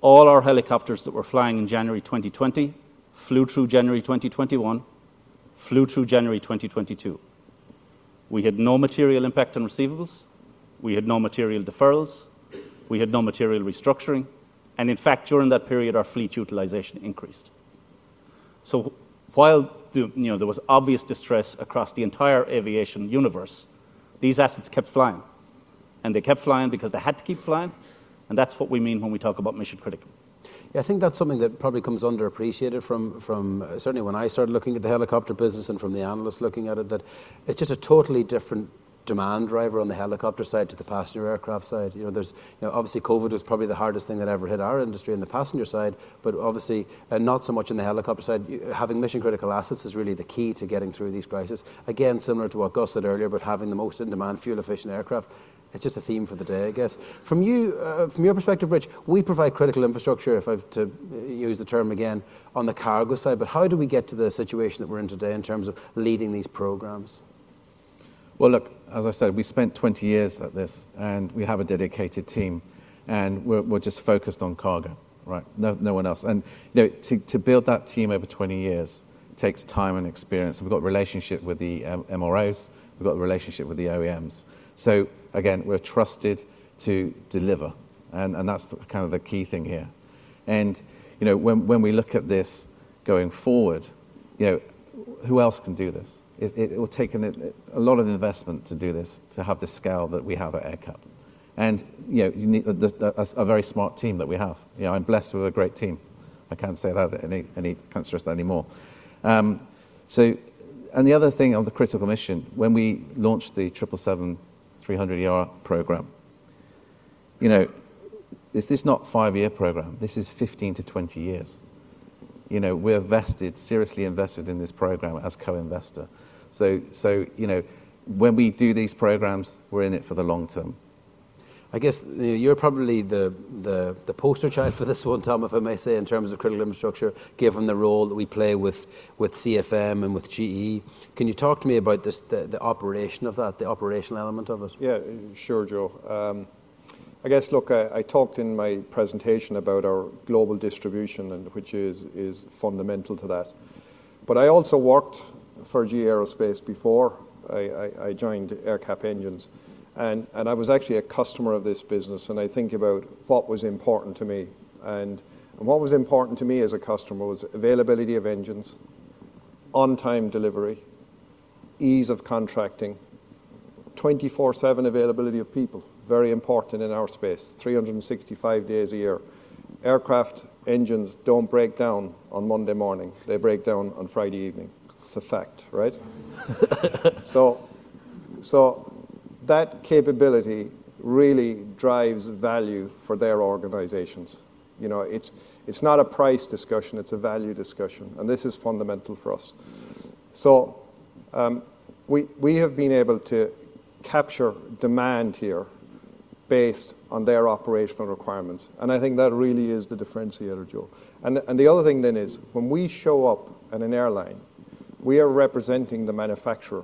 all our helicopters that were flying in January 2020 flew through January 2021, flew through January 2022. We had no material impact on receivables. We had no material deferrals. We had no material restructuring. In fact, during that period, our fleet utilization increased. While the, you know, there was obvious distress across the entire aviation universe, these assets kept flying. They kept flying because they had to keep flying. That's what we mean when we talk about mission-critical. Yeah. I think that's something that probably comes underappreciated from certainly when I started looking at the helicopter business and from the analysts looking at it, that it's just a totally different demand driver on the helicopter side to the passenger aircraft side. You know, there's you know, obviously, COVID was probably the hardest thing that ever hit our industry on the passenger side. But obviously, not so much on the helicopter side. Yeah, having mission-critical assets is really the key to getting through this crisis. Again, similar to what Gus said earlier about having the most in-demand fuel-efficient aircraft. It's just a theme for the day, I guess. From your perspective, Rich, we provide critical infrastructure, if I've to use the term again, on the cargo side. But how do we get to the situation that we're in today in terms of leading these programs? Well, look, as I said, we spent 20 years at this. And we have a dedicated team. And we're just focused on cargo, right? No one else. And, you know, to build that team over 20 years takes time and experience. And we've got a relationship with the MROs. We've got a relationship with the OEMs. So again, we're trusted to deliver. And that's the kind of the key thing here. And, you know, when we look at this going forward, you know, who else can do this? It will take a lot of investment to do this to have the scale that we have at AerCap. And, you know, you need a very smart team that we have. You know, I'm blessed with a great team. I can't say that at any concerns that anymore. So, and the other thing on the critical mission, when we launched the 777-300ER program, you know, is this not a 5-year program? This is 15-20 years. You know, we're vested seriously invested in this program as co-investor. So, you know, when we do these programs, we're in it for the long term. I guess, you know, you're probably the poster child for this one, Tom, if I may say, in terms of critical infrastructure, given the role that we play with CFM and with SES. Can you talk to me about the operation of that, the operational element of it? Yeah. Sure, Joe. I guess, look, I talked in my presentation about our global distribution, and which is fundamental to that. But I also worked for GE Aerospace before. I joined AerCap Engines. And I was actually a customer of this business. And I think about what was important to me. And what was important to me as a customer was availability of engines, on-time delivery, ease of contracting, 24/7 availability of people, very important in our space, 365 days a year. Aircraft engines don't break down on Monday morning. They break down on Friday evening. Effect, right? So that capability really drives value for their organizations. You know, it's not a price discussion. It's a value discussion. And this is fundamental for us. So, we have been able to capture demand here based on their operational requirements. I think that really is the differentiator, Joe. And the other thing then is, when we show up at an airline, we are representing the manufacturer.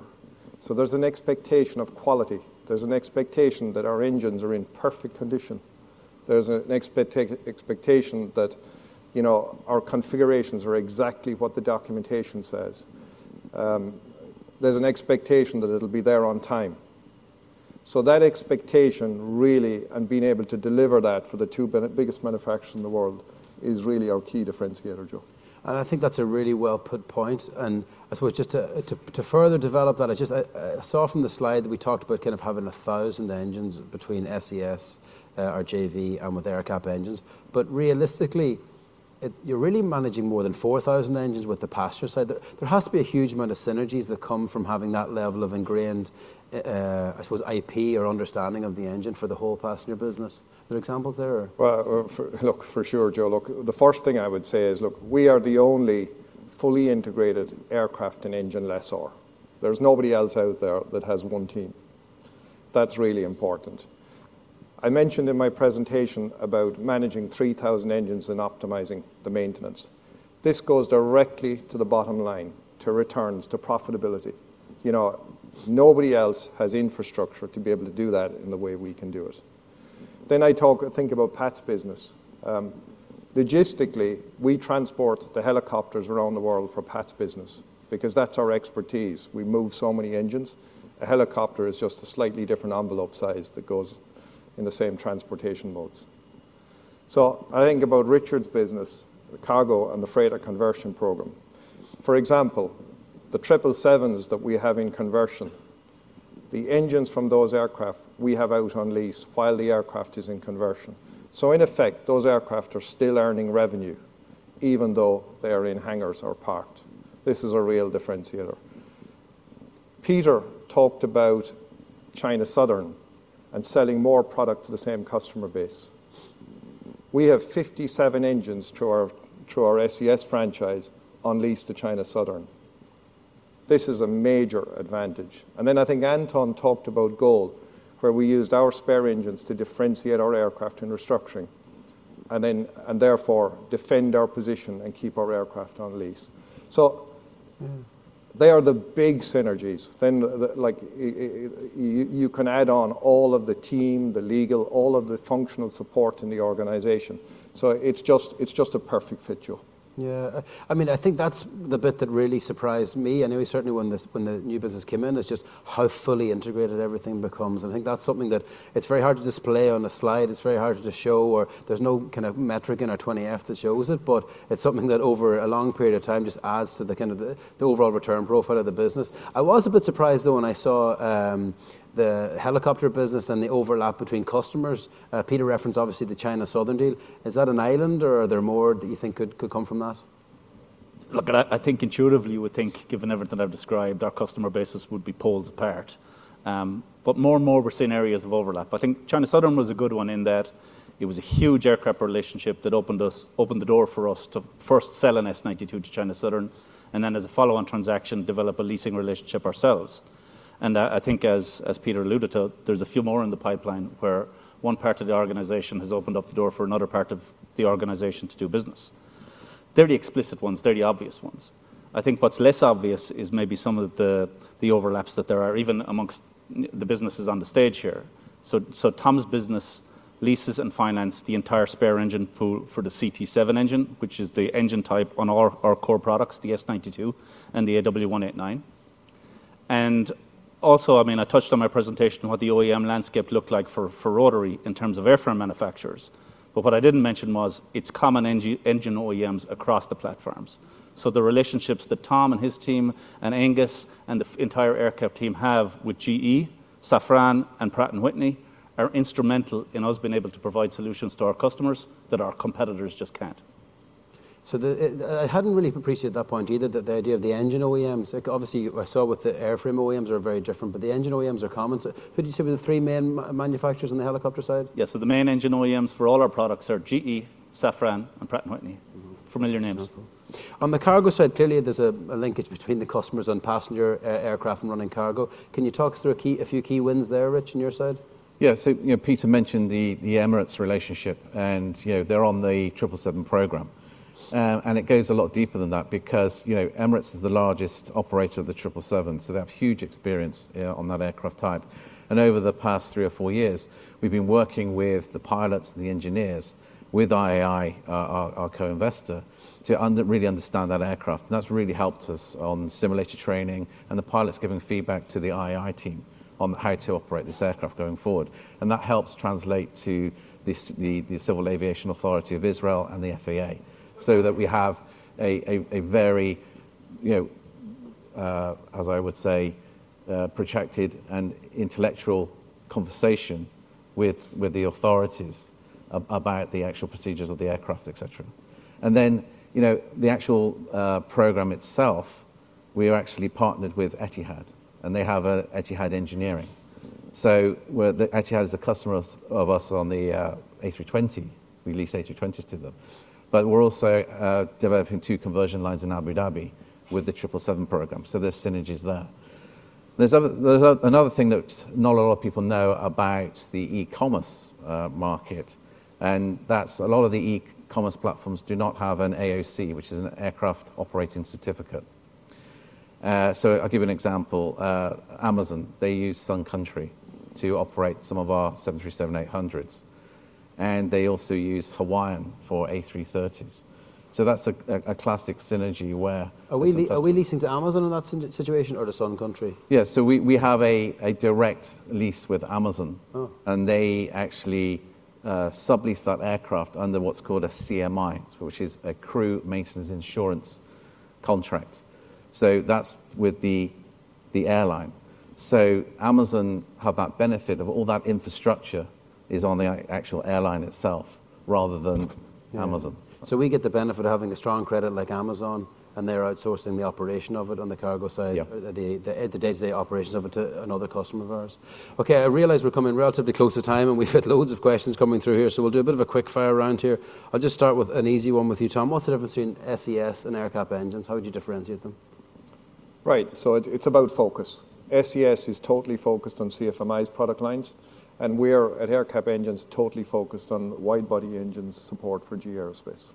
So there's an expectation of quality. There's an expectation that our engines are in perfect condition. There's an expectation that, you know, our configurations are exactly what the documentation says. There's an expectation that it'll be there on time. So that expectation really and being able to deliver that for the two biggest manufacturers in the world is really our key differentiator, Joe. I think that's a really well-put point. I suppose just to further develop that, I just saw from the slide that we talked about kind of having 1,000 engines between SES, or JV, and with AerCap Engines. But realistically, it's you're really managing more than 4,000 engines with the passenger side. There has to be a huge amount of synergies that come from having that level of ingrained, I suppose, IP or understanding of the engine for the whole passenger business. Are there examples there, or? Well, look, for sure, Joe. Look, the first thing I would say is, look, we are the only fully integrated aircraft and engine lessor. There's nobody else out there that has one team. That's really important. I mentioned in my presentation about managing 3,000 engines and optimizing the maintenance. This goes directly to the bottom line, to returns, to profitability. You know, nobody else has infrastructure to be able to do that in the way we can do it. Then I think about Pat's business. Logistically, we transport the helicopters around the world for Pat's business because that's our expertise. We move so many engines. A helicopter is just a slightly different envelope size that goes in the same transportation modes. So I think about Richard's business, the cargo, and the freighter conversion program. For example, the 777s that we have in conversion, the engines from those aircraft, we have out on lease while the aircraft is in conversion. So in effect, those aircraft are still earning revenue even though they are in hangars or parked. This is a real differentiator. Peter talked about China Southern and selling more product to the same customer base. We have 57 engines through our SES franchise on lease to China Southern. This is a major advantage. And then I think Anton talked about GOL, where we used our spare engines to differentiate our aircraft in restructuring and then and therefore defend our position and keep our aircraft on lease. So they are the big synergies. Then like, you can add on all of the team, the legal, all of the functional support in the organization. So it's just a perfect fit, Joe. Yeah. I mean, I think that's the bit that really surprised me. I know certainly when the new business came in, it's just how fully integrated everything becomes. And I think that's something that it's very hard to display on a slide. It's very hard to show, or there's no kind of metric in our 20F that shows it. But it's something that over a long period of time just adds to the kind of the overall return profile of the business. I was a bit surprised, though, when I saw the helicopter business and the overlap between customers. Peter referenced, obviously, the China Southern deal. Is that an island, or are there more that you think could come from that? Look, and I think intuitively you would think, given everything I've described, our customer basis would be poles apart. But more and more, we're seeing areas of overlap. I think China Southern was a good one in that it was a huge aircraft relationship that opened the door for us to first sell an S-92 to China Southern and then, as a follow-on transaction, develop a leasing relationship ourselves. And I think, as Peter alluded to, there's a few more in the pipeline where one part of the organization has opened up the door for another part of the organization to do business. They're the explicit ones. They're the obvious ones. I think what's less obvious is maybe some of the overlaps that there are even among the businesses on the stage here. So, Tom's business leases and finance the entire spare engine pool for the CT7 engine, which is the engine type on our core products, the S-92 and the AW189. And also, I mean, I touched on my presentation what the OEM landscape looked like for rotary in terms of airframe manufacturers. But what I didn't mention was it's common engine OEMs across the platforms. So the relationships that Tom and his team and Aengus and the entire AerCap team have with GE, Safran, and Pratt & Whitney are instrumental in us being able to provide solutions to our customers that our competitors just can't. So, I hadn't really appreciated that point either, that the idea of the engine OEMs. Obviously, I saw with the airframe OEMs are very different. But the engine OEMs are common. So who do you say were the three main manufacturers on the helicopter side? Yeah. So the main engine OEMs for all our products are GE, Safran, and Pratt & Whitney. Familiar names. Example. On the cargo side, clearly, there's a linkage between the customers and passenger aircraft and running cargo. Can you talk us through a few key wins there, Rich, on your side? Yeah. So you know, Peter mentioned the Emirates relationship. And you know, they're on the 777 program, and it goes a lot deeper than that because, you know, Emirates is the largest operator of the 777. So they have huge experience on that aircraft type. And over the past three or four years, we've been working with the pilots and the engineers with IAI, our co-investor, to understand really that aircraft. And that's really helped us on simulator training and the pilots giving feedback to the IAI team on how to operate this aircraft going forward. And that helps translate to the Civil Aviation Authority of Israel and the FAA so that we have a very, you know, as I would say, protected and intellectual conversation with the authorities about the actual procedures of the aircraft, etc. And then, you know, the actual program itself, we are actually partnered with Etihad. And they have Etihad Engineering. So Etihad is a customer of us on the A320. We lease A320s to them. But we're also developing 2 conversion lines in Abu Dhabi with the 777 program. So there's synergies there. There's another thing that not a lot of people know about the e-commerce market. And that's a lot of the e-commerce platforms do not have an AOC, which is an Air Operator Certificate. So I'll give an example. Amazon, they use Sun Country to operate some of our 737-800s. And they also use Hawaiian for A330s. So that's a classic synergy where. Are we leasing to Amazon in that such situation, or to Sun Country? Yeah. So we have a direct lease with Amazon. And they actually sublease that aircraft under what's called a CMI, which is a crew maintenance insurance contract. So that's with the airline. So Amazon have that benefit of all that infrastructure is on the actual airline itself rather than Amazon. So we get the benefit of having a strong credit like Amazon, and they're outsourcing the operation of it on the cargo side, the day-to-day operations of it to another customer of ours. Okay. I realize we're coming relatively close to time, and we've had loads of questions coming through here. So we'll do a bit of a quick-fire round here. I'll just start with an easy one with you, Tom. What's the difference between SES and AerCap Engines? How would you differentiate them? Right. So it's about focus. SES is totally focused on CFMI's product lines. And we're at AerCap Engines totally focused on widebody engines support for GE Aerospace.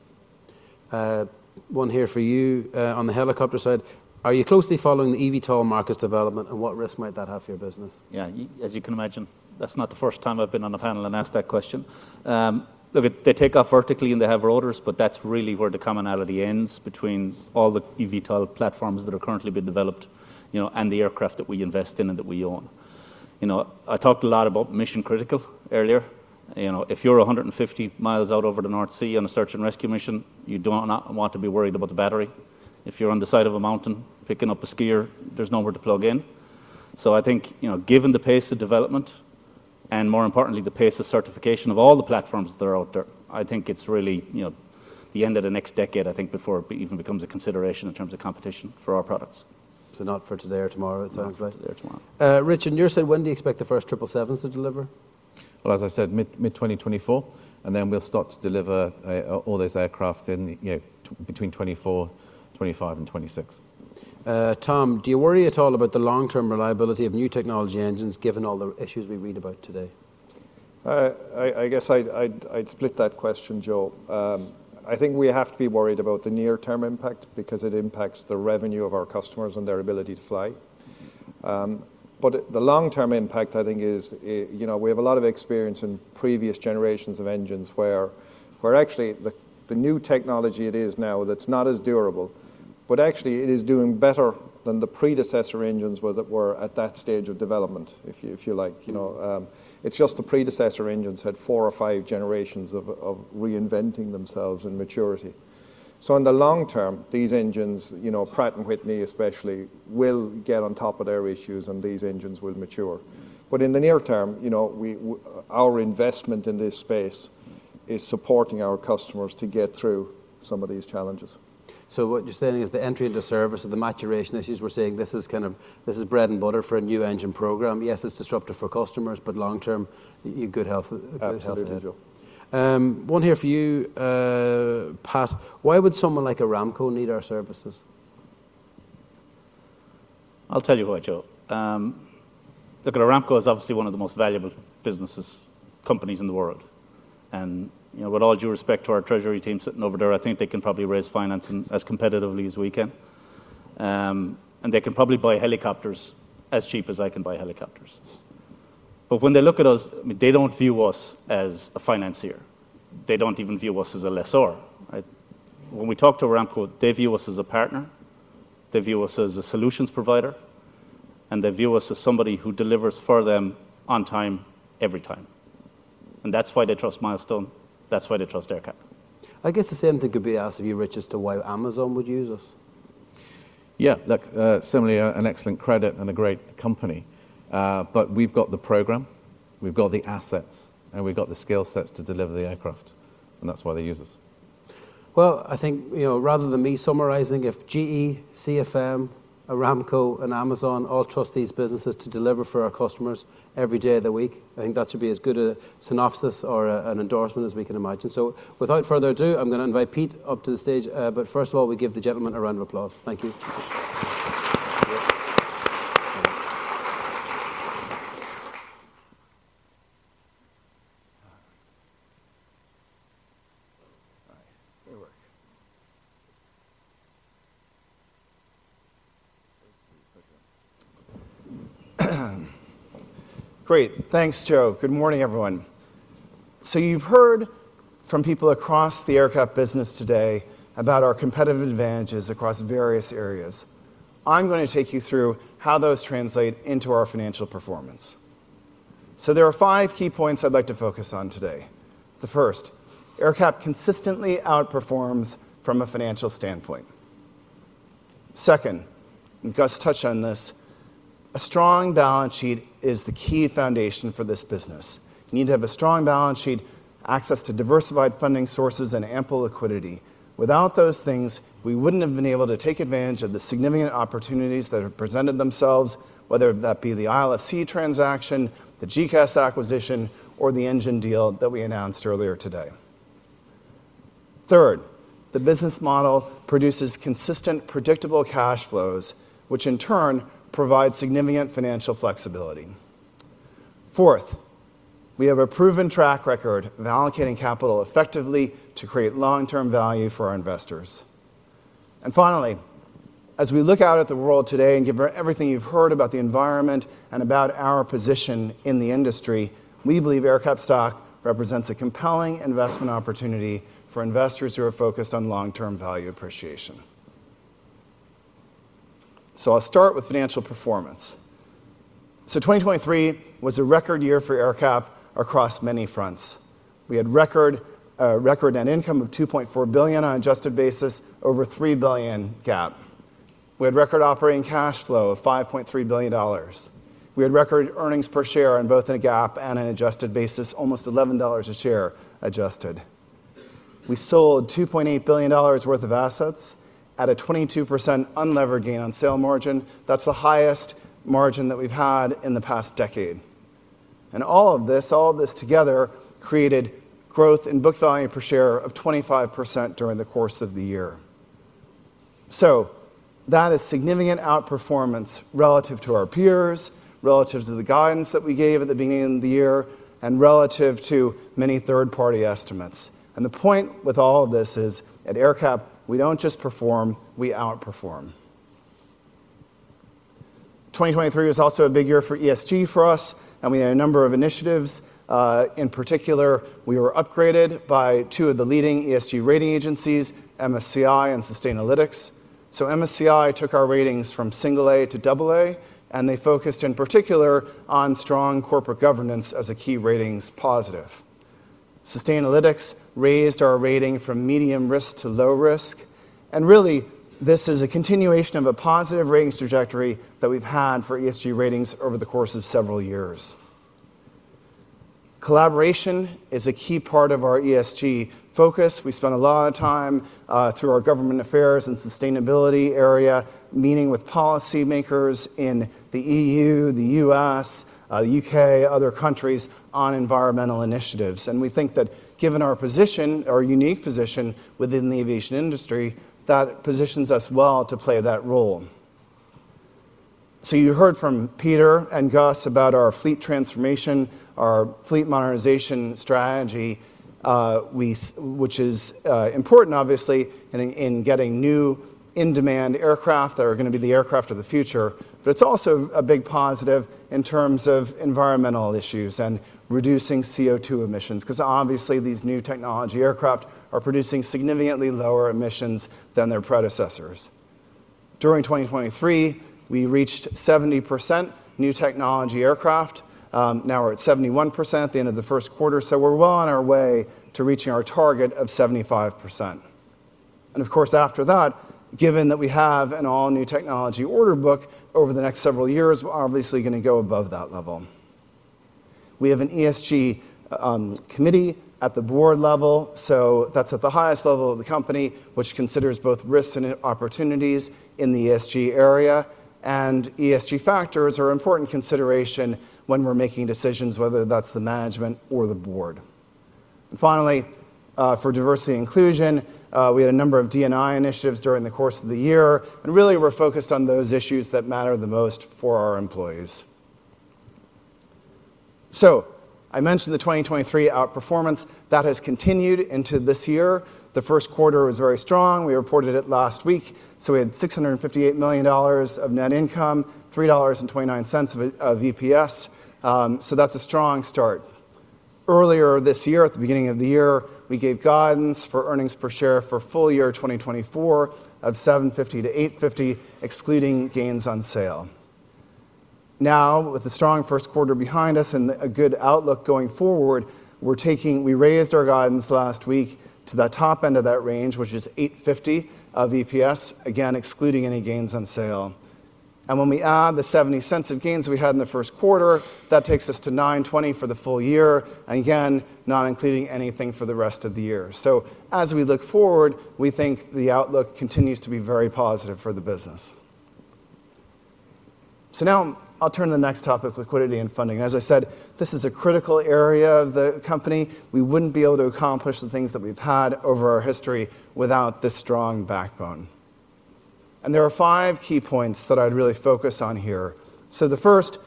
One here for you, on the helicopter side. Are you closely following the eVTOL market's development, and what risk might that have for your business? Yeah. As you can imagine, that's not the first time I've been on a panel and asked that question. Look, they take off vertically, and they have rotors. But that's really where the commonality ends between all the eVTOL platforms that are currently being developed, you know, and the aircraft that we invest in and that we own. You know, I talked a lot about mission-critical earlier. You know, if you're 150 miles out over the North Sea on a search and rescue mission, you do not want to be worried about the battery. If you're on the side of a mountain picking up a skier, there's nowhere to plug in. So I think, you know, given the pace of development and more importantly, the pace of certification of all the platforms that are out there, I think it's really, you know, the end of the next decade, I think, before it even becomes a consideration in terms of competition for our products. So not for today or tomorrow, it sounds like? Not for today or tomorrow. Rich, you said when do you expect the first 777s to deliver? Well, as I said, mid-2024. And then we'll start to deliver all those aircraft in, you know, between 2024, 2025, and 2026. Tom, do you worry at all about the long-term reliability of new technology engines, given all the issues we read about today? I guess I'd split that question, Joe. I think we have to be worried about the near-term impact because it impacts the revenue of our customers and their ability to fly. But the long-term impact, I think, is, you know, we have a lot of experience in previous generations of engines where actually, the new technology it is now that's not as durable, but actually, it is doing better than the predecessor engines were that were at that stage of development, if you like. You know, it's just the predecessor engines had four or five generations of reinventing themselves in maturity. So in the long term, these engines, you know, Pratt & Whitney especially, will get on top of their issues, and these engines will mature. But in the near term, you know, our investment in this space is supporting our customers to get through some of these challenges. So what you're saying is the entry into service or the maturation issues. We're saying this is kind of this is bread and butter for a new engine program. Yes, it's disruptive for customers, but long term, you good health good health issues. Absolutely, Joe. One here for you, Pat. Why would someone like Aramco need our services? I'll tell you why, Joe. Look, Saudi Aramco is obviously one of the most valuable businesses companies in the world. And, you know, with all due respect to our treasury team sitting over there, I think they can probably raise financing as competitively as we can. And they can probably buy helicopters as cheap as I can buy helicopters. But when they look at us, I mean, they don't view us as a financier. They don't even view us as a lessor, right? When we talk to Saudi Aramco, they view us as a partner. They view us as a solutions provider. And they view us as somebody who delivers for them on time every time. And that's why they trust Milestone. That's why they trust AerCap. I guess the same thing could be asked of you, Rich, as to why Amazon would use us. Yeah. Look, similarly, an excellent credit and a great company. But we've got the program. We've got the assets. And we've got the skill sets to deliver the aircraft. And that's why they use us. Well, I think, you know, rather than me summarizing, if GE, CFM, AerCap, and Amazon all trust these businesses to deliver for our customers every day of the week, I think that should be as good a synopsis or an endorsement as we can imagine. So without further ado, I'm going to invite Pete up to the stage. But first of all, we give the gentlemen a round of applause. Thank you. All right. There we are. Where's the photo? Great. Thanks, Joe. Good morning, everyone. So you've heard from people across the AerCap business today about our competitive advantages across various areas. I'm going to take you through how those translate into our financial performance. So there are five key points I'd like to focus on today. The first, AerCap consistently outperforms from a financial standpoint. Second, and Gus touched on this, a strong balance sheet is the key foundation for this business. You need to have a strong balance sheet, access to diversified funding sources, and ample liquidity. Without those things, we wouldn't have been able to take advantage of the significant opportunities that have presented themselves, whether that be the ILFC transaction, the GECAS acquisition, or the engine deal that we announced earlier today. Third, the business model produces consistent, predictable cash flows, which in turn provide significant financial flexibility. Fourth, we have a proven track record of allocating capital effectively to create long-term value for our investors. And finally, as we look out at the world today and given everything you've heard about the environment and about our position in the industry, we believe AerCap stock represents a compelling investment opportunity for investors who are focused on long-term value appreciation. So I'll start with financial performance. So 2023 was a record year for AerCap across many fronts. We had record net income of $2.4 billion on an adjusted basis over a $3 billion GAAP. We had record operating cash flow of $5.3 billion. We had record earnings per share on both a GAAP and an adjusted basis, almost $11 a share adjusted. We sold $2.8 billion worth of assets at a 22% unlevered gain on sale margin. That's the highest margin that we've had in the past decade. All of this, all of this together created growth in book value per share of 25% during the course of the year. That is significant outperformance relative to our peers, relative to the guidance that we gave at the beginning of the year, and relative to many third-party estimates. The point with all of this is, at AerCap, we don't just perform; we outperform. 2023 was also a big year for ESG for us. We had a number of initiatives. In particular, we were upgraded by two of the leading ESG rating agencies, MSCI and Sustainalytics. MSCI took our ratings from A to AA, and they focused in particular on strong corporate governance as a key ratings positive. Sustainalytics raised our rating from medium risk to low risk. Really, this is a continuation of a positive ratings trajectory that we've had for ESG ratings over the course of several years. Collaboration is a key part of our ESG focus. We spend a lot of time, through our government affairs and sustainability area, meeting with policymakers in the E.U., the U.S., the U.K., other countries on environmental initiatives. We think that given our position, our unique position within the aviation industry, that positions us well to play that role. So you heard from Peter and Gus about our fleet transformation, our fleet modernization strategy, which is important, obviously, in getting new in-demand aircraft that are going to be the aircraft of the future. But it's also a big positive in terms of environmental issues and reducing CO2 emissions because, obviously, these new technology aircraft are producing significantly lower emissions than their predecessors. During 2023, we reached 70% new technology aircraft. Now we're at 71% at the end of the first quarter. So we're well on our way to reaching our target of 75%. And of course, after that, given that we have an all-new technology order book, over the next several years, we're obviously going to go above that level. We have an ESG committee at the board level. So that's at the highest level of the company, which considers both risks and opportunities in the ESG area. And ESG factors are an important consideration when we're making decisions, whether that's the management or the board. Finally, for diversity and inclusion, we had a number of D&I initiatives during the course of the year. And really, we're focused on those issues that matter the most for our employees. So I mentioned the 2023 outperformance. That has continued into this year. The first quarter was very strong. We reported it last week. So we had $658 million of net income, $3.29 of EPS. So that's a strong start. Earlier this year, at the beginning of the year, we gave guidance for earnings per share for full year 2024 of $750-$850, excluding gains on sale. Now, with the strong first quarter behind us and a good outlook going forward, we're taking we raised our guidance last week to that top end of that range, which is $850 of EPS, again, excluding any gains on sale. And when we add the $0.70 of gains we had in the first quarter, that takes us to $920 for the full year, and again, not including anything for the rest of the year. So as we look forward, we think the outlook continues to be very positive for the business. So now I'll turn to the next topic, liquidity and funding. As I said, this is a critical area of the company. We wouldn't be able to accomplish the things that we've had over our history without this strong backbone. And there are five key points that I'd really focus on here. So the first,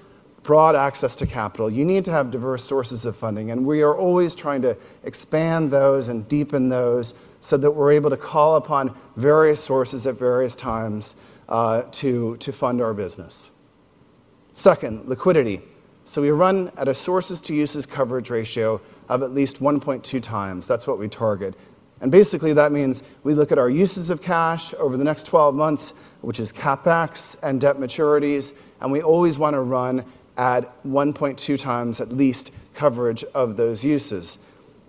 broad access to capital. You need to have diverse sources of funding. And we are always trying to expand those and deepen those so that we're able to call upon various sources at various times, to fund our business. Second, liquidity. So we run at a sources-to-uses coverage ratio of at least 1.2 times. That's what we target. And basically, that means we look at our uses of cash over the next 12 months, which is CapEx and debt maturities. And we always want to run at 1.2 times at least coverage of those uses.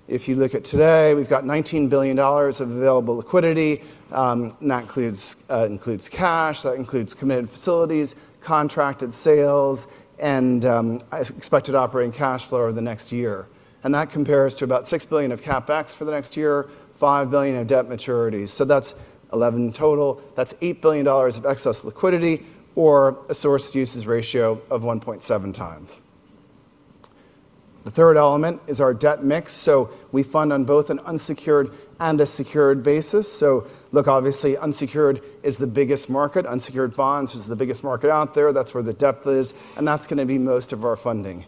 If you look at today, we've got $19 billion of available liquidity. That includes cash. That includes committed facilities, contracted sales, and expected operating cash flow over the next year. And that compares to about $6 billion of CapEx for the next year, $5 billion of debt maturities. So that's $11 billion total. That's $8 billion of excess liquidity or a sources-to-uses ratio of 1.7 times. The third element is our debt mix. So we fund on both an unsecured and a secured basis. So look, obviously, unsecured is the biggest market. Unsecured bonds is the biggest market out there. That's where the depth is. And that's going to be most of our funding.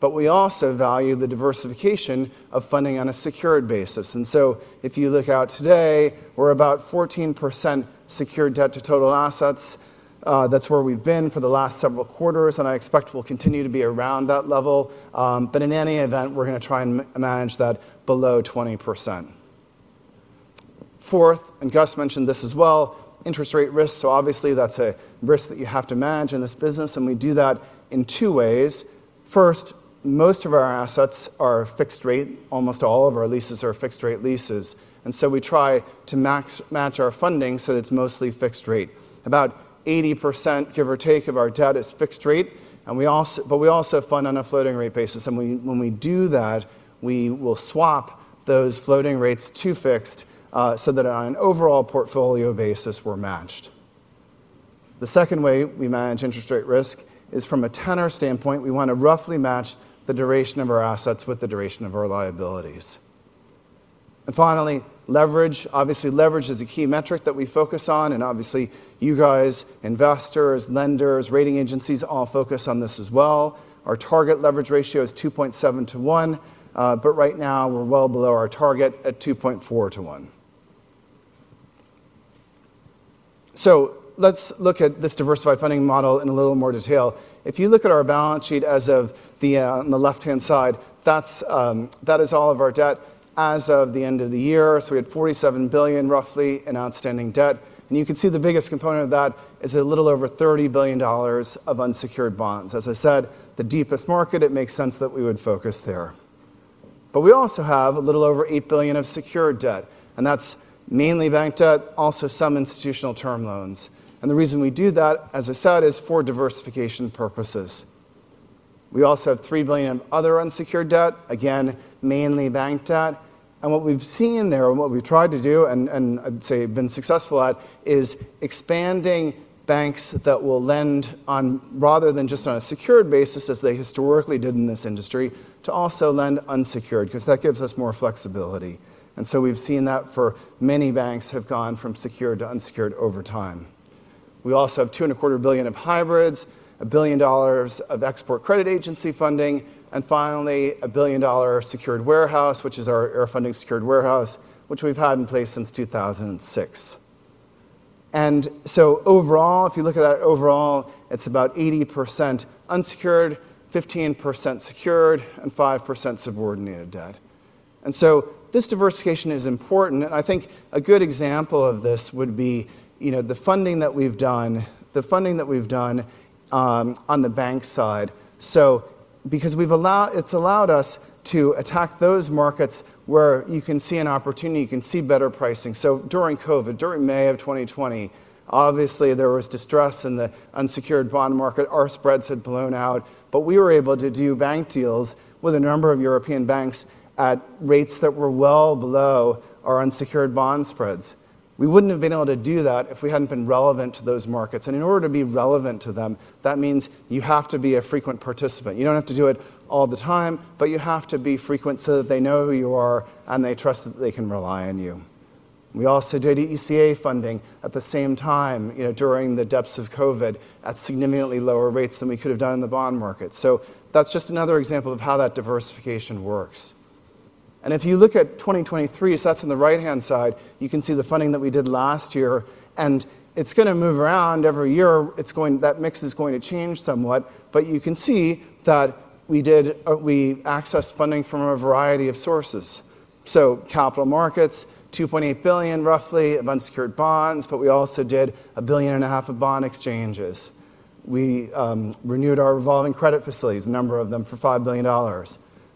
But we also value the diversification of funding on a secured basis. And so if you look out today, we're about 14% secured debt to total assets. That's where we've been for the last several quarters. And I expect we'll continue to be around that level. But in any event, we're going to try and manage that below 20%. Fourth, and Gus mentioned this as well, interest rate risk. So obviously, that's a risk that you have to manage in this business. And we do that in two ways. First, most of our assets are fixed rate. Almost all of our leases are fixed-rate leases. And so we try to match our funding so that it's mostly fixed rate. About 80%, give or take, of our debt is fixed rate. And we also fund on a floating-rate basis. And when we do that, we will swap those floating rates to fixed so that on an overall portfolio basis, we're matched. The second way we manage interest rate risk is from a tenor standpoint. We want to roughly match the duration of our assets with the duration of our liabilities. And finally, leverage. Obviously, leverage is a key metric that we focus on. And obviously, you guys, investors, lenders, rating agencies, all focus on this as well. Our target leverage ratio is 2.7-to-1. But right now, we're well below our target at 2.4-to-1. So let's look at this diversified funding model in a little more detail. If you look at our balance sheet as of, on the left-hand side, that's, that is, all of our debt as of the end of the year. So we had $47 billion, roughly, in outstanding debt. And you can see the biggest component of that is a little over $30 billion of unsecured bonds. As I said, the deepest market, it makes sense that we would focus there. But we also have a little over $8 billion of secured debt. And that's mainly bank debt, also some institutional term loans. And the reason we do that, as I said, is for diversification purposes. We also have $3 billion of other unsecured debt, again, mainly bank debt. What we've seen there and what we've tried to do and I'd say been successful at is expanding banks that will lend on rather than just on a secured basis, as they historically did in this industry, to also lend unsecured because that gives us more flexibility. We've seen that for many banks have gone from secured to unsecured over time. We also have $2.25 billion of hybrids, $1 billion of export credit agency funding, and finally, $1 billion of secured warehouse, which is our AerFunding secured warehouse, which we've had in place since 2006. Overall, if you look at that overall, it's about 80% unsecured, 15% secured, and 5% subordinated debt. This diversification is important. And I think a good example of this would be, you know, the funding that we've done, the funding that we've done, on the bank side. So because we've allowed it's allowed us to attack those markets where you can see an opportunity, you can see better pricing. So during COVID, during May of 2020, obviously, there was distress in the unsecured bond market. Our spreads had blown out. But we were able to do bank deals with a number of European banks at rates that were well below our unsecured bond spreads. We wouldn't have been able to do that if we hadn't been relevant to those markets. And in order to be relevant to them, that means you have to be a frequent participant. You don't have to do it all the time, but you have to be frequent so that they know who you are and they trust that they can rely on you. We also did ECA funding at the same time, you know, during the depths of COVID at significantly lower rates than we could have done in the bond market. So that's just another example of how that diversification works. If you look at 2023, so that's on the right-hand side, you can see the funding that we did last year. It's going to move around every year. That mix is going to change somewhat. But you can see that we accessed funding from a variety of sources. So capital markets, $2.8 billion, roughly, of unsecured bonds. But we also did $1.5 billion of bond exchanges. We renewed our revolving credit facilities, a number of them for $5 billion.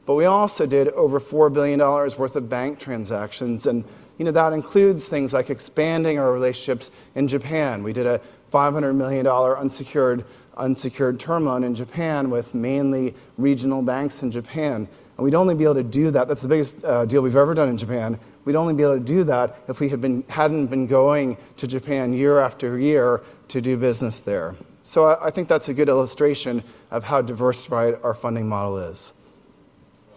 But we also did over $4 billion worth of bank transactions. And, you know, that includes things like expanding our relationships in Japan. We did a $500 million unsecured term loan in Japan with mainly regional banks in Japan. And we'd only be able to do that. That's the biggest deal we've ever done in Japan. We'd only be able to do that if we hadn't been going to Japan year after year to do business there. So I think that's a good illustration of how diversified our funding model is.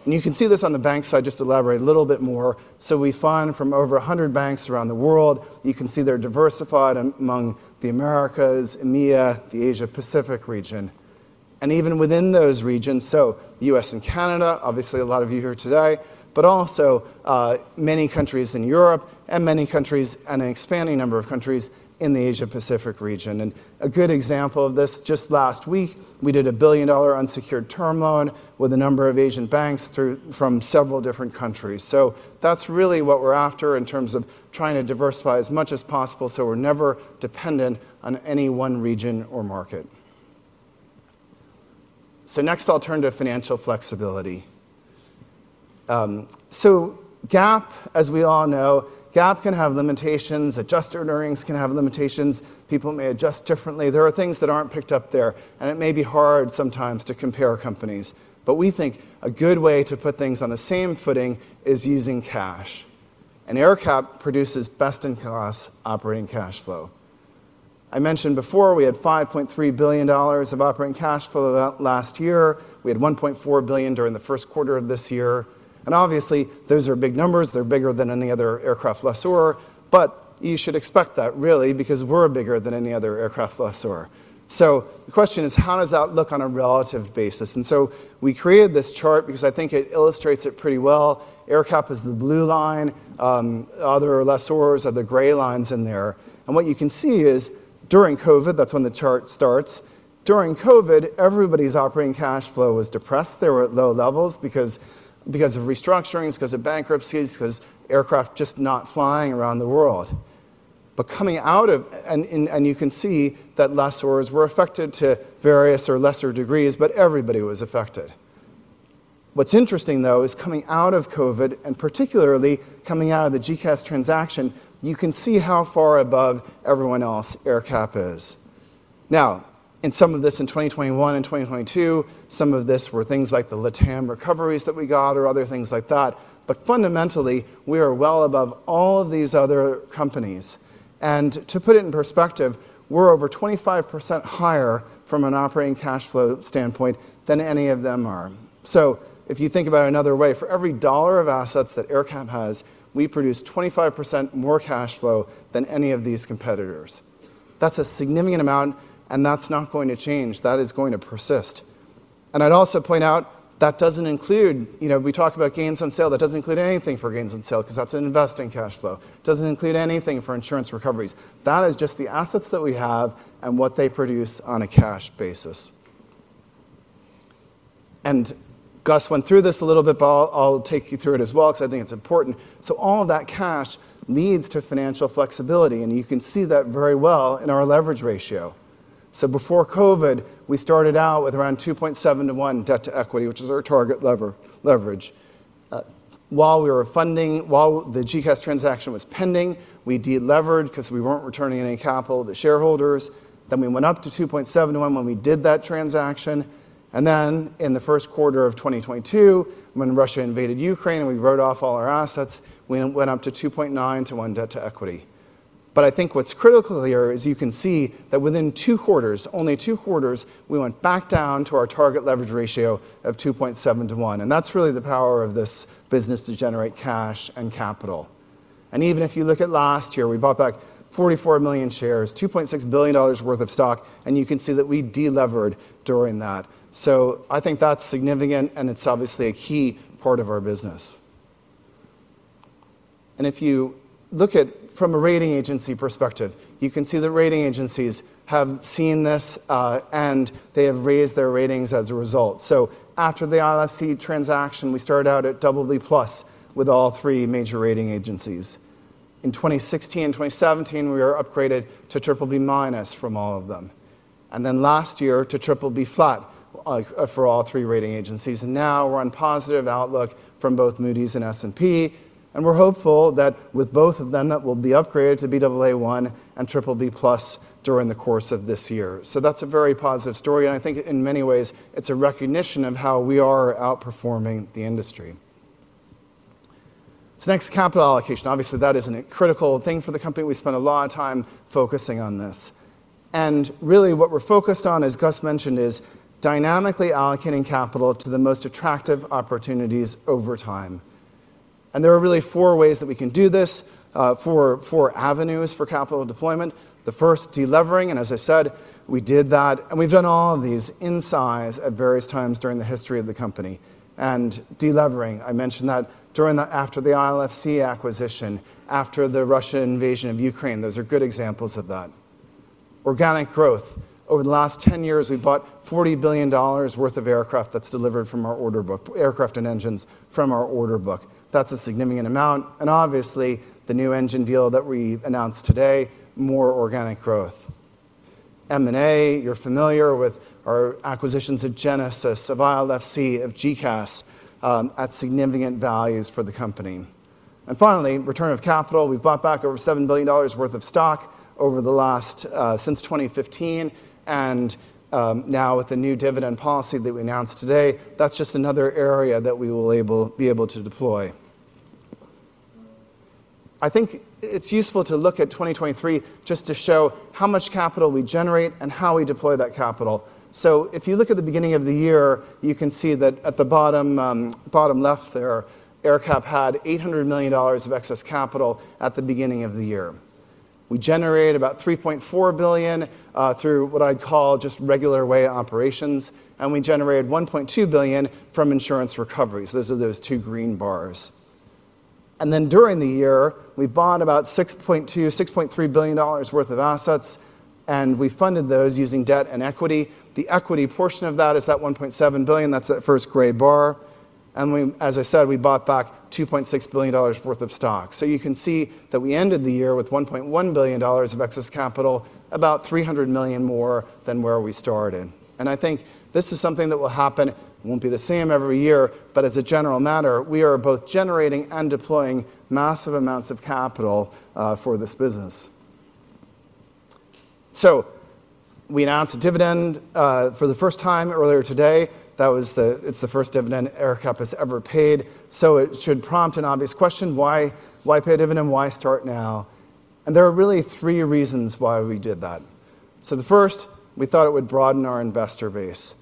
And you can see this on the bank side, just to elaborate a little bit more. So we fund from over 100 banks around the world. You can see they're diversified among the Americas, EMEA, the Asia-Pacific region. And even within those regions, so the U.S. and Canada, obviously, a lot of you here today, but also, many countries in Europe and many countries and an expanding number of countries in the Asia-Pacific region. And a good example of this, just last week, we did a $1 billion unsecured term loan with a number of Asian banks through from several different countries. So that's really what we're after in terms of trying to diversify as much as possible so we're never dependent on any one region or market. So next, I'll turn to financial flexibility. So GAAP, as we all know, GAAP can have limitations. Adjusted earnings can have limitations. People may adjust differently. There are things that aren't picked up there. And it may be hard sometimes to compare companies. But we think a good way to put things on the same footing is using cash. AerCap produces best-in-class operating cash flow. I mentioned before, we had $5.3 billion of operating cash flow last year. We had $1.4 billion during the first quarter of this year. And obviously, those are big numbers. They're bigger than any other aircraft lessor. But you should expect that, really, because we're bigger than any other aircraft lessor. So the question is, how does that look on a relative basis? And so we created this chart because I think it illustrates it pretty well. AerCap is the blue line. Other lessors are the gray lines in there. And what you can see is, during COVID, that's when the chart starts, during COVID, everybody's operating cash flow was depressed. They were at low levels because of restructurings, because of bankruptcies, because aircraft just not flying around the world. But coming out of, and you can see that lessors were affected to various or lesser degrees, but everybody was affected. What's interesting, though, is coming out of COVID and particularly coming out of the GECAS transaction, you can see how far above everyone else AerCap is. Now, in some of this in 2021 and 2022, some of this were things like the LATAM recoveries that we got or other things like that. But fundamentally, we are well above all of these other companies. And to put it in perspective, we're over 25% higher from an operating cash flow standpoint than any of them are. So if you think about it another way, for every $1 of assets that AerCap has, we produce 25% more cash flow than any of these competitors. That's a significant amount. And that's not going to change. That is going to persist. I'd also point out that doesn't include, you know, we talk about gains on sale. That doesn't include anything for gains on sale because that's an investing cash flow. It doesn't include anything for insurance recoveries. That is just the assets that we have and what they produce on a cash basis. And Gus went through this a little bit, but I'll take you through it as well because I think it's important. So all of that cash needs to financial flexibility. And you can see that very well in our leverage ratio. So before COVID, we started out with around 2.7-to-1 debt-to-equity, which is our target leverage. While we were funding, while the GECAS transaction was pending, we de-levered because we weren't returning any capital to shareholders. Then we went up to 2.7-to-1 when we did that transaction. Then in the first quarter of 2022, when Russia invaded Ukraine and we wrote off all our assets, we went up to 2.9-to-1 debt to equity. I think what's critical here is you can see that within two quarters, only two quarters, we went back down to our target leverage ratio of 2.7-to-1. That's really the power of this business to generate cash and capital. Even if you look at last year, we bought back 44 million shares, $2.6 billion worth of stock. You can see that we de-levered during that. I think that's significant. It's obviously a key part of our business. If you look at from a rating agency perspective, you can see that rating agencies have seen this, and they have raised their ratings as a result. So after the ILFC transaction, we started out at BBB Plus with all three major rating agencies. In 2016 and 2017, we were upgraded to BBB Minus from all of them. And then last year to BBB Flat for all three rating agencies. And now we're on positive outlook from both Moody's and S&P. And we're hopeful that with both of them, that we'll be upgraded to Baa1 and BBB Plus during the course of this year. So that's a very positive story. And I think in many ways, it's a recognition of how we are outperforming the industry. So next, capital allocation. Obviously, that is a critical thing for the company. We spend a lot of time focusing on this. And really, what we're focused on, as Gus mentioned, is dynamically allocating capital to the most attractive opportunities over time. There are really four ways that we can do this, four four avenues for capital deployment. The first, de-levering. And as I said, we did that. And we've done all of these in size at various times during the history of the company. And de-levering, I mentioned that during, after the ILFC acquisition, after the Russian invasion of Ukraine, those are good examples of that. Organic growth. Over the last 10 years, we bought $40 billion worth of aircraft that's delivered from our order book, aircraft and engines from our order book. That's a significant amount. And obviously, the new engine deal that we announced today, more organic growth. M&A, you're familiar with our acquisitions at Genesis, of ILFC, of GECAS, at significant values for the company. And finally, return of capital. We've bought back over $7 billion worth of stock over the last since 2015. Now with the new dividend policy that we announced today, that's just another area that we will be able to deploy. I think it's useful to look at 2023 just to show how much capital we generate and how we deploy that capital. So if you look at the beginning of the year, you can see that at the bottom left, AerCap had $800 million of excess capital at the beginning of the year. We generated about $3.4 billion through what I'd call just regular way operations. And we generated $1.2 billion from insurance recoveries. Those are those two green bars. And then during the year, we bought about $6.2-$6.3 billion worth of assets. And we funded those using debt and equity. The equity portion of that is that $1.7 billion. That's that first gray bar. And as I said, we bought back $2.6 billion worth of stock. So you can see that we ended the year with $1.1 billion of excess capital, about $300 million more than where we started. And I think this is something that will happen. It won't be the same every year. But as a general matter, we are both generating and deploying massive amounts of capital for this business. So we announced a dividend for the first time earlier today. It's the first dividend AerCap has ever paid. So it should prompt an obvious question: why pay a dividend? Why start now? And there are really three reasons why we did that. So the first, we thought it would broaden our investor base.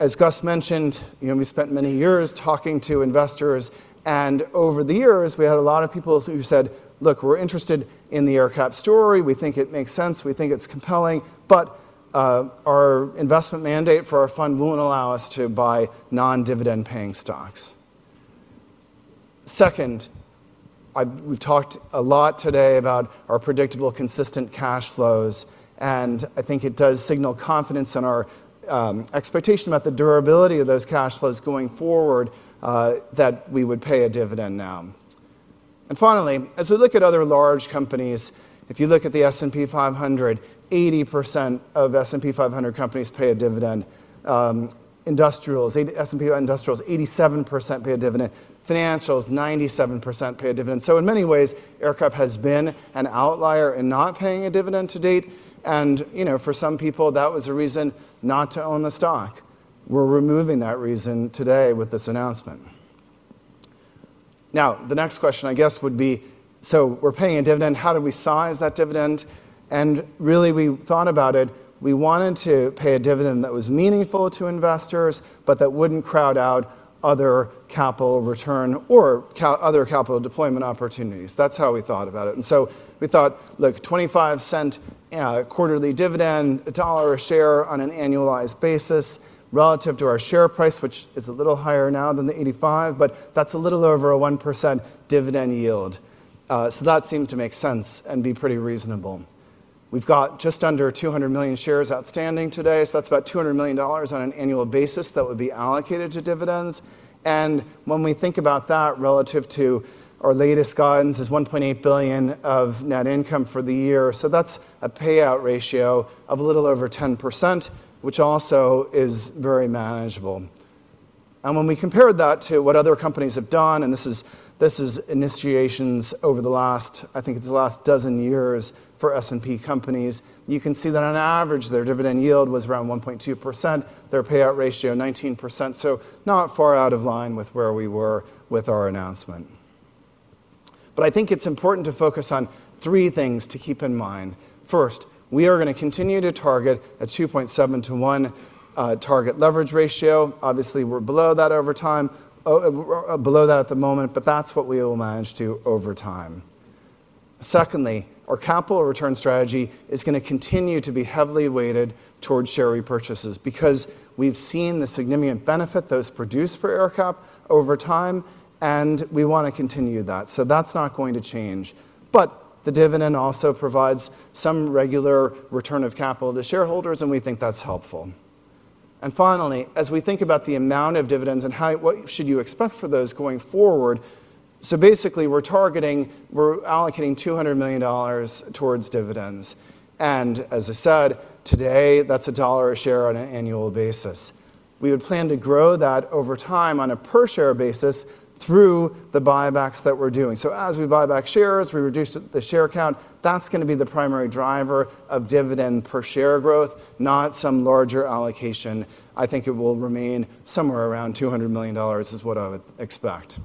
As Gus mentioned, we spent many years talking to investors. And over the years, we had a lot of people who said, "Look, we're interested in the AerCap story. We think it makes sense. We think it's compelling. But our investment mandate for our fund won't allow us to buy non-dividend-paying stocks." Second, we've talked a lot today about our predictable, consistent cash flows. And I think it does signal confidence in our expectation about the durability of those cash flows going forward, that we would pay a dividend now. And finally, as we look at other large companies, if you look at the S&P 500, 80% of S&P 500 companies pay a dividend. S&P Industrials, 87% pay a dividend. Financials, 97% pay a dividend. So in many ways, AerCap has been an outlier in not paying a dividend to date. And for some people, that was a reason not to own the stock. We're removing that reason today with this announcement. Now, the next question, I guess, would be, so we're paying a dividend. How do we size that dividend? And really, we thought about it. We wanted to pay a dividend that was meaningful to investors, but that wouldn't crowd out other capital return or other capital deployment opportunities. That's how we thought about it. And so we thought, look, $0.25 quarterly dividend, $1 a share on an annualized basis, relative to our share price, which is a little higher now than the $85, but that's a little over 1% dividend yield. So that seemed to make sense and be pretty reasonable. We've got just under 200 million shares outstanding today. So that's about $200 million on an annual basis that would be allocated to dividends. And when we think about that relative to our latest guidance, it's $1.8 billion of net income for the year. So that's a payout ratio of a little over 10%, which also is very manageable. When we compared that to what other companies have done, and this is initiations over the last 12 years for S&P companies, you can see that on average, their dividend yield was around 1.2%, their payout ratio 19%. So not far out of line with where we were with our announcement. But I think it's important to focus on three things to keep in mind. First, we are going to continue to target a 2.7-1 target leverage ratio. Obviously, we're below that over time, below that at the moment, but that's what we will manage to over time. Secondly, our capital return strategy is going to continue to be heavily weighted towards share repurchases because we've seen the significant benefit those produce for AerCap over time. And we want to continue that. So that's not going to change. But the dividend also provides some regular return of capital to shareholders. And we think that's helpful. And finally, as we think about the amount of dividends and what should you expect for those going forward, so basically, we're allocating $200 million towards dividends. And as I said, today, that's $1 a share on an annual basis. We would plan to grow that over time on a per-share basis through the buybacks that we're doing. So as we buyback shares, we reduce the share count. That's going to be the primary driver of dividend per-share growth, not some larger allocation. I think it will remain somewhere around $200 million is what I would expect.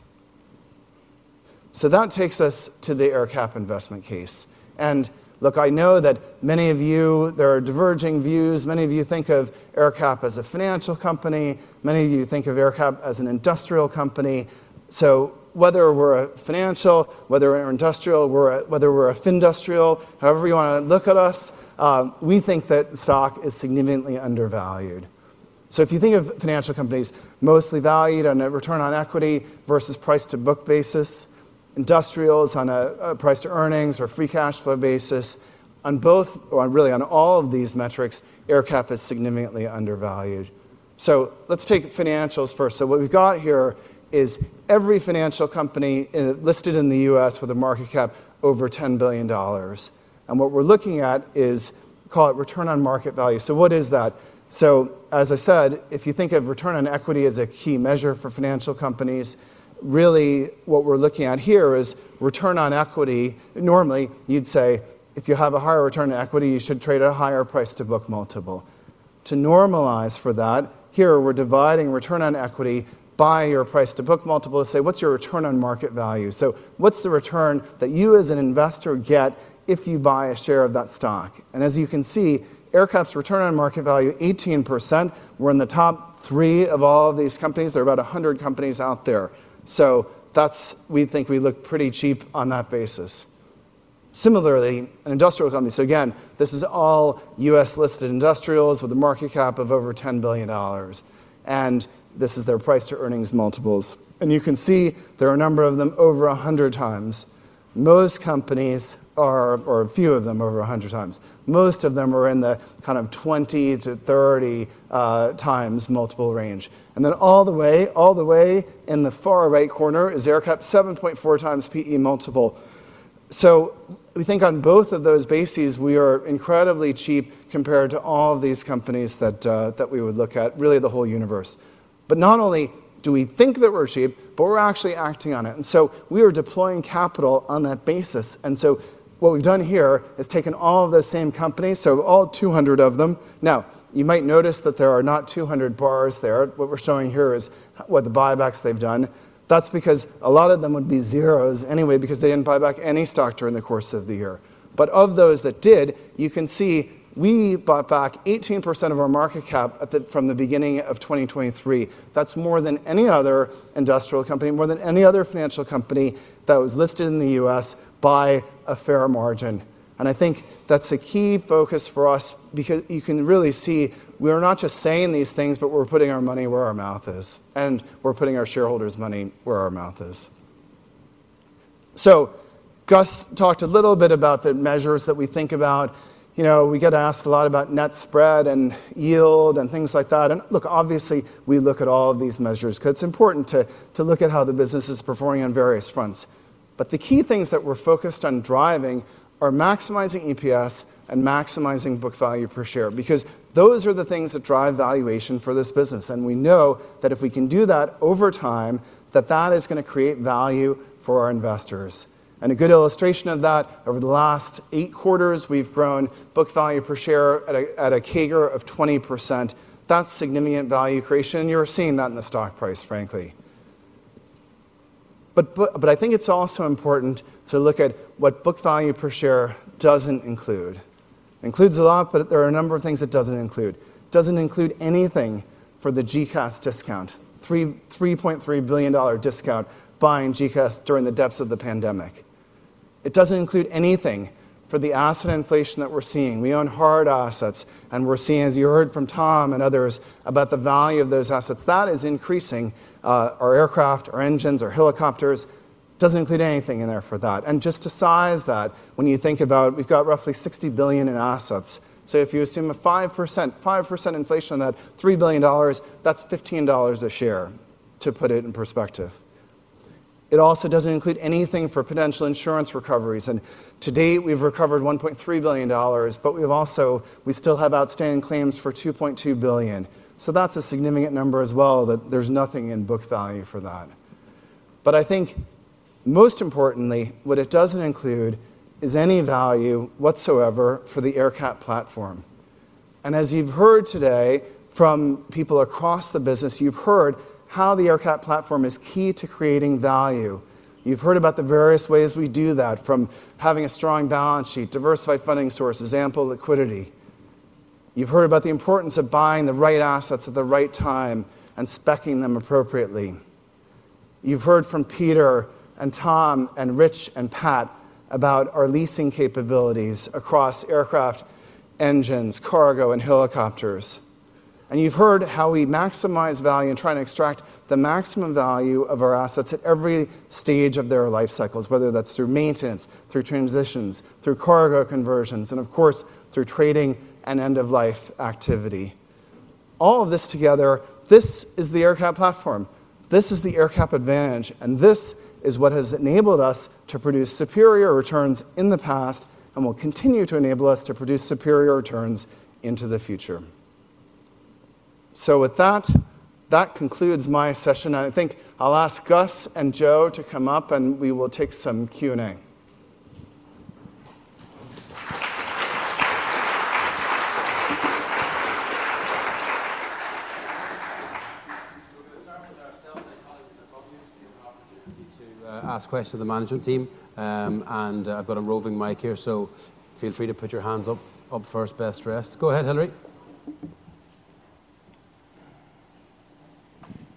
So that takes us to the AerCap investment case. And look, I know that many of you, there are diverging views. Many of you think of AerCap as a financial company. Many of you think of AerCap as an industrial company. So whether we're a financial, whether we're an industrial, whether we're a FinIndustrial, however you want to look at us, we think that stock is significantly undervalued. So if you think of financial companies, mostly valued on a return on equity versus price to book basis, industrials on a price to earnings or free cash flow basis, on both, or really on all of these metrics, AerCap is significantly undervalued. So let's take financials first. So what we've got here is every financial company listed in the US with a market cap over $10 billion. And what we're looking at is, call it return on market value. So what is that? So as I said, if you think of return on equity as a key measure for financial companies, really what we're looking at here is return on equity. Normally, you'd say if you have a higher return on equity, you should trade at a higher price to book multiple. To normalize for that, here we're dividing return on equity by your price to book multiple to say, what's your return on market value? So what's the return that you as an investor get if you buy a share of that stock? And as you can see, AerCap's return on market value, 18%. We're in the top three of all of these companies. There are about 100 companies out there. So we think we look pretty cheap on that basis. Similarly, an industrial company, so again, this is all US-listed industrials with a market cap of over $10 billion. And this is their price to earnings multiples. And you can see there are a number of them over 100 times. Most companies are, or a few of them, over 100x. Most of them are in the kind of 20x-30x multiple range. Then all the way, all the way in the far right corner is AerCap's 7.4x PE multiple. So we think on both of those bases, we are incredibly cheap compared to all of these companies that we would look at, really the whole universe. But not only do we think that we're cheap, but we're actually acting on it. So we are deploying capital on that basis. What we've done here is taken all of those same companies, so all 200 of them. Now, you might notice that there are not 200 bars there. What we're showing here is what the buybacks they've done. That's because a lot of them would be zeros anyway because they didn't buy back any stock during the course of the year. But of those that did, you can see we bought back 18% of our market cap from the beginning of 2023. That's more than any other industrial company, more than any other financial company that was listed in the U.S. by a fair margin. And I think that's a key focus for us because you can really see we are not just saying these things, but we're putting our money where our mouth is. And we're putting our shareholders' money where our mouth is. So Gus talked a little bit about the measures that we think about. We get asked a lot about net spread and yield and things like that. Look, obviously, we look at all of these measures because it's important to look at how the business is performing on various fronts. But the key things that we're focused on driving are maximizing EPS and maximizing book value per share because those are the things that drive valuation for this business. We know that if we can do that over time, that that is going to create value for our investors. A good illustration of that, over the last eight quarters, we've grown book value per share at a CAGR of 20%. That's significant value creation. You're seeing that in the stock price, frankly. But I think it's also important to look at what book value per share doesn't include. It includes a lot, but there are a number of things it doesn't include. It doesn't include anything for the GECAS discount, $3.3 billion discount buying GECAS during the depths of the pandemic. It doesn't include anything for the asset inflation that we're seeing. We own hard assets. We're seeing, as you heard from Tom and others, about the value of those assets that is increasing, our aircraft, our engines, our helicopters. It doesn't include anything in there for that. Just to size that, when you think about, we've got roughly $60 billion in assets. So if you assume a 5% inflation on that, $3 billion, that's $15 a share, to put it in perspective. It also doesn't include anything for potential insurance recoveries. To date, we've recovered $1.3 billion, but we still have outstanding claims for $2.2 billion. So that's a significant number as well, that there's nothing in book value for that. But I think, most importantly, what it doesn't include is any value whatsoever for the AerCap platform. And as you've heard today from people across the business, you've heard how the AerCap platform is key to creating value. You've heard about the various ways we do that, from having a strong balance sheet, diversify funding sources, ample liquidity. You've heard about the importance of buying the right assets at the right time and speccing them appropriately. You've heard from Peter and Tom and Rich and Pat about our leasing capabilities across aircraft, engines, cargo, and helicopters. And you've heard how we maximize value and try to extract the maximum value of our assets at every stage of their life cycles, whether that's through maintenance, through transitions, through cargo conversions, and of course, through trading and end-of-life activity. All of this together, this is the AerCap platform. This is the AerCap advantage. And this is what has enabled us to produce superior returns in the past and will continue to enable us to produce superior returns into the future. So with that, that concludes my session. And I think I'll ask Gus and Joe to come up, and we will take some Q&A. So we're going to start with ourselves. I told you the phone unit gives an opportunity to ask questions to the management team. And I've got a roving mic here, so feel free to put your hands up first, best dressed. Go ahead, Hillary.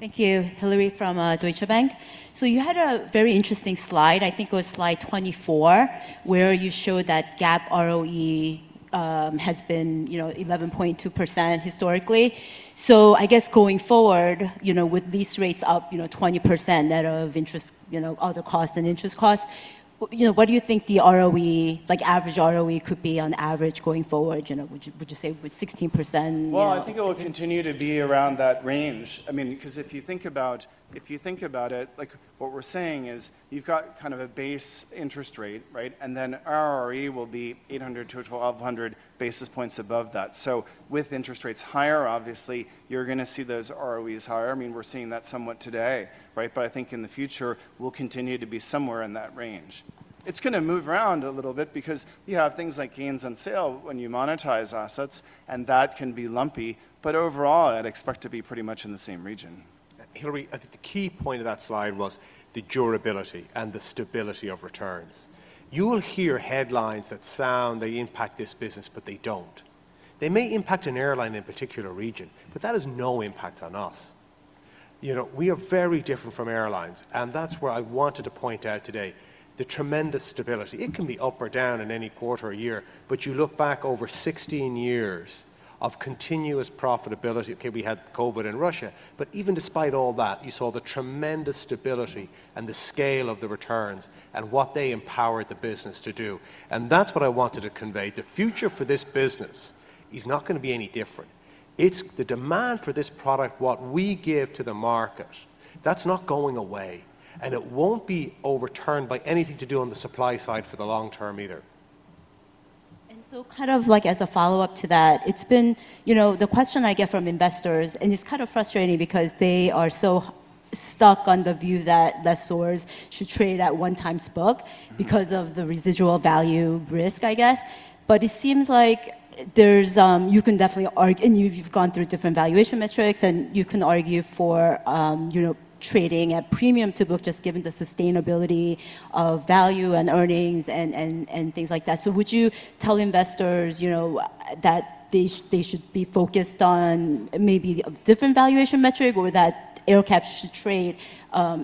Thank you, Hillary, from Deutsche Bank. So you had a very interesting slide. I think it was slide 24, where you showed that GAAP ROE has been 11.2% historically. So I guess going forward, with lease rates up 20%, net of other costs and interest costs, what do you think the average ROE could be on average going forward? Would you say 16%? Well, I think it will continue to be around that range. I mean, because if you think about it, what we're saying is you've got kind of a base interest rate, right? And then ROE will be 800-1,200 basis points above that. So with interest rates higher, obviously, you're going to see those ROEs higher. I mean, we're seeing that somewhat today, right? But I think in the future, we'll continue to be somewhere in that range. It's going to move around a little bit because you have things like gains on sale when you monetize assets, and that can be lumpy. But overall, I'd expect to be pretty much in the same region. Hillary, I think the key point of that slide was the durability and the stability of returns. You will hear headlines that sound they impact this business, but they don't. They may impact an airline in a particular region, but that has no impact on us. We are very different from airlines. And that's where I wanted to point out today, the tremendous stability. It can be up or down in any quarter or year, but you look back over 16 years of continuous profitability. Okay, we had COVID in Russia. But even despite all that, you saw the tremendous stability and the scale of the returns and what they empowered the business to do. And that's what I wanted to convey. The future for this business is not going to be any different. It's the demand for this product, what we give to the market. That's not going away. It won't be overturned by anything to do on the supply side for the long term either. So kind of as a follow-up to that, the question I get from investors, and it's kind of frustrating because they are so stuck on the view that lessors should trade at one-times book because of the residual value risk, I guess. But it seems like you can definitely argue, and you've gone through different valuation metrics, and you can argue for trading at premium to book just given the sustainability of value and earnings and things like that. So would you tell investors that they should be focused on maybe a different valuation metric or that AerCap should trade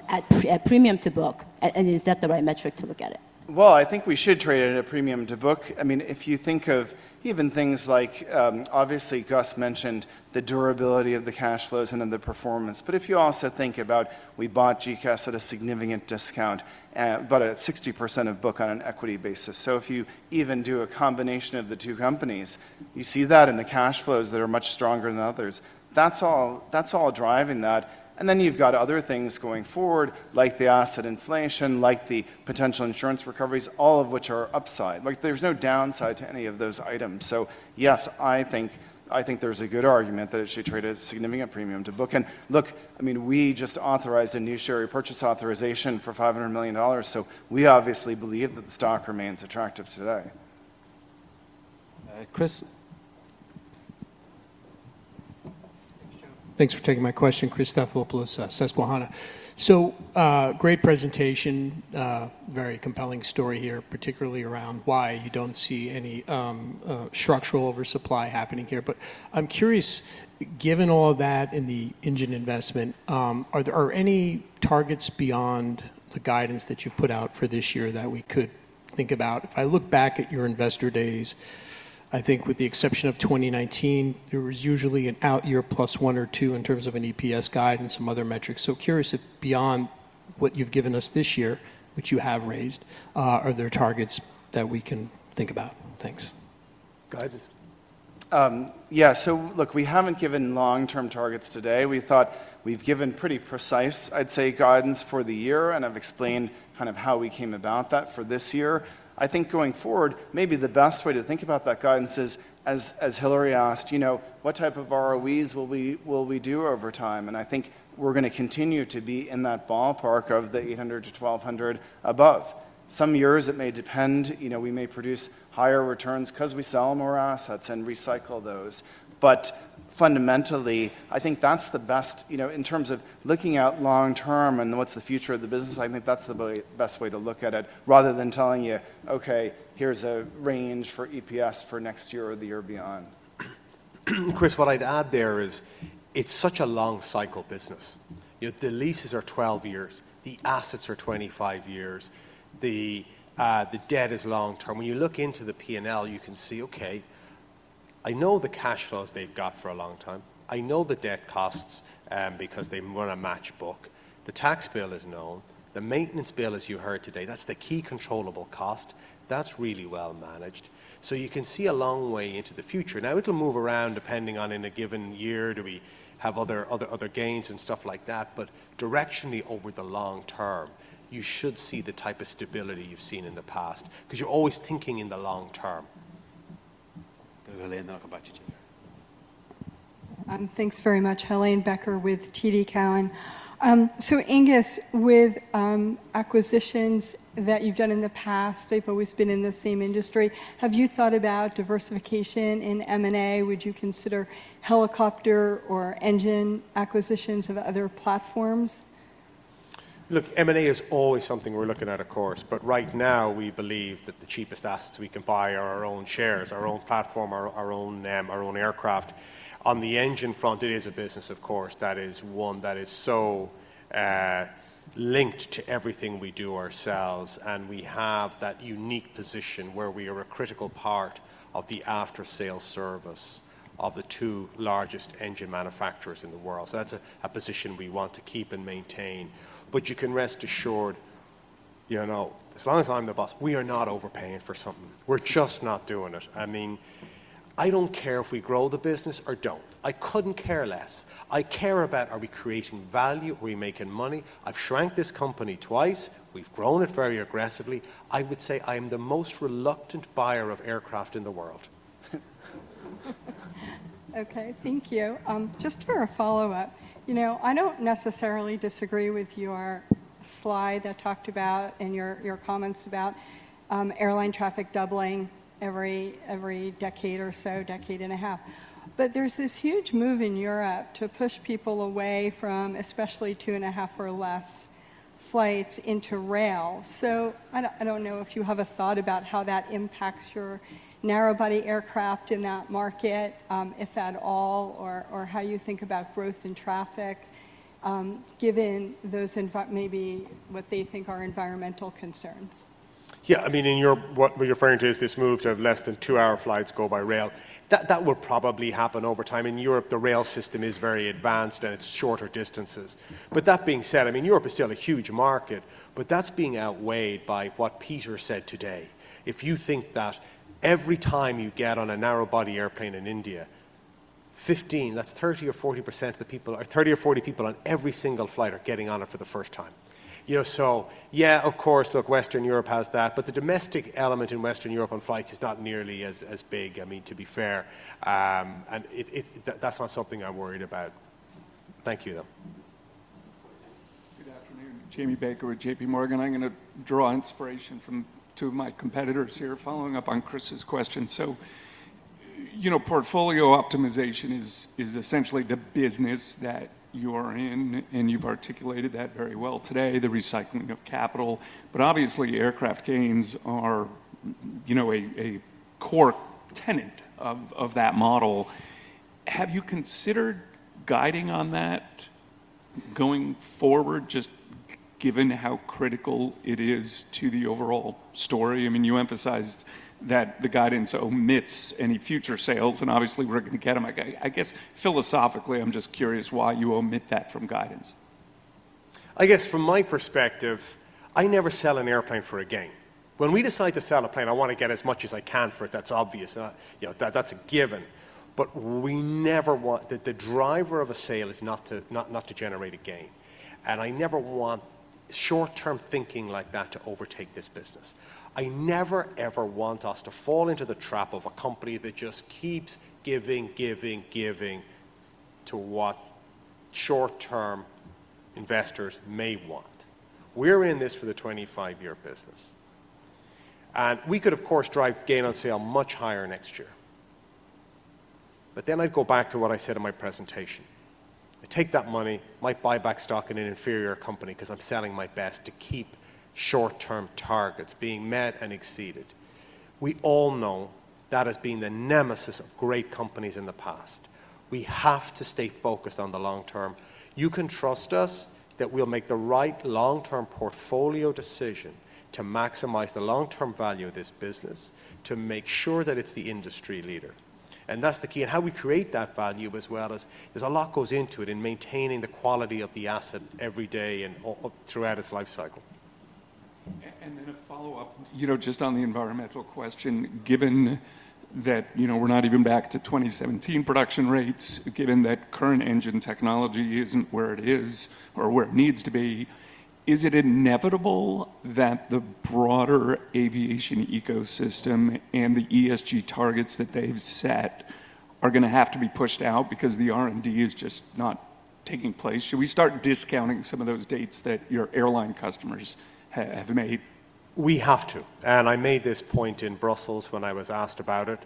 at premium to book? And is that the right metric to look at it? Well, I think we should trade it at premium to book. I mean, if you think of even things like, obviously, Gus mentioned the durability of the cash flows and of the performance. But if you also think about we bought GECAS at a significant discount, but at 60% of book on an equity basis. So if you even do a combination of the two companies, you see that in the cash flows that are much stronger than others. That's all driving that. And then you've got other things going forward, like the asset inflation, like the potential insurance recoveries, all of which are upside. There's no downside to any of those items. So yes, I think there's a good argument that it should trade at a significant premium to book. And look, I mean, we just authorized a new share purchase authorization for $500 million. So we obviously believe that the stock remains attractive today. Chris. Thanks, Joe. Thanks for taking my question. Chris Stathoulopoulos, Susquehanna. Great presentation, very compelling story here, particularly around why you don't see any structural oversupply happening here. But I'm curious, given all of that in the engine investment, are there any targets beyond the guidance that you've put out for this year that we could think about? If I look back at your investor days, I think with the exception of 2019, there was usually an out-year plus one or two in terms of an EPS guide and some other metrics. Curious if beyond what you've given us this year, which you have raised, are there targets that we can think about? Thanks. Guidance. Yeah, so look, we haven't given long-term targets today. We've given pretty precise, I'd say, guidance for the year. I've explained kind of how we came about that for this year. I think going forward, maybe the best way to think about that guidance is, as Hillary asked, what type of ROEs will we do over time? And I think we're going to continue to be in that ballpark of the 800-1,200 above. Some years, it may depend. We may produce higher returns because we sell more assets and recycle those. But fundamentally, I think that's the best in terms of looking out long term and what's the future of the business. I think that's the best way to look at it rather than telling you, "Okay, here's a range for EPS for next year or the year beyond. Chris, what I'd add there is it's such a long-cycle business. The leases are 12 years. The assets are 25 years. The debt is long term. When you look into the P&L, you can see, "Okay, I know the cash flows they've got for a long time. I know the debt costs because they want to match book. The tax bill is known. The maintenance bill, as you heard today, that's the key controllable cost. That's really well managed." So you can see a long way into the future. Now, it'll move around depending on in a given year, do we have other gains and stuff like that. But directionally over the long term, you should see the type of stability you've seen in the past because you're always thinking in the long term. Go to Helane, then I'll come back to you, Jennifer. Thanks very much. Helane Becker with TD Cowen. So Aengus, with acquisitions that you've done in the past, they've always been in the same industry. Have you thought about diversification in M&A? Would you consider helicopter or engine acquisitions of other platforms? Look, M&A is always something we're looking at, of course. But right now, we believe that the cheapest assets we can buy are our own shares, our own platform, our own aircraft. On the engine front, it is a business, of course, that is one that is so linked to everything we do ourselves. And we have that unique position where we are a critical part of the after-sale service of the two largest engine manufacturers in the world. So that's a position we want to keep and maintain. But you can rest assured, as long as I'm the boss, we are not overpaying for something. We're just not doing it. I mean, I don't care if we grow the business or don't. I couldn't care less. I care about are we creating value or are we making money? I've shrank this company twice. We've grown it very aggressively. I would say I am the most reluctant buyer of aircraft in the world. Okay, thank you. Just for a follow-up, I don't necessarily disagree with your slide that talked about and your comments about airline traffic doubling every decade or so, decade and a half. But there's this huge move in Europe to push people away from, especially two and a half or less flights, into rail. So I don't know if you have a thought about how that impacts your narrow-body aircraft in that market, if at all, or how you think about growth in traffic given maybe what they think are environmental concerns. Yeah, I mean, what you're referring to is this move to have less than two-hour flights go by rail. That will probably happen over time. In Europe, the rail system is very advanced, and it's shorter distances. But that being said, I mean, Europe is still a huge market. But that's being outweighed by what Peter said today. If you think that every time you get on a narrow-body airplane in India, 15, that's 30 or 40% of the people, or 30 or 40 people on every single flight are getting on it for the first time. So yeah, of course, look, Western Europe has that. But the domestic element in Western Europe on flights is not nearly as big, I mean, to be fair. And that's not something I'm worried about. Thank you, though. Good afternoon. Jamie Baker with J.P. Morgan. I'm going to draw inspiration from two of my competitors here following up on Chris's question. So portfolio optimization is essentially the business that you are in, and you've articulated that very well today, the recycling of capital. But obviously, aircraft gains are a core tenet of that model. Have you considered guiding on that going forward, just given how critical it is to the overall story? I mean, you emphasized that the guidance omits any future sales. And obviously, we're going to get them. I guess philosophically, I'm just curious why you omit that from guidance? I guess from my perspective, I never sell an airplane for a gain. When we decide to sell a plane, I want to get as much as I can for it. That's obvious. That's a given. But we never want the driver of a sale is not to generate a gain. And I never want short-term thinking like that to overtake this business. I never, ever want us to fall into the trap of a company that just keeps giving, giving, giving to what short-term investors may want. We're in this for the 25-year business. And we could, of course, drive gain on sale much higher next year. But then I'd go back to what I said in my presentation. I take that money, might buy back stock in an inferior company because I'm selling my best to keep short-term targets being met and exceeded. We all know that has been the nemesis of great companies in the past. We have to stay focused on the long term. You can trust us that we'll make the right long-term portfolio decision to maximize the long-term value of this business, to make sure that it's the industry leader. And that's the key. And how we create that value as well as there's a lot goes into it in maintaining the quality of the asset every day throughout its lifecycle. A follow-up just on the environmental question. Given that we're not even back to 2017 production rates, given that current engine technology isn't where it is or where it needs to be, is it inevitable that the broader aviation ecosystem and the ESG targets that they've set are going to have to be pushed out because the R&D is just not taking place? Should we start discounting some of those dates that your airline customers have made? We have to. I made this point in Brussels when I was asked about it.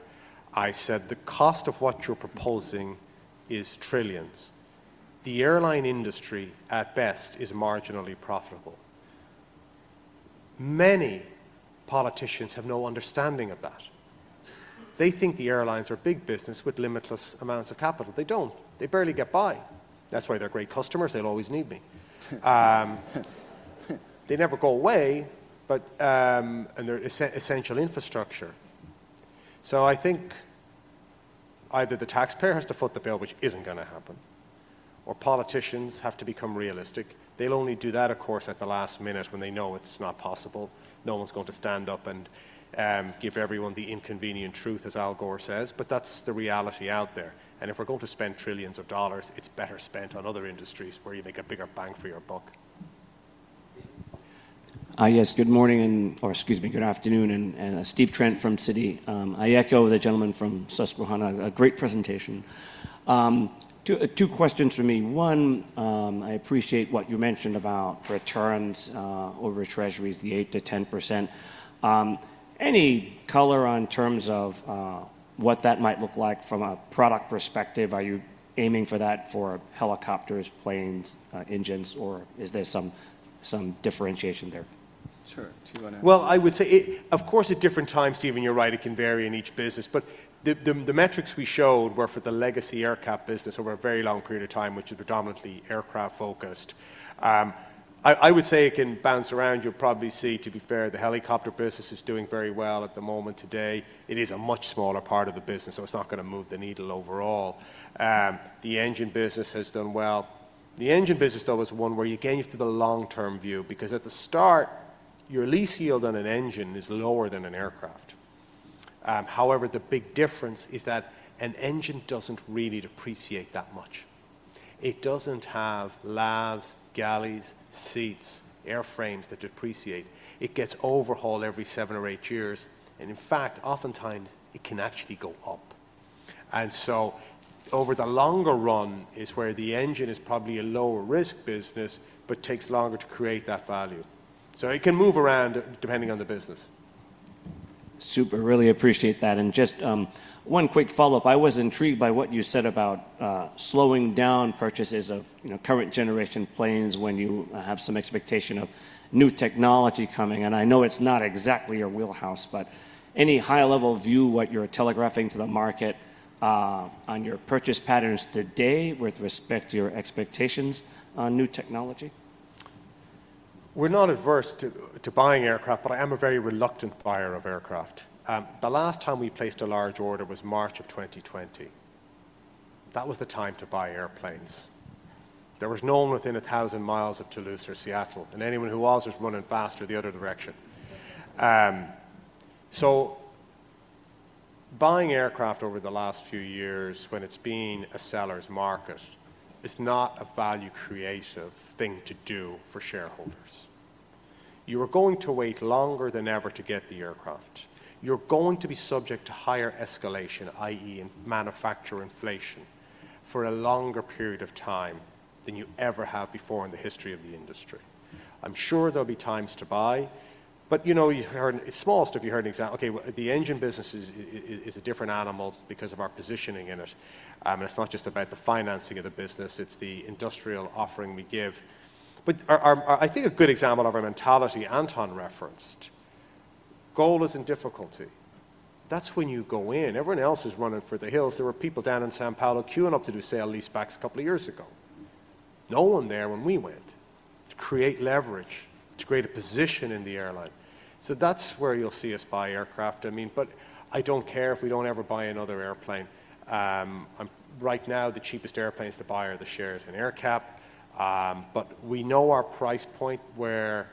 I said, "The cost of what you're proposing is trillions. The airline industry, at best, is marginally profitable." Many politicians have no understanding of that. They think the airlines are big business with limitless amounts of capital. They don't. They barely get by. That's why they're great customers. They'll always need me. They never go away, and they're essential infrastructure. So I think either the taxpayer has to foot the bill, which isn't going to happen, or politicians have to become realistic. They'll only do that, of course, at the last minute when they know it's not possible. No one's going to stand up and give everyone the inconvenient truth, as Al Gore says. That's the reality out there. If we're going to spend trillions of dollars, it's better spent on other industries where you make a bigger bang for your buck. Yes, good morning or excuse me, good afternoon. Steve Trent from Citi. I echo the gentleman from Susquehanna. Great presentation. Two questions for me. One, I appreciate what you mentioned about returns over treasuries, the 8%-10%. Any color on terms of what that might look like from a product perspective? Are you aiming for that for helicopters, planes, engines, or is there some differentiation there? Sure. Do you want to? Well, I would say, of course, at different times, Stephen, you're right. It can vary in each business. But the metrics we showed were for the legacy AerCap business over a very long period of time, which is predominantly aircraft-focused. I would say it can bounce around. You'll probably see, to be fair, the helicopter business is doing very well at the moment today. It is a much smaller part of the business, so it's not going to move the needle overall. The engine business has done well. The engine business, though, is one where you gain to the long-term view because at the start, your lease yield on an engine is lower than an aircraft. However, the big difference is that an engine doesn't really depreciate that much. It doesn't have lavs, galleys, seats, airframes that depreciate. It gets overhauled every seven or eight years. In fact, oftentimes, it can actually go up. So over the longer run is where the engine is probably a lower-risk business but takes longer to create that value. It can move around depending on the business. Super. Really appreciate that. And just one quick follow-up. I was intrigued by what you said about slowing down purchases of current-generation planes when you have some expectation of new technology coming. And I know it's not exactly your wheelhouse, but any high-level view what you're telegraphing to the market on your purchase patterns today with respect to your expectations on new technology? We're not averse to buying aircraft, but I am a very reluctant buyer of aircraft. The last time we placed a large order was March of 2020. That was the time to buy airplanes. There was no one within 1,000 miles of Toulouse or Seattle. And anyone who was was running faster the other direction. So buying aircraft over the last few years, when it's been a seller's market, is not a value-creative thing to do for shareholders. You are going to wait longer than ever to get the aircraft. You're going to be subject to higher escalation, i.e., manufacturer inflation, for a longer period of time than you ever have before in the history of the industry. I'm sure there'll be times to buy. But you heard it's smallest if you heard an example. Okay, the engine business is a different animal because of our positioning in it. It's not just about the financing of the business. It's the industrial offering we give. But I think a good example of a mentality Anton referenced, GOL is in difficulty. That's when you go in. Everyone else is running for the hills. There were people down in São Paulo queuing up to do sale-leasebacks a couple of years ago. No one there when we went to create leverage, to create a position in the airline. So that's where you'll see us buy aircraft. I mean, but I don't care if we don't ever buy another airplane. Right now, the cheapest airplane is to buy are the shares in AerCap. But we know our price point where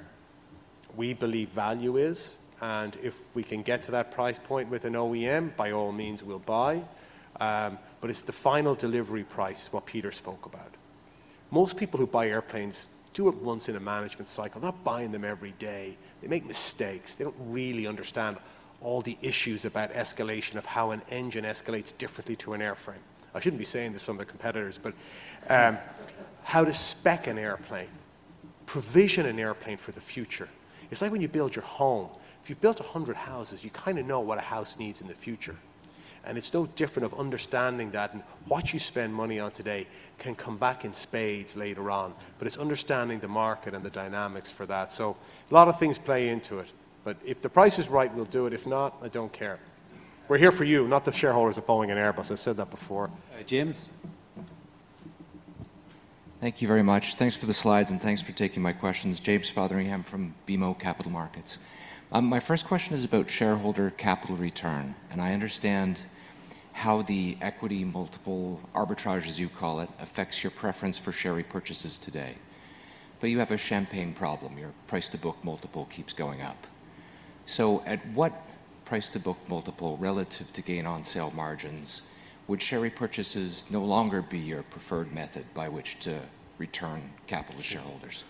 we believe value is. And if we can get to that price point with an OEM, by all means, we'll buy. But it's the final delivery price, what Peter spoke about. Most people who buy airplanes do it once in a management cycle. They're not buying them every day. They make mistakes. They don't really understand all the issues about escalation of how an engine escalates differently than an airframe. I shouldn't be saying this to the competitors, but how to spec an airplane, provision an airplane for the future. It's like when you build your home. If you've built 100 houses, you kind of know what a house needs in the future. And it's no different in understanding that. And what you spend money on today can come back in spades later on. But it's understanding the market and the dynamics for that. So a lot of things play into it. But if the price is right, we'll do it. If not, I don't care. We're here for you, not the shareholders of Boeing and Airbus. I've said that before. James? Thank you very much. Thanks for the slides, and thanks for taking my questions. James Fotheringham from BMO Capital Markets. My first question is about shareholder capital return. And I understand how the equity multiple, arbitrage, as you call it, affects your preference for share repurchases today. But you have a champagne problem. Your price-to-book multiple keeps going up. So at what price-to-book multiple, relative to gain on sale margins, would share repurchases no longer be your preferred method by which to return capital to shareholders?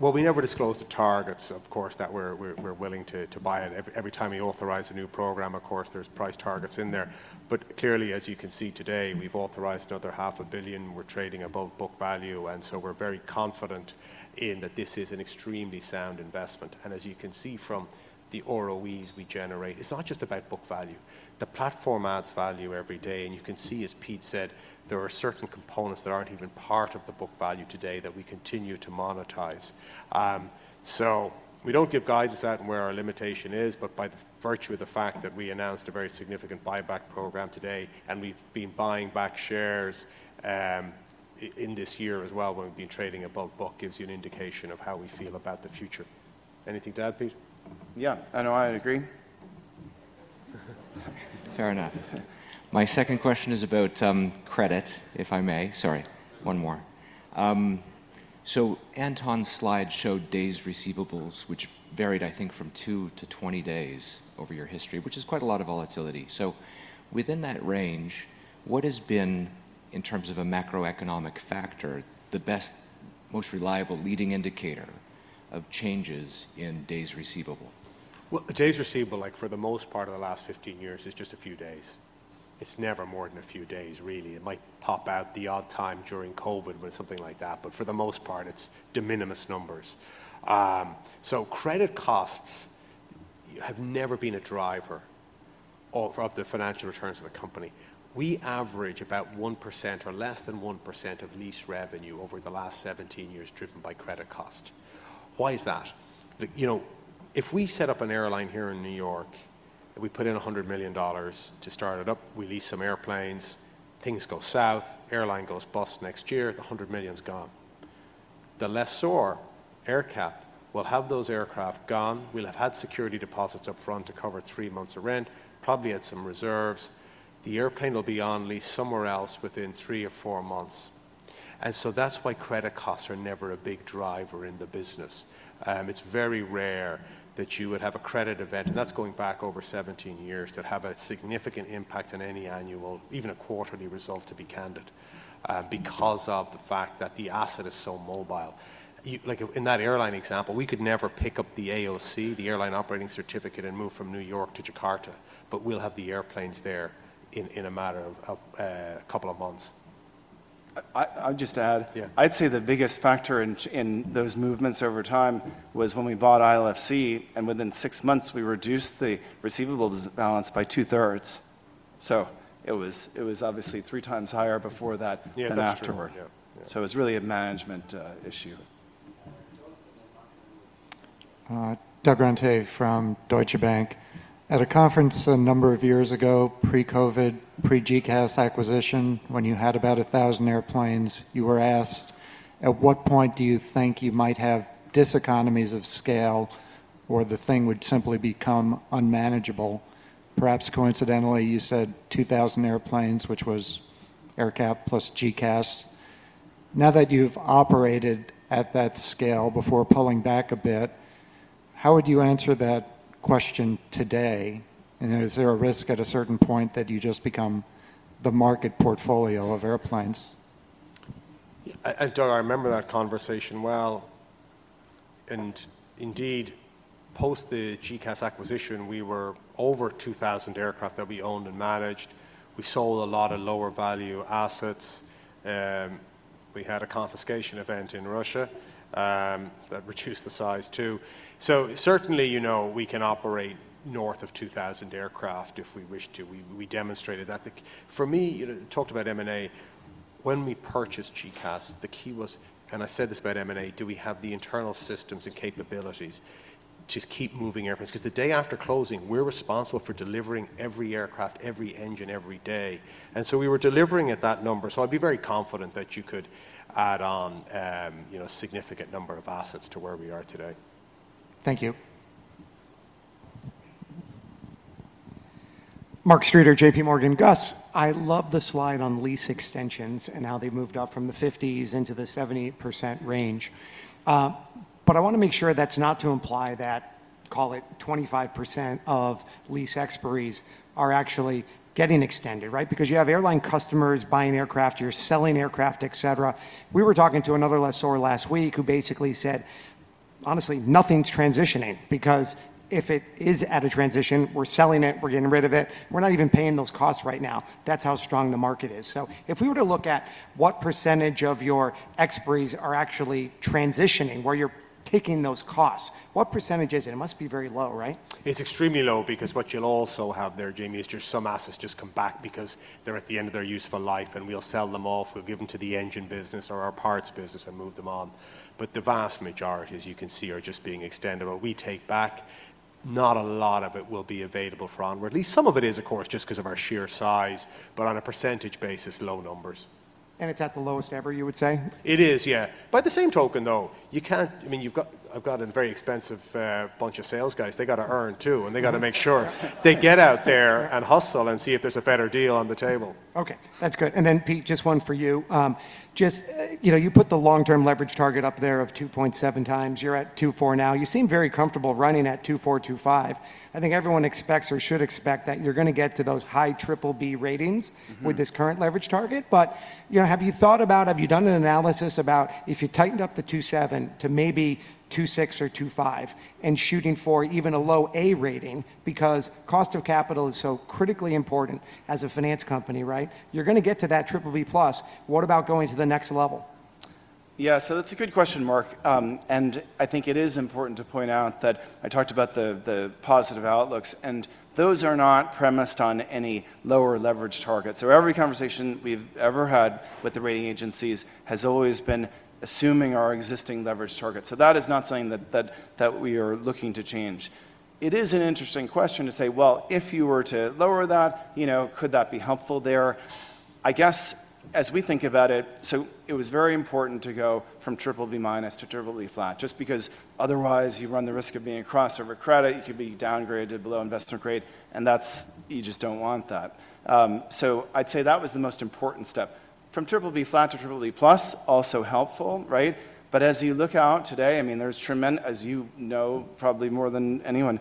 Well, we never disclose the targets, of course, that we're willing to buy it. Every time we authorize a new program, of course, there's price targets in there. But clearly, as you can see today, we've authorized another $500 million. We're trading above book value. And so we're very confident in that this is an extremely sound investment. And as you can see from the ROEs we generate, it's not just about book value. The platform adds value every day. And you can see, as Pete said, there are certain components that aren't even part of the book value today that we continue to monetize. So we don't give guidance out on where our limitation is. But by the virtue of the fact that we announced a very significant buyback program today, and we've been buying back shares in this year as well when we've been trading above book, gives you an indication of how we feel about the future. Anything to add, Pete? Yeah. I know I agree. Fair enough. My second question is about credit, if I may. Sorry. One more. So Anton's slide showed days receivables, which varied, I think, from 2-20 days over your history, which is quite a lot of volatility. So within that range, what has been, in terms of a macroeconomic factor, the best, most reliable leading indicator of changes in days receivables? Well, days receivable, for the most part of the last 15 years, is just a few days. It's never more than a few days, really. It might pop out the odd time during COVID with something like that. But for the most part, it's de minimis numbers. So credit costs have never been a driver of the financial returns of the company. We average about 1% or less than 1% of lease revenue over the last 17 years driven by credit cost. Why is that? If we set up an airline here in New York and we put in $100 million to start it up, we lease some airplanes, things go south, airline goes bust next year, the $100 million is gone. The lessor AerCap will have those aircraft gone. We'll have had security deposits upfront to cover 3 months of rent, probably had some reserves. The airplane will be on lease somewhere else within three or four months. So that's why credit costs are never a big driver in the business. It's very rare that you would have a credit event, and that's going back over 17 years, that have a significant impact on any annual, even a quarterly result, to be candid, because of the fact that the asset is so mobile. In that airline example, we could never pick up the AOC, the Air Operator Certificate, and move from New York to Jakarta. But we'll have the airplanes there in a matter of a couple of months. I would just add. I'd say the biggest factor in those movements over time was when we bought ILFC. And within six months, we reduced the receivable balance by two-thirds. So it was obviously three times higher before that and afterward. So it was really a management issue. Doug Runte from Deutsche Bank. At a conference a number of years ago, pre-COVID, pre-GECAS acquisition, when you had about 1,000 airplanes, you were asked, at what point do you think you might have diseconomies of scale or the thing would simply become unmanageable? Perhaps coincidentally, you said 2,000 airplanes, which was AerCap plus GECAS. Now that you've operated at that scale before, pulling back a bit, how would you answer that question today? And is there a risk at a certain point that you just become the market portfolio of airplanes? Doug, I remember that conversation well. And indeed, post the GECAS acquisition, we were over 2,000 aircraft that we owned and managed. We sold a lot of lower-value assets. We had a confiscation event in Russia that reduced the size too. So certainly, we can operate north of 2,000 aircraft if we wish to. We demonstrated that. For me, talked about M&A. When we purchased GECAS, the key was, and I said this about M&A, do we have the internal systems and capabilities to keep moving airplanes? Because the day after closing, we're responsible for delivering every aircraft, every engine, every day. And so we were delivering at that number. So I'd be very confident that you could add on a significant number of assets to where we are today. Thank you. Mark Streeter, J.P. Morgan. Gus. I love the slide on lease extensions and how they moved up from the 50s% into the 70% range. But I want to make sure that's not to imply that, call it, 25% of lease expiries are actually getting extended, right? Because you have airline customers buying aircraft. You're selling aircraft, etc. We were talking to another lessor last week who basically said, honestly, nothing's transitioning because if it is at a transition, we're selling it. We're getting rid of it. We're not even paying those costs right now. That's how strong the market is. So if we were to look at what percentage of your expiries are actually transitioning, where you're taking those costs, what percentage is it? It must be very low, right? It's extremely low because what you'll also have there, Jamie, is just some assets just come back because they're at the end of their useful life. We'll sell them off. We'll give them to the engine business or our parts business and move them on. But the vast majority, as you can see, are just being extended. What we take back, not a lot of it will be available for onward. At least some of it is, of course, just because of our sheer size. But on a percentage basis, low numbers. It's at the lowest ever, you would say? It is, yeah. By the same token, though, you can't. I mean, I've got a very expensive bunch of sales guys. They got to earn too. And they got to make sure they get out there and hustle and see if there's a better deal on the table. Okay. That's good. And then, Pete, just one for you. You put the long-term leverage target up there of 2.7x. You're at 2.4 now. You seem very comfortable running at 2.4-2.5. I think everyone expects or should expect that you're going to get to those high Triple-B ratings with this current leverage target. But have you thought about, have you done an analysis about if you tightened up the 2.7 to maybe 2.6 or 2.5 and shooting for even a low A rating because cost of capital is so critically important as a finance company, right? You're going to get to that Triple-B plus. What about going to the next level? Yeah. So that's a good question, Mark. And I think it is important to point out that I talked about the positive outlooks. And those are not premised on any lower leverage target. So every conversation we've ever had with the rating agencies has always been assuming our existing leverage target. So that is not something that we are looking to change. It is an interesting question to say, well, if you were to lower that, could that be helpful there? I guess, as we think about it, so it was very important to go from Triple-B minus to triple-B flat just because otherwise, you run the risk of being a crossover credit. You could be downgraded below investment grade. And you just don't want that. So I'd say that was the most important step. From Triple-B flat to Triple-B plus, also helpful, right? But as you look out today, I mean, there's tremendous, as you know probably more than anyone,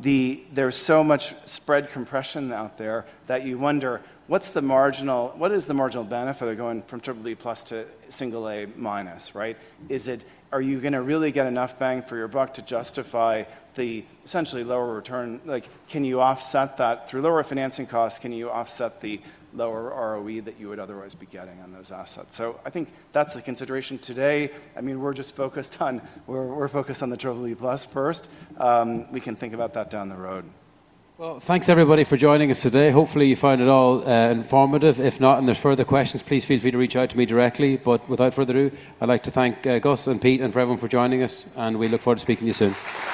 there's so much spread compression out there that you wonder, what is the marginal benefit of going from triple B plus to Single-A minus, right? Are you going to really get enough bang for your buck to justify the essentially lower return? Can you offset that through lower financing costs? Can you offset the lower ROE that you would otherwise be getting on those assets? So I think that's the consideration today. I mean, we're just focused on the triple B plus first. We can think about that down the road. Well, thanks, everybody, for joining us today. Hopefully, you found it all informative. If not, and there's further questions, please feel free to reach out to me directly. Without further ado, I'd like to thank Gus and Pete and everyone for joining us. We look forward to speaking to you soon.